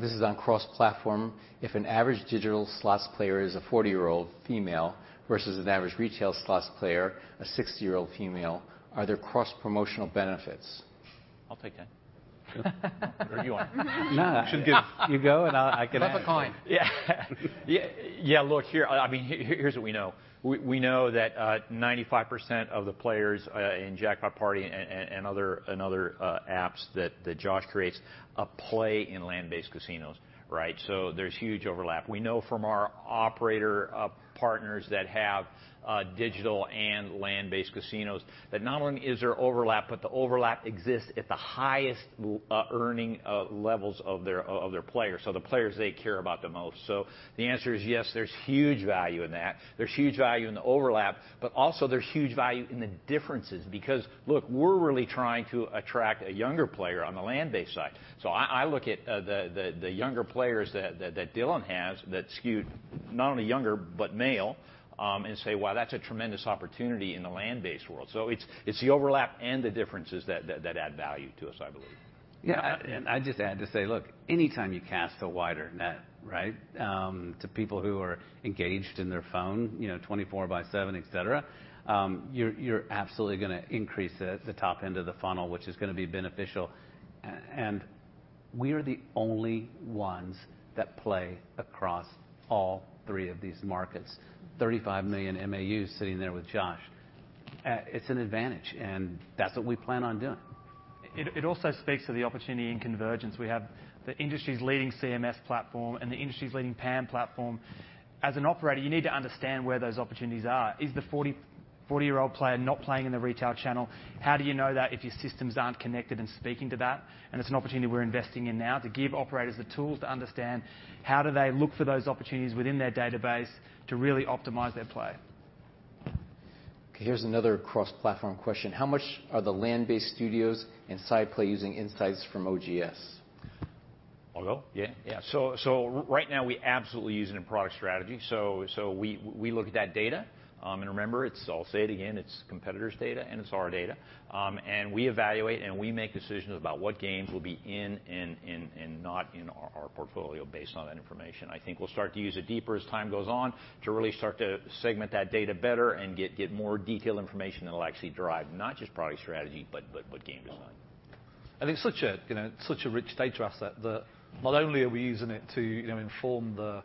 This is on cross-platform. If an average digital slots player is a forty-year-old female versus an average retail slots player, a sixty-year-old female, are there cross-promotional benefits? I'll take that. Or you want it? Sure. You go, and I'll, I can- Flip a coin. Yeah. Yeah, look, here. I mean, here's what we know. We know that 95% of the players in Jackpot Party and other apps that Josh creates play in land-based casinos, right? So there's huge overlap. We know from our operator partners that have digital and land-based casinos, that not only is there overlap, but the overlap exists at the highest earning levels of their players, so the players they care about the most. So the answer is yes, there's huge value in that. There's huge value in the overlap, but also there's huge value in the differences, because, look, we're really trying to attract a younger player on the land-based side. So I look at the younger players that Dylan has, that skew not only younger, but male, and say, "Wow, that's a tremendous opportunity in the land-based world." It's the overlap and the differences that add value to us, I believe. Yeah. I just add to say, look, anytime you cast a wider net, right, to people who are engaged in their phone, you know, twenty-four seven, et cetera, you're absolutely gonna increase the top end of the funnel, which is gonna be beneficial. We are the only ones that play across all three of these markets. 35 million MAUs sitting there with Josh. It's an advantage, and that's what we plan on doing. It also speaks to the opportunity in convergence. We have the industry's leading CMS platform and the industry's leading PAM platform. As an operator, you need to understand where those opportunities are. Is the 40-year-old player not playing in the retail channel? How do you know that if your systems aren't connected and speaking to that? And it's an opportunity we're investing in now to give operators the tools to understand how do they look for those opportunities within their database to really optimize their play. Okay, here's another cross-platform question: How much are the land-based studios and SciPlay using insights from OGS? I'll go. Yeah, yeah. Right now, we absolutely use it in product strategy. We look at that data, and remember, it's... I'll say it again, it's competitors' data, and it's our data. We evaluate, and we make decisions about what games will be in and not in our portfolio based on that information. I think we'll start to use it deeper as time goes on to really start to segment that data better and get more detailed information that will actually drive not just product strategy, but what game design. And it's such a, you know, such a rich data asset that not only are we using it to, you know, inform the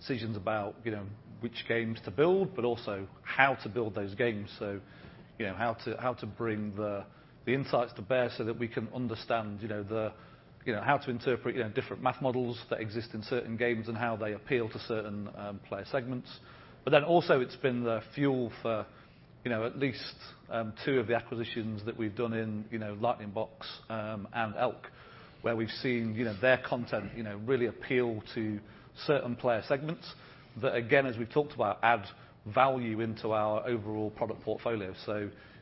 decisions about, you know, which games to build, but also how to build those games. So, you know, how to, how to bring the, the insights to bear so that we can understand, you know, the, you know, how to interpret, you know, different math models that exist in certain games and how they appeal to certain player segments. But then also, it's been the fuel for, you know, at least two of the acquisitions that we've done in, you know, Lightning Box and ELK, where we've seen, you know, their content, you know, really appeal to certain player segments, that again, as we've talked about, add value into our overall product portfolio.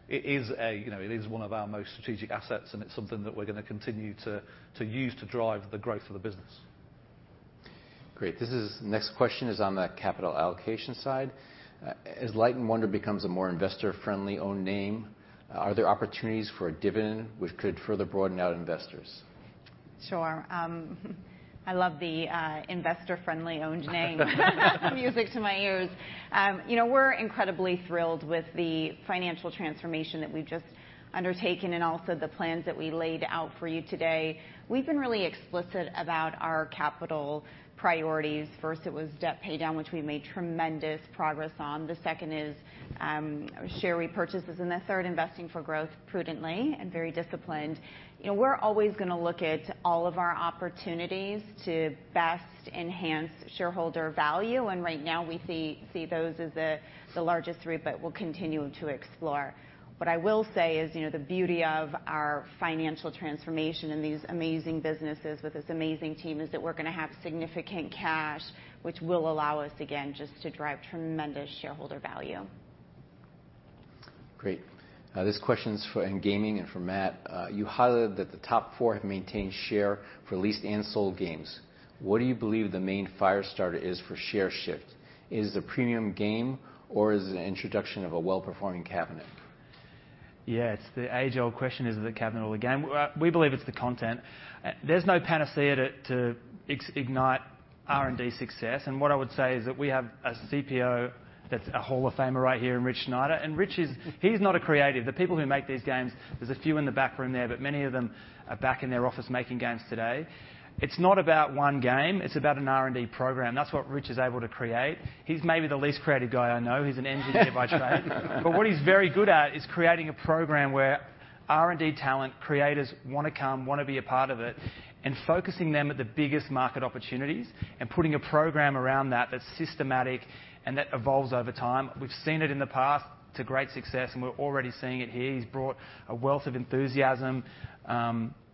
It is a, you know, it is one of our most strategic assets, and it's something that we're gonna continue to use to drive the growth of the business.... Great. This is, next question is on the capital allocation side. As Light & Wonder becomes a more investor-friendly owned name, are there opportunities for a dividend which could further broaden out investors? Sure. I love the investor-friendly tone. Music to my ears. You know, we're incredibly thrilled with the financial transformation that we've just undertaken and also the plans that we laid out for you today. We've been really explicit about our capital priorities. First, it was debt paydown, which we've made tremendous progress on. The second is share repurchases, and the third, investing for growth prudently and very disciplined. You know, we're always going to look at all of our opportunities to best enhance shareholder value, and right now we see those as the largest three, but we'll continue to explore. What I will say is, you know, the beauty of our financial transformation and these amazing businesses with this amazing team is that we're going to have significant cash, which will allow us, again, just to drive tremendous shareholder value. Great. This question's for iGaming and for Matt. You highlighted that the top four have maintained share for leased and sold games. What do you believe the main fire starter is for share shift? Is it a premium game, or is it an introduction of a well-performing cabinet? Yeah, it's the age-old question: Is it the cabinet or the game? We believe it's the content. There's no panacea to ignite R&D success, and what I would say is that we have a CPO that's a Hall of Famer right here in Rich Schneider. Rich is. He's not a creative. The people who make these games, there's a few in the back room there, but many of them are back in their office making games today. It's not about one game, it's about an R&D program. That's what Rich is able to create. He's maybe the least creative guy I know. He's an engineer by trade. But what he's very good at is creating a program where R&D talent, creators want to come, want to be a part of it, and focusing them at the biggest market opportunities, and putting a program around that that's systematic and that evolves over time. We've seen it in the past to great success, and we're already seeing it here. He's brought a wealth of enthusiasm to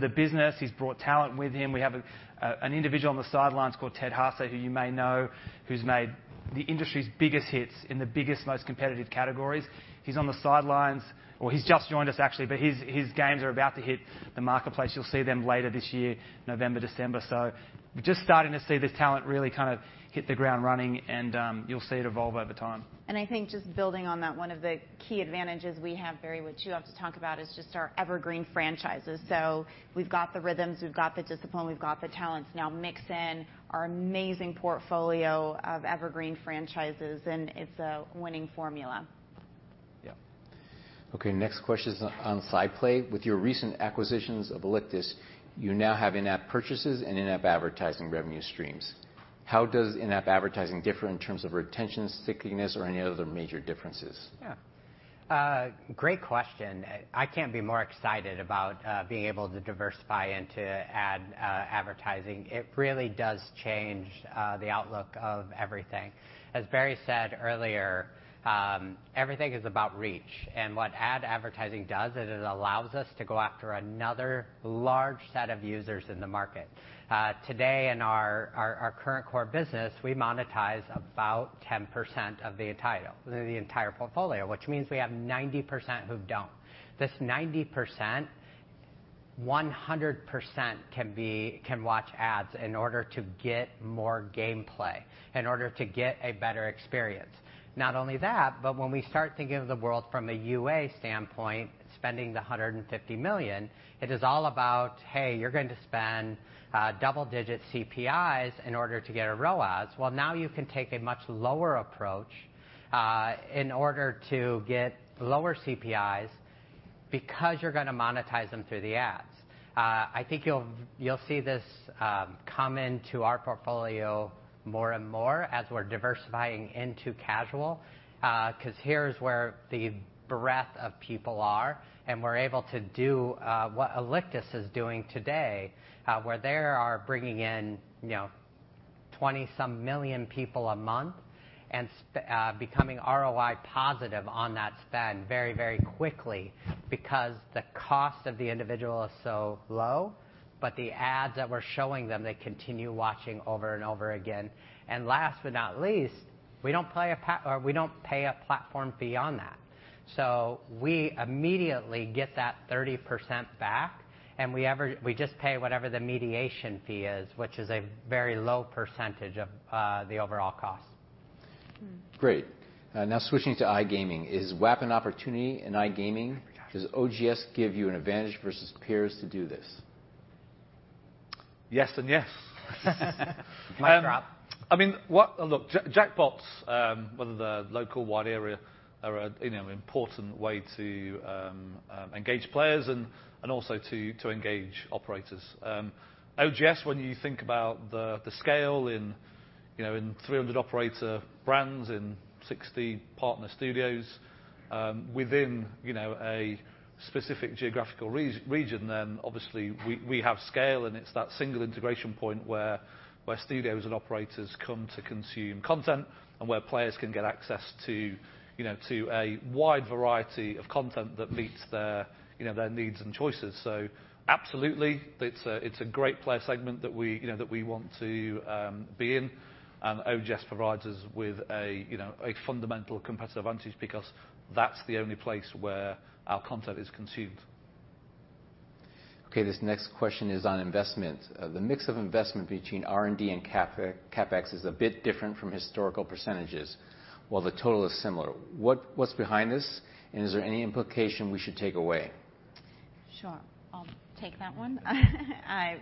the business. He's brought talent with him. We have an individual on the sidelines called Ted Hase, who you may know, who's made the industry's biggest hits in the biggest, most competitive categories. He's on the sidelines, or he's just joined us, actually, but his games are about to hit the marketplace. You'll see them later this year, November, December. So we're just starting to see this talent really kind of hit the ground running and, you'll see it evolve over time. I think just building on that, one of the key advantages we have, Barry, which you have to talk about, is just our evergreen franchises. We've got the rhythms, we've got the discipline, we've got the talents. Now mix in our amazing portfolio of evergreen franchises, and it's a winning formula. Yeah. Okay, next question is on SciPlay. With your recent acquisitions of Alictus, you now have in-app purchases and in-app advertising revenue streams. How does in-app advertising differ in terms of retention, stickiness, or any other major differences? Yeah. Great question. I can't be more excited about being able to diversify into ad advertising. It really does change the outlook of everything. As Barry said earlier, everything is about reach, and what ad advertising does is it allows us to go after another large set of users in the market. Today, in our current core business, we monetize about 10% of the entire portfolio, which means we have 90% who don't. This 90%, 100% can watch ads in order to get more gameplay, in order to get a better experience. Not only that, but when we start thinking of the world from a UA standpoint, spending the $150 million, it is all about, hey, you're going to spend double-digit CPIs in order to get a ROAS. Now you can take a much lower approach in order to get lower CPIs because you're going to monetize them through the ads. I think you'll see this come into our portfolio more and more as we're diversifying into casual because here's where the breadth of people are, and we're able to do what Alictus is doing today, where they are bringing in, you know, twenty some million people a month and becoming ROI positive on that spend very, very quickly because the cost of the individual is so low, but the ads that we're showing them, they continue watching over and over again. And last but not least, we don't pay a platform fee on that. So we immediately get that 30% back, and we just pay whatever the mediation fee is, which is a very low percentage of the overall cost. Mm-hmm. Great. Now switching to iGaming. Is WAP an opportunity in iGaming? Does OGS give you an advantage versus peers to do this? Yes and yes. Mic drop. I mean, what look, jackpots, whether they're local, wide area, are a, you know, important way to engage players and also to engage operators. OGS, when you think about the scale in 300 operator brands, in 60 partner studios, within a specific geographical region, then obviously, we have scale, and it's that single integration point where studios and operators come to consume content, and where players can get access to a wide variety of content that meets their needs and choices. So absolutely, it's a great player segment that we want to be in, and OGS provides us with a fundamental competitive advantage because that's the only place where our content is consumed. Okay, this next question is on investment. The mix of investment between R&D and CapEx is a bit different from historical percentages, while the total is similar. What, what's behind this? And is there any implication we should take away? Sure, I'll take that one.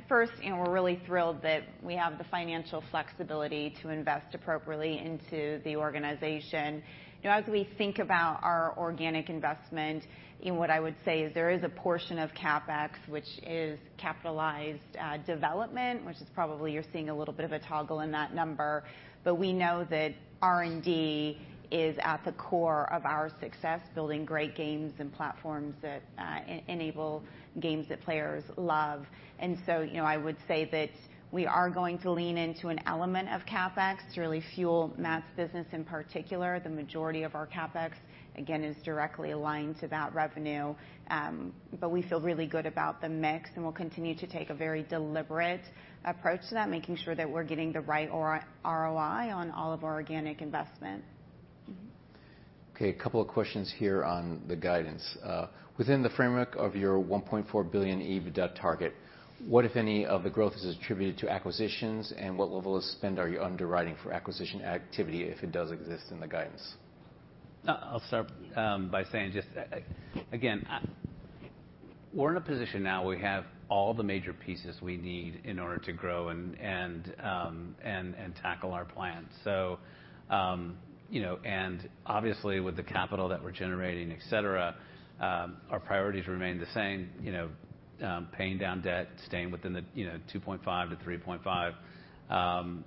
First, you know, we're really thrilled that we have the financial flexibility to invest appropriately into the organization. You know, as we think about our organic investment, in what I would say is there is a portion of CapEx which is capitalized development, which is probably you're seeing a little bit of a toggle in that number. But we know that R&D is at the core of our success, building great games and platforms that enable games that players love. And so, you know, I would say that we are going to lean into an element of CapEx to really fuel Matt's business, in particular. The majority of our CapEx, again, is directly aligned to that revenue. But we feel really good about the mix, and we'll continue to take a very deliberate approach to that, making sure that we're getting the right ROI on all of our organic investment. Mm-hmm. Okay, a couple of questions here on the guidance. Within the framework of your $1.4 billion EBITDA target, what, if any, of the growth is attributed to acquisitions, and what level of spend are you underwriting for acquisition activity, if it does exist in the guidance? I'll start by saying just, again, we're in a position now where we have all the major pieces we need in order to grow and tackle our plan. So, you know, and obviously, with the capital that we're generating, et cetera, our priorities remain the same. You know, paying down debt, staying within the, you know, 2.5%-3.5%,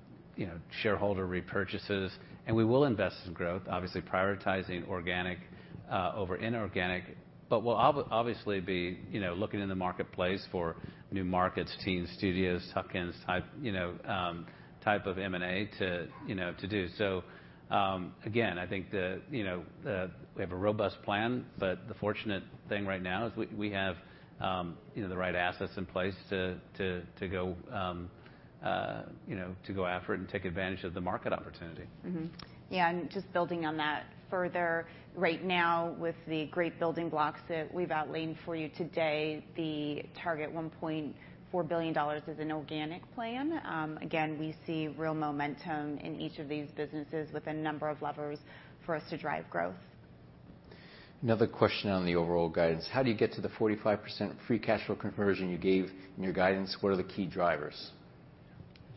shareholder repurchases, and we will invest in growth, obviously prioritizing organic over inorganic. But we'll obviously be, you know, looking in the marketplace for new markets, teams, studios, tuck-ins type, you know, type of M&A to, you know, to do. Again, I think, you know, we have a robust plan, but the fortunate thing right now is we have, you know, the right assets in place to go after it and take advantage of the market opportunity. Mm-hmm. Yeah, and just building on that further. Right now, with the great building blocks that we've outlined for you today, the target $1.4 billion is an organic plan. Again, we see real momentum in each of these businesses, with a number of levers for us to drive growth. Another question on the overall guidance: How do you get to the 45% Free Cash Flow conversion you gave in your guidance? What are the key drivers?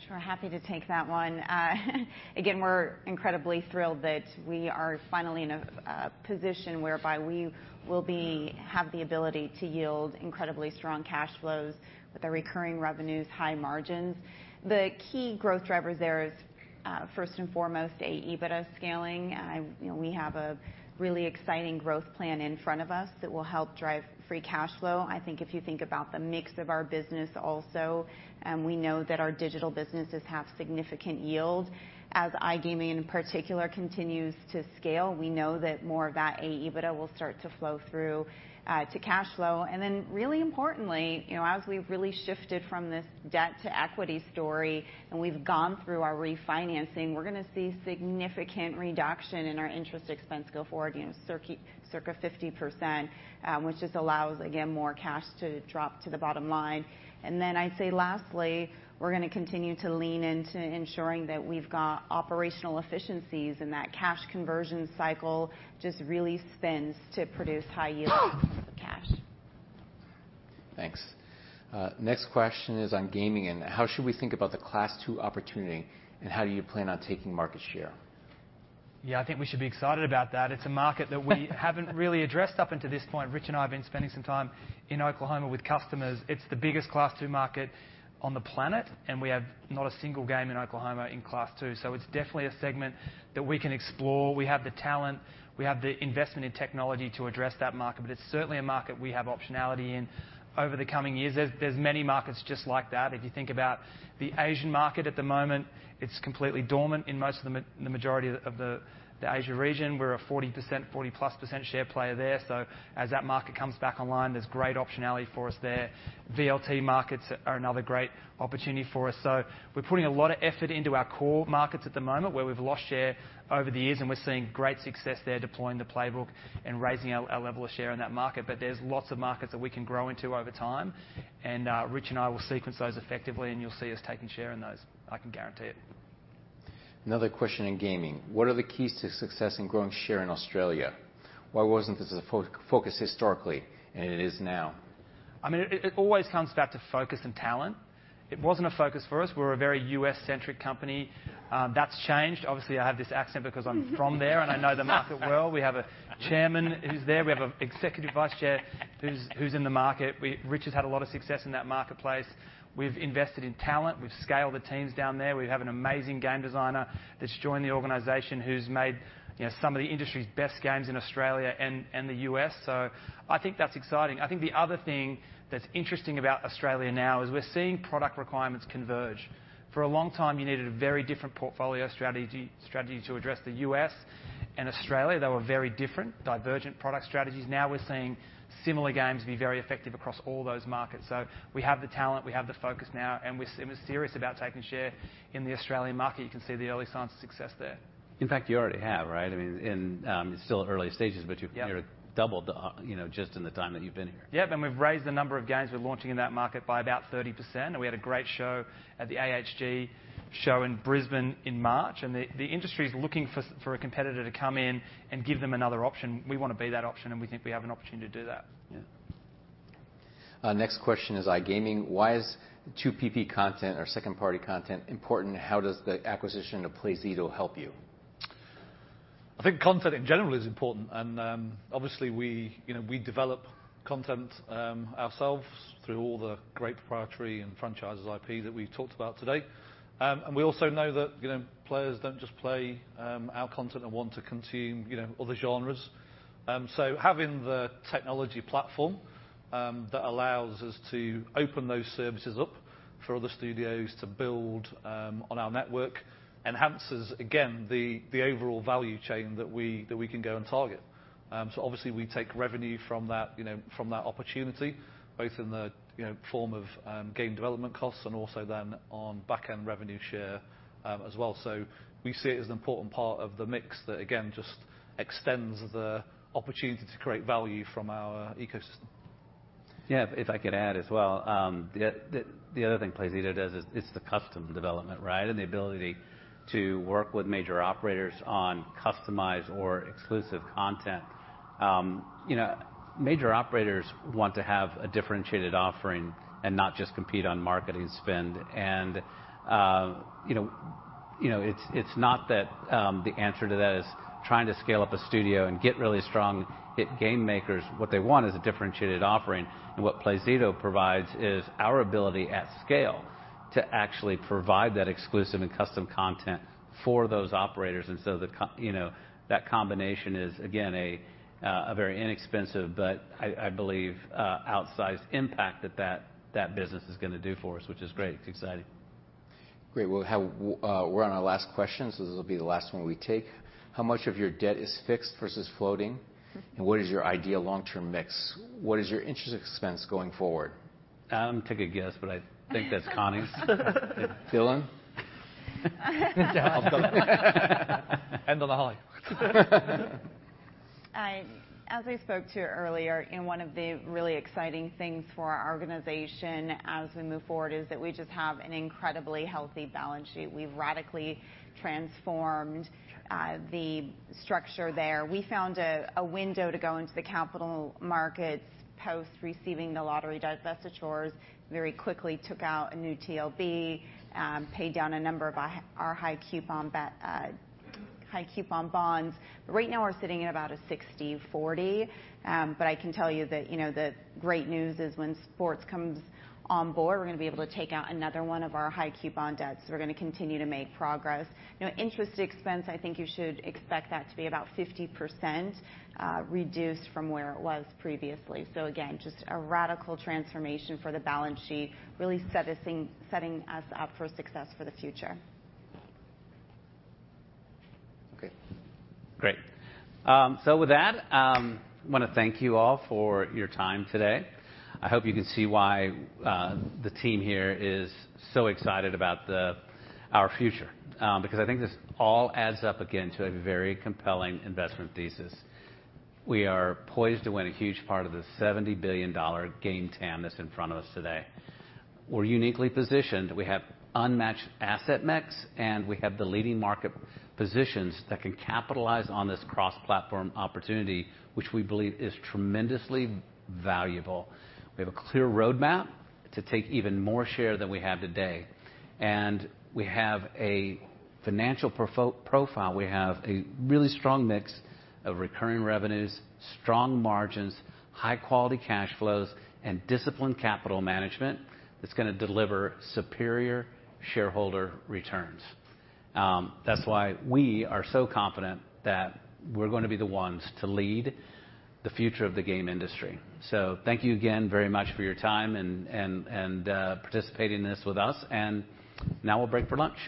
Sure, happy to take that one. Again, we're incredibly thrilled that we are finally in a position whereby we will have the ability to yield incredibly strong cash flows with the recurring revenues, high margins. The key growth drivers there is, first and foremost, AEBITDA scaling. You know, we have a really exciting growth plan in front of us that will help drive free cash flow. I think if you think about the mix of our business also, we know that our digital businesses have significant yield. As iGaming, in particular, continues to scale, we know that more of that AEBITDA will start to flow through to cash flow. And then, really importantly, you know, as we've really shifted from this debt to equity story and we've gone through our refinancing, we're gonna see significant reduction in our interest expense go forward, you know, circa 50%, which just allows, again, more cash to drop to the bottom line. And then I'd say, lastly, we're gonna continue to lean into ensuring that we've got operational efficiencies, and that cash conversion cycle just really spins to produce high yields of cash. Thanks. Next question is on gaming, and how should we think about the Class II opportunity, and how do you plan on taking market share? Yeah, I think we should be excited about that. It's a market that we haven't really addressed up until this point. Rich and I have been spending some time in Oklahoma with customers. It's the biggest Class II market on the planet, and we have not a single game in Oklahoma in Class II. So it's definitely a segment that we can explore. We have the talent, we have the investment in technology to address that market, but it's certainly a market we have optionality in over the coming years. There's many markets just like that. If you think about the Asian market at the moment, it's completely dormant in most of the majority of the Asia region. We're a 40%, 40%+ share player there, so as that market comes back online, there's great optionality for us there. VLT markets are another great opportunity for us, so we're putting a lot of effort into our core markets at the moment, where we've lost share over the years, and we're seeing great success there, deploying the playbook and raising our level of share in that market, but there's lots of markets that we can grow into over time, and, Rich and I will sequence those effectively, and you'll see us taking share in those, I can guarantee it. Another question in gaming: What are the keys to success in growing share in Australia? Why wasn't this a focus historically, and it is now? I mean, it always comes back to focus and talent. It wasn't a focus for us. We're a very U.S.-centric company. That's changed. Obviously, I have this accent because I'm from there and I know the market well. We have a chairman who's there. We have an executive vice chair who's in the market. Rich has had a lot of success in that marketplace. We've invested in talent. We've scaled the teams down there. We have an amazing game designer that's joined the organization, who's made, you know, some of the industry's best games in Australia and the U.S. So I think that's exciting. I think the other thing that's interesting about Australia now is we're seeing product requirements converge. For a long time, you needed a very different portfolio strategy to address the U.S. and Australia. They were very different, divergent product strategies. Now, we're seeing similar games be very effective across all those markets, so we have the talent, we have the focus now, and we're serious about taking share in the Australian market. You can see the early signs of success there. In fact, you already have, right? I mean, in... It's still early stages, but you've- Yeah... nearly doubled, you know, just in the time that you've been here. Yep, and we've raised the number of games we're launching in that market by about 30%, and we had a great show at the AHG show in Brisbane in March. And the industry's looking for a competitor to come in and give them another option. We want to be that option, and we think we have an opportunity to do that. Yeah. Next question is iGaming. Why is 2PP content or second-party content important? How does the acquisition of Playzido help you? I think content in general is important, and, obviously, we, you know, we develop content, ourselves through all the great proprietary and franchises IP that we've talked about today. And we also know that, you know, players don't just play, our content and want to consume, you know, other genres. So having the technology platform, that allows us to open those services up for other studios to build, on our network, enhances, again, the overall value chain that we can go and target. So obviously, we take revenue from that, you know, from that opportunity, both in the, you know, form of, game development costs and also then on back-end revenue share, as well. So we see it as an important part of the mix that, again, just extends the opportunity to create value from our ecosystem. Yeah, if I could add as well, the other thing Playzido does is it's the custom development, right? And the ability to work with major operators on customized or exclusive content. You know, major operators want to have a differentiated offering and not just compete on marketing spend. And you know, it's not that the answer to that is trying to scale up a studio and get really strong hit game makers. What they want is a differentiated offering, and what Playzido provides is our ability at scale to actually provide that exclusive and custom content for those operators. And so you know, that combination is, again, a very inexpensive, but I believe, outsized impact that that business is gonna do for us, which is great. It's exciting. Great. We'll have, we're on our last question, so this will be the last one we take. How much of your debt is fixed versus floating? And what is your ideal long-term mix? What is your interest expense going forward? Take a guess, but I think that's Connie's. Dylan? End of the line. As I spoke to earlier, and one of the really exciting things for our organization as we move forward, is that we just have an incredibly healthy balance sheet. We've radically transformed the structure there. We found a window to go into the capital markets post-receiving the lottery divestitures, very quickly took out a new TLB, paid down a number of our high coupon bonds. But right now we're sitting at about a 60-40. But I can tell you that, you know, the great news is when sports comes on board, we're gonna be able to take out another one of our high coupon debts. So we're gonna continue to make progress. You know, interest expense, I think you should expect that to be about 50% reduced from where it was previously. So again, just a radical transformation for the balance sheet, really setting us up for success for the future. Okay, great. So with that, I wanna thank you all for your time today. I hope you can see why the team here is so excited about our future because I think this all adds up again to a very compelling investment thesis. We are poised to win a huge part of the $70 billion game TAM that's in front of us today. We're uniquely positioned. We have unmatched asset mix, and we have the leading market positions that can capitalize on this cross-platform opportunity, which we believe is tremendously valuable. We have a clear roadmap to take even more share than we have today. And we have a financial profile. We have a really strong mix of recurring revenues, strong margins, high-quality cash flows, and disciplined capital management that's gonna deliver superior shareholder returns. That's why we are so confident that we're going to be the ones to lead the future of the game industry. So thank you again very much for your time and participating in this with us, and now we'll break for lunch.